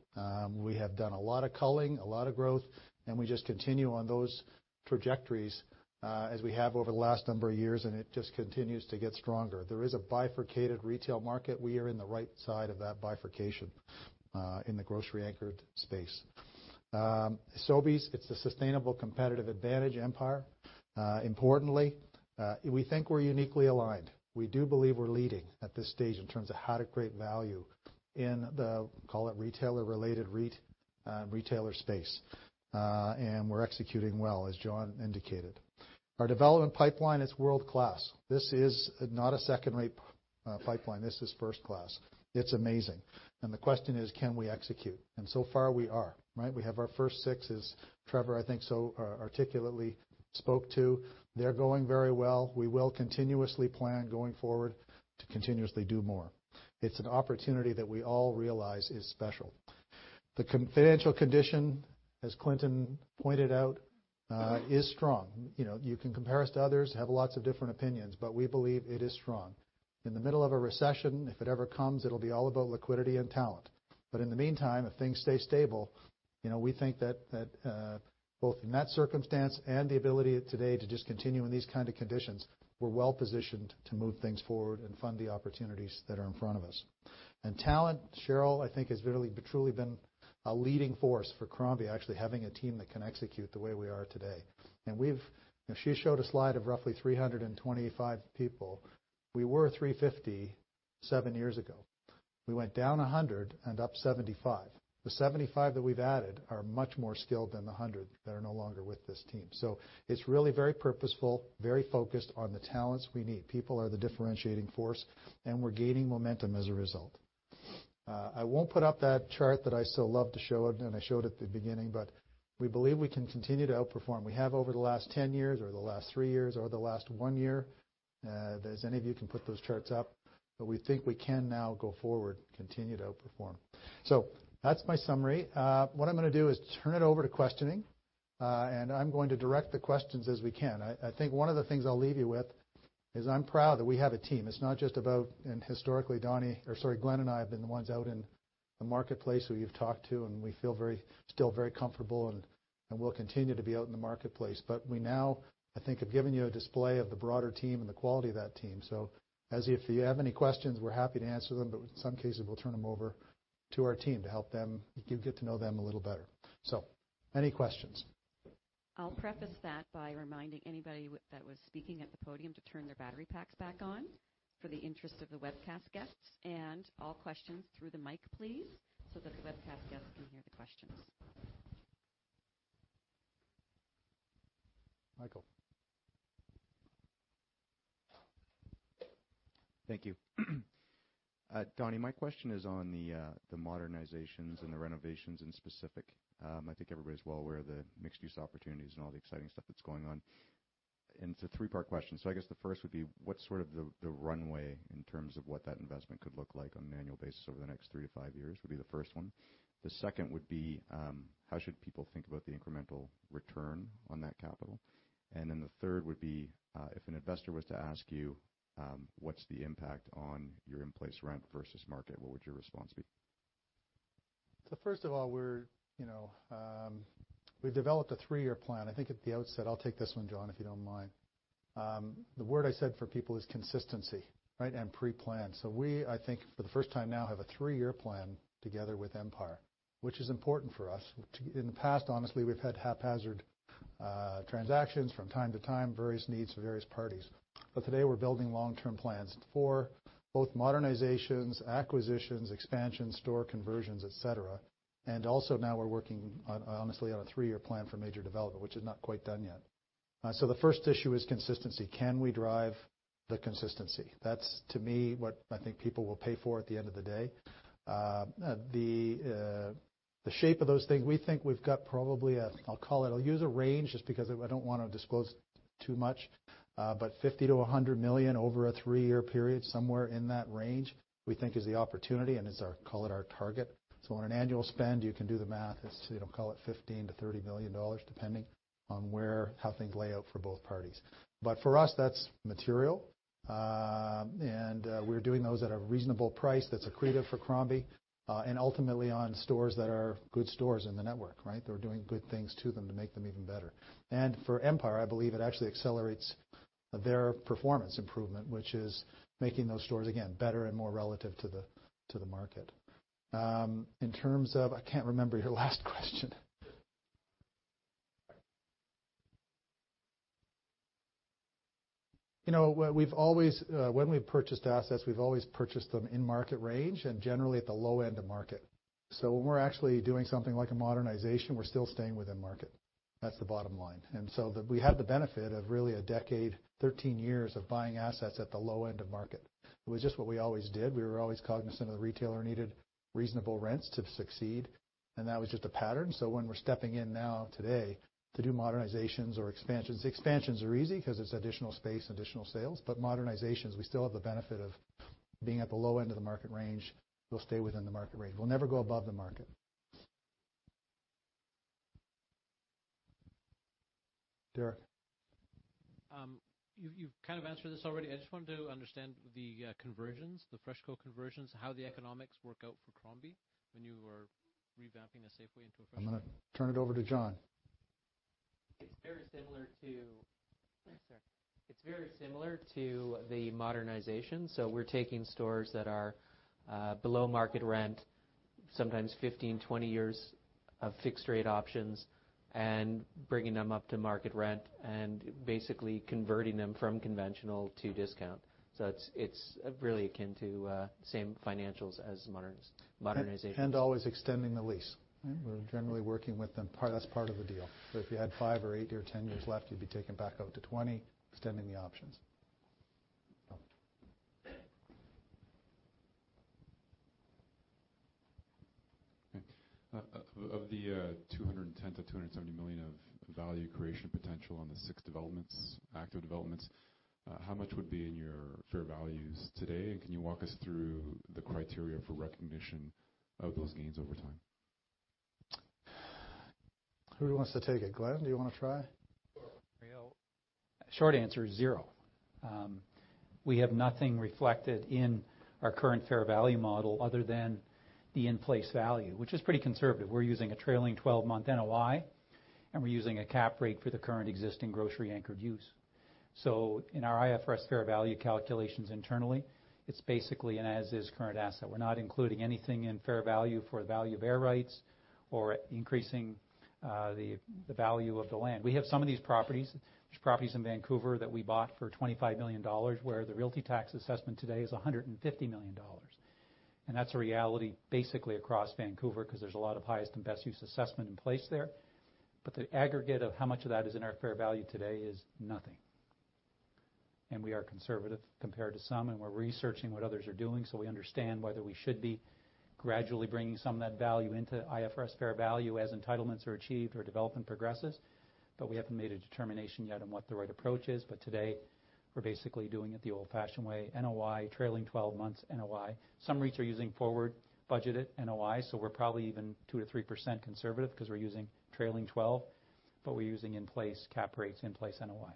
We have done a lot of culling, a lot of growth, and we just continue on those trajectories, as we have over the last number of years, and it just continues to get stronger. There is a bifurcated retail market. We are in the right side of that bifurcation, in the grocery anchored space. Sobeys, it's the sustainable competitive advantage. Empire, importantly, we think we're uniquely aligned. We do believe we're leading at this stage in terms of how to create value in the, call it retailer-related REIT retailer space. We're executing well, as John indicated. Our development pipeline is world-class. This is not a second-rate pipeline. This is first class. It's amazing. The question is: can we execute? So far, we are right. We have our first six as Trevor, I think so articulately spoke to. They're going very well. We will continuously plan going forward to continuously do more. It's an opportunity that we all realize is special. The financial condition, as Clinton pointed out, is strong. You can compare us to others, have lots of different opinions, but we believe it is strong. In the middle of a recession, if it ever comes, it'll be all about liquidity and talent. In the meantime, if things stay stable, we think that both in that circumstance and the ability today to just continue in these kind of conditions, we're well-positioned to move things forward and fund the opportunities that are in front of us. Talent, Cheryl, I think, has really truly been a leading force for Crombie, actually having a team that can execute the way we are today. She showed a slide of roughly 325 people. We were 350 seven years ago. We went down 100 and up 75. The 75 that we've added are much more skilled than the 100 that are no longer with this team. It's really very purposeful, very focused on the talents we need. People are the differentiating force, and we're gaining momentum as a result. I won't put up that chart that I so love to show, and I showed at the beginning, but we believe we can continue to outperform. We have over the last 10 years or the last 3 years, or the last 1 year, as any of you can put those charts up, but we think we can now go forward, continue to outperform. That's my summary. What I'm going to do is turn it over to questioning, and I'm going to direct the questions as we can. I think one of the things I'll leave you with is I'm proud that we have a team. It's not just. Historically, Glenn and I have been the ones out in the marketplace who you've talked to, and we feel still very comfortable and will continue to be out in the marketplace. We now, I think, have given you a display of the broader team and the quality of that team. If you have any questions, we're happy to answer them, but in some cases, we'll turn them over to our team to help you get to know them a little better. Any questions? I'll preface that by reminding anybody that was speaking at the podium to turn their battery packs back on for the interest of the webcast guests. All questions through the mic, please, so that the webcast guests can hear the questions. Michael. Thank you. Donnie, my question is on the modernizations and the renovations in specific. I think everybody's well aware of the mixed-use opportunities and all the exciting stuff that's going on. It's a three-part question. I guess the first would be: what's sort of the runway in terms of what that investment could look like on an annual basis over the next three to five years? Would be the first one. The second would be: how should people think about the incremental return on that capital? The third would be if an investor was to ask you what's the impact on your in-place rent versus market, what would your response be? First of all, we've developed a three-year plan. I think at the outset, I'll take this one, John, if you don't mind. The word I said for people is consistency, right? Pre-plan. We, I think, for the first time now, have a three-year plan together with Empire, which is important for us. In the past, honestly, we've had haphazard transactions from time to time, various needs for various parties. Today, we're building long-term plans for both modernizations, acquisitions, expansions, store conversions, et cetera. Also now we're working, honestly, on a three-year plan for major development, which is not quite done yet. The first issue is consistency. Can we drive the consistency? That's, to me, what I think people will pay for at the end of the day. The shape of those things, we think we've got probably, I'll use a range just because I don't want to disclose too much. 50 million-100 million over a three-year period, somewhere in that range, we think is the opportunity and is, call it, our target. On an annual spend, you can do the math. It's, call it, 15 million-30 million dollars, depending on how things lay out for both parties. For us, that's material. We're doing those at a reasonable price that's accretive for Crombie, and ultimately on stores that are good stores in the network, right? That we're doing good things to them to make them even better. For Empire, I believe it actually accelerates their performance improvement, which is making those stores, again, better and more relative to the market. I can't remember your last question. When we've purchased assets, we've always purchased them in market range and generally at the low end of market. When we're actually doing something like a modernization, we're still staying within market. That's the bottom line. We had the benefit of really a decade, 13 years, of buying assets at the low end of market. It was just what we always did. We were always cognizant of the retailer needed reasonable rents to succeed, and that was just a pattern. When we're stepping in now today to do modernizations or expansions are easy because it's additional space, additional sales, but modernizations, we still have the benefit of being at the low end of the market range. We'll stay within the market range. We'll never go above the market. Derek. You've kind of answered this already. I just wanted to understand the FreshCo conversions, how the economics work out for Crombie when you are revamping a Safeway into a FreshCo. I'm going to turn it over to John. It's very similar to the modernization. We're taking stores that are below market rent. Sometimes 15, 20 years of fixed rate options and bringing them up to market rent and basically converting them from conventional to discount. It's really akin to same financials as modernizations. Always extending the lease. We're generally working with them. That's part of the deal. If you had five or eight or 10 years left, you'd be taken back out to 20, extending the options. Of the 210 million-270 million of value creation potential on the six developments, active developments, how much would be in your fair values today? Can you walk us through the criteria for recognition of those gains over time? Who wants to take it? Glenn, do you want to try? The short answer is zero. We have nothing reflected in our current fair value model other than the in-place value, which is pretty conservative. We're using a trailing 12-month NOI, and we're using a cap rate for the current existing grocery-anchored use. In our IFRS fair value calculations internally, it's basically an as is current asset. We're not including anything in fair value for the value of air rights or increasing the value of the land. We have some of these properties, which properties in Vancouver that we bought for 25 million dollars, where the realty tax assessment today is 150 million dollars. That's a reality basically across Vancouver because there's a lot of highest and best-use assessment in place there. The aggregate of how much of that is in our fair value today is nothing. We are conservative compared to some, and we're researching what others are doing, so we understand whether we should be gradually bringing some of that value into IFRS fair value as entitlements are achieved or development progresses. We haven't made a determination yet on what the right approach is. Today, we're basically doing it the old-fashioned way, NOI, trailing 12 months NOI. Some REITs are using forward budgeted NOI, we're probably even 2%-3% conservative because we're using trailing 12. We're using in-place cap rates, in-place NOI.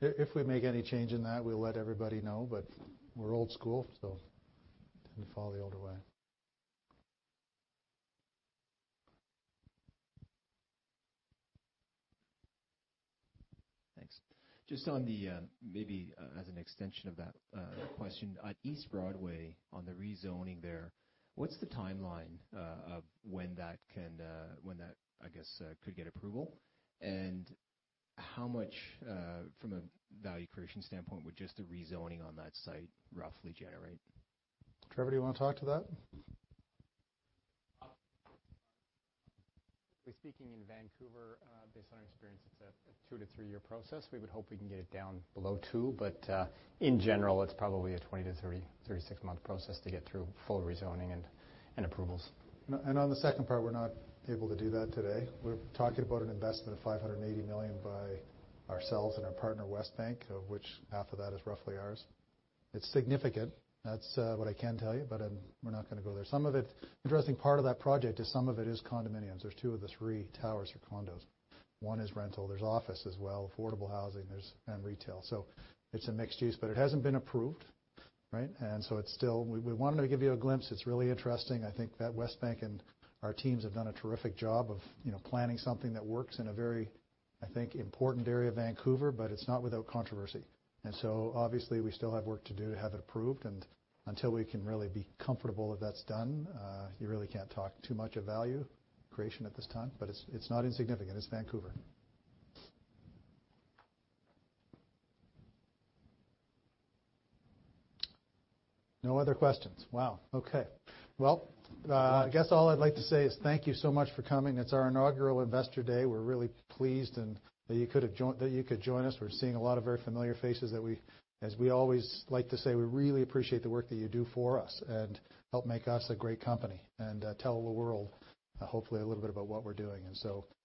If we make any change in that, we will let everybody know, but we are old school, so tend to follow the older way. Thanks. Just on the, maybe as an extension of that question. On East Broadway, on the rezoning there, what's the timeline of when that, I guess, could get approval? How much, from a value creation standpoint, would just the rezoning on that site roughly generate? Trevor, do you want to talk to that? We're speaking in Vancouver. Based on our experience, it's a 2- to 3-year process. We would hope we can get it down below two, in general, it's probably a 20- to 36-month process to get through full rezoning and approvals. On the second part, we're not able to do that today. We're talking about an investment of 580 million by ourselves and our partner, Westbank, of which half of that is roughly ours. It's significant. That's what I can tell you, we're not going to go there. Interesting part of that project is some of it is condominiums. There's two of the three towers are condos. One is rental. There's office as well, affordable housing, and retail. It's a mixed use, it hasn't been approved, right? We wanted to give you a glimpse. It's really interesting. I think that Westbank and our teams have done a terrific job of planning something that works in a very, I think, important area of Vancouver, it's not without controversy. Obviously, we still have work to do to have it approved. Until we can really be comfortable that that's done, you really can't talk too much of value creation at this time. It's not insignificant. It's Vancouver. No other questions. Wow. Okay. I guess all I'd like to say is thank you so much for coming. It's our inaugural Investor Day. We're really pleased that you could join us. We're seeing a lot of very familiar faces that as we always like to say, we really appreciate the work that you do for us and help make us a great company and tell the world, hopefully, a little bit about what we're doing.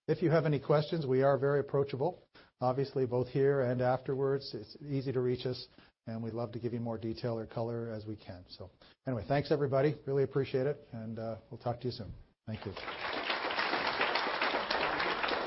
If you have any questions, we are very approachable. Obviously, both here and afterwards. It's easy to reach us, and we'd love to give you more detail or color as we can. Anyway, thanks everybody. Really appreciate it, and we'll talk to you soon. Thank you.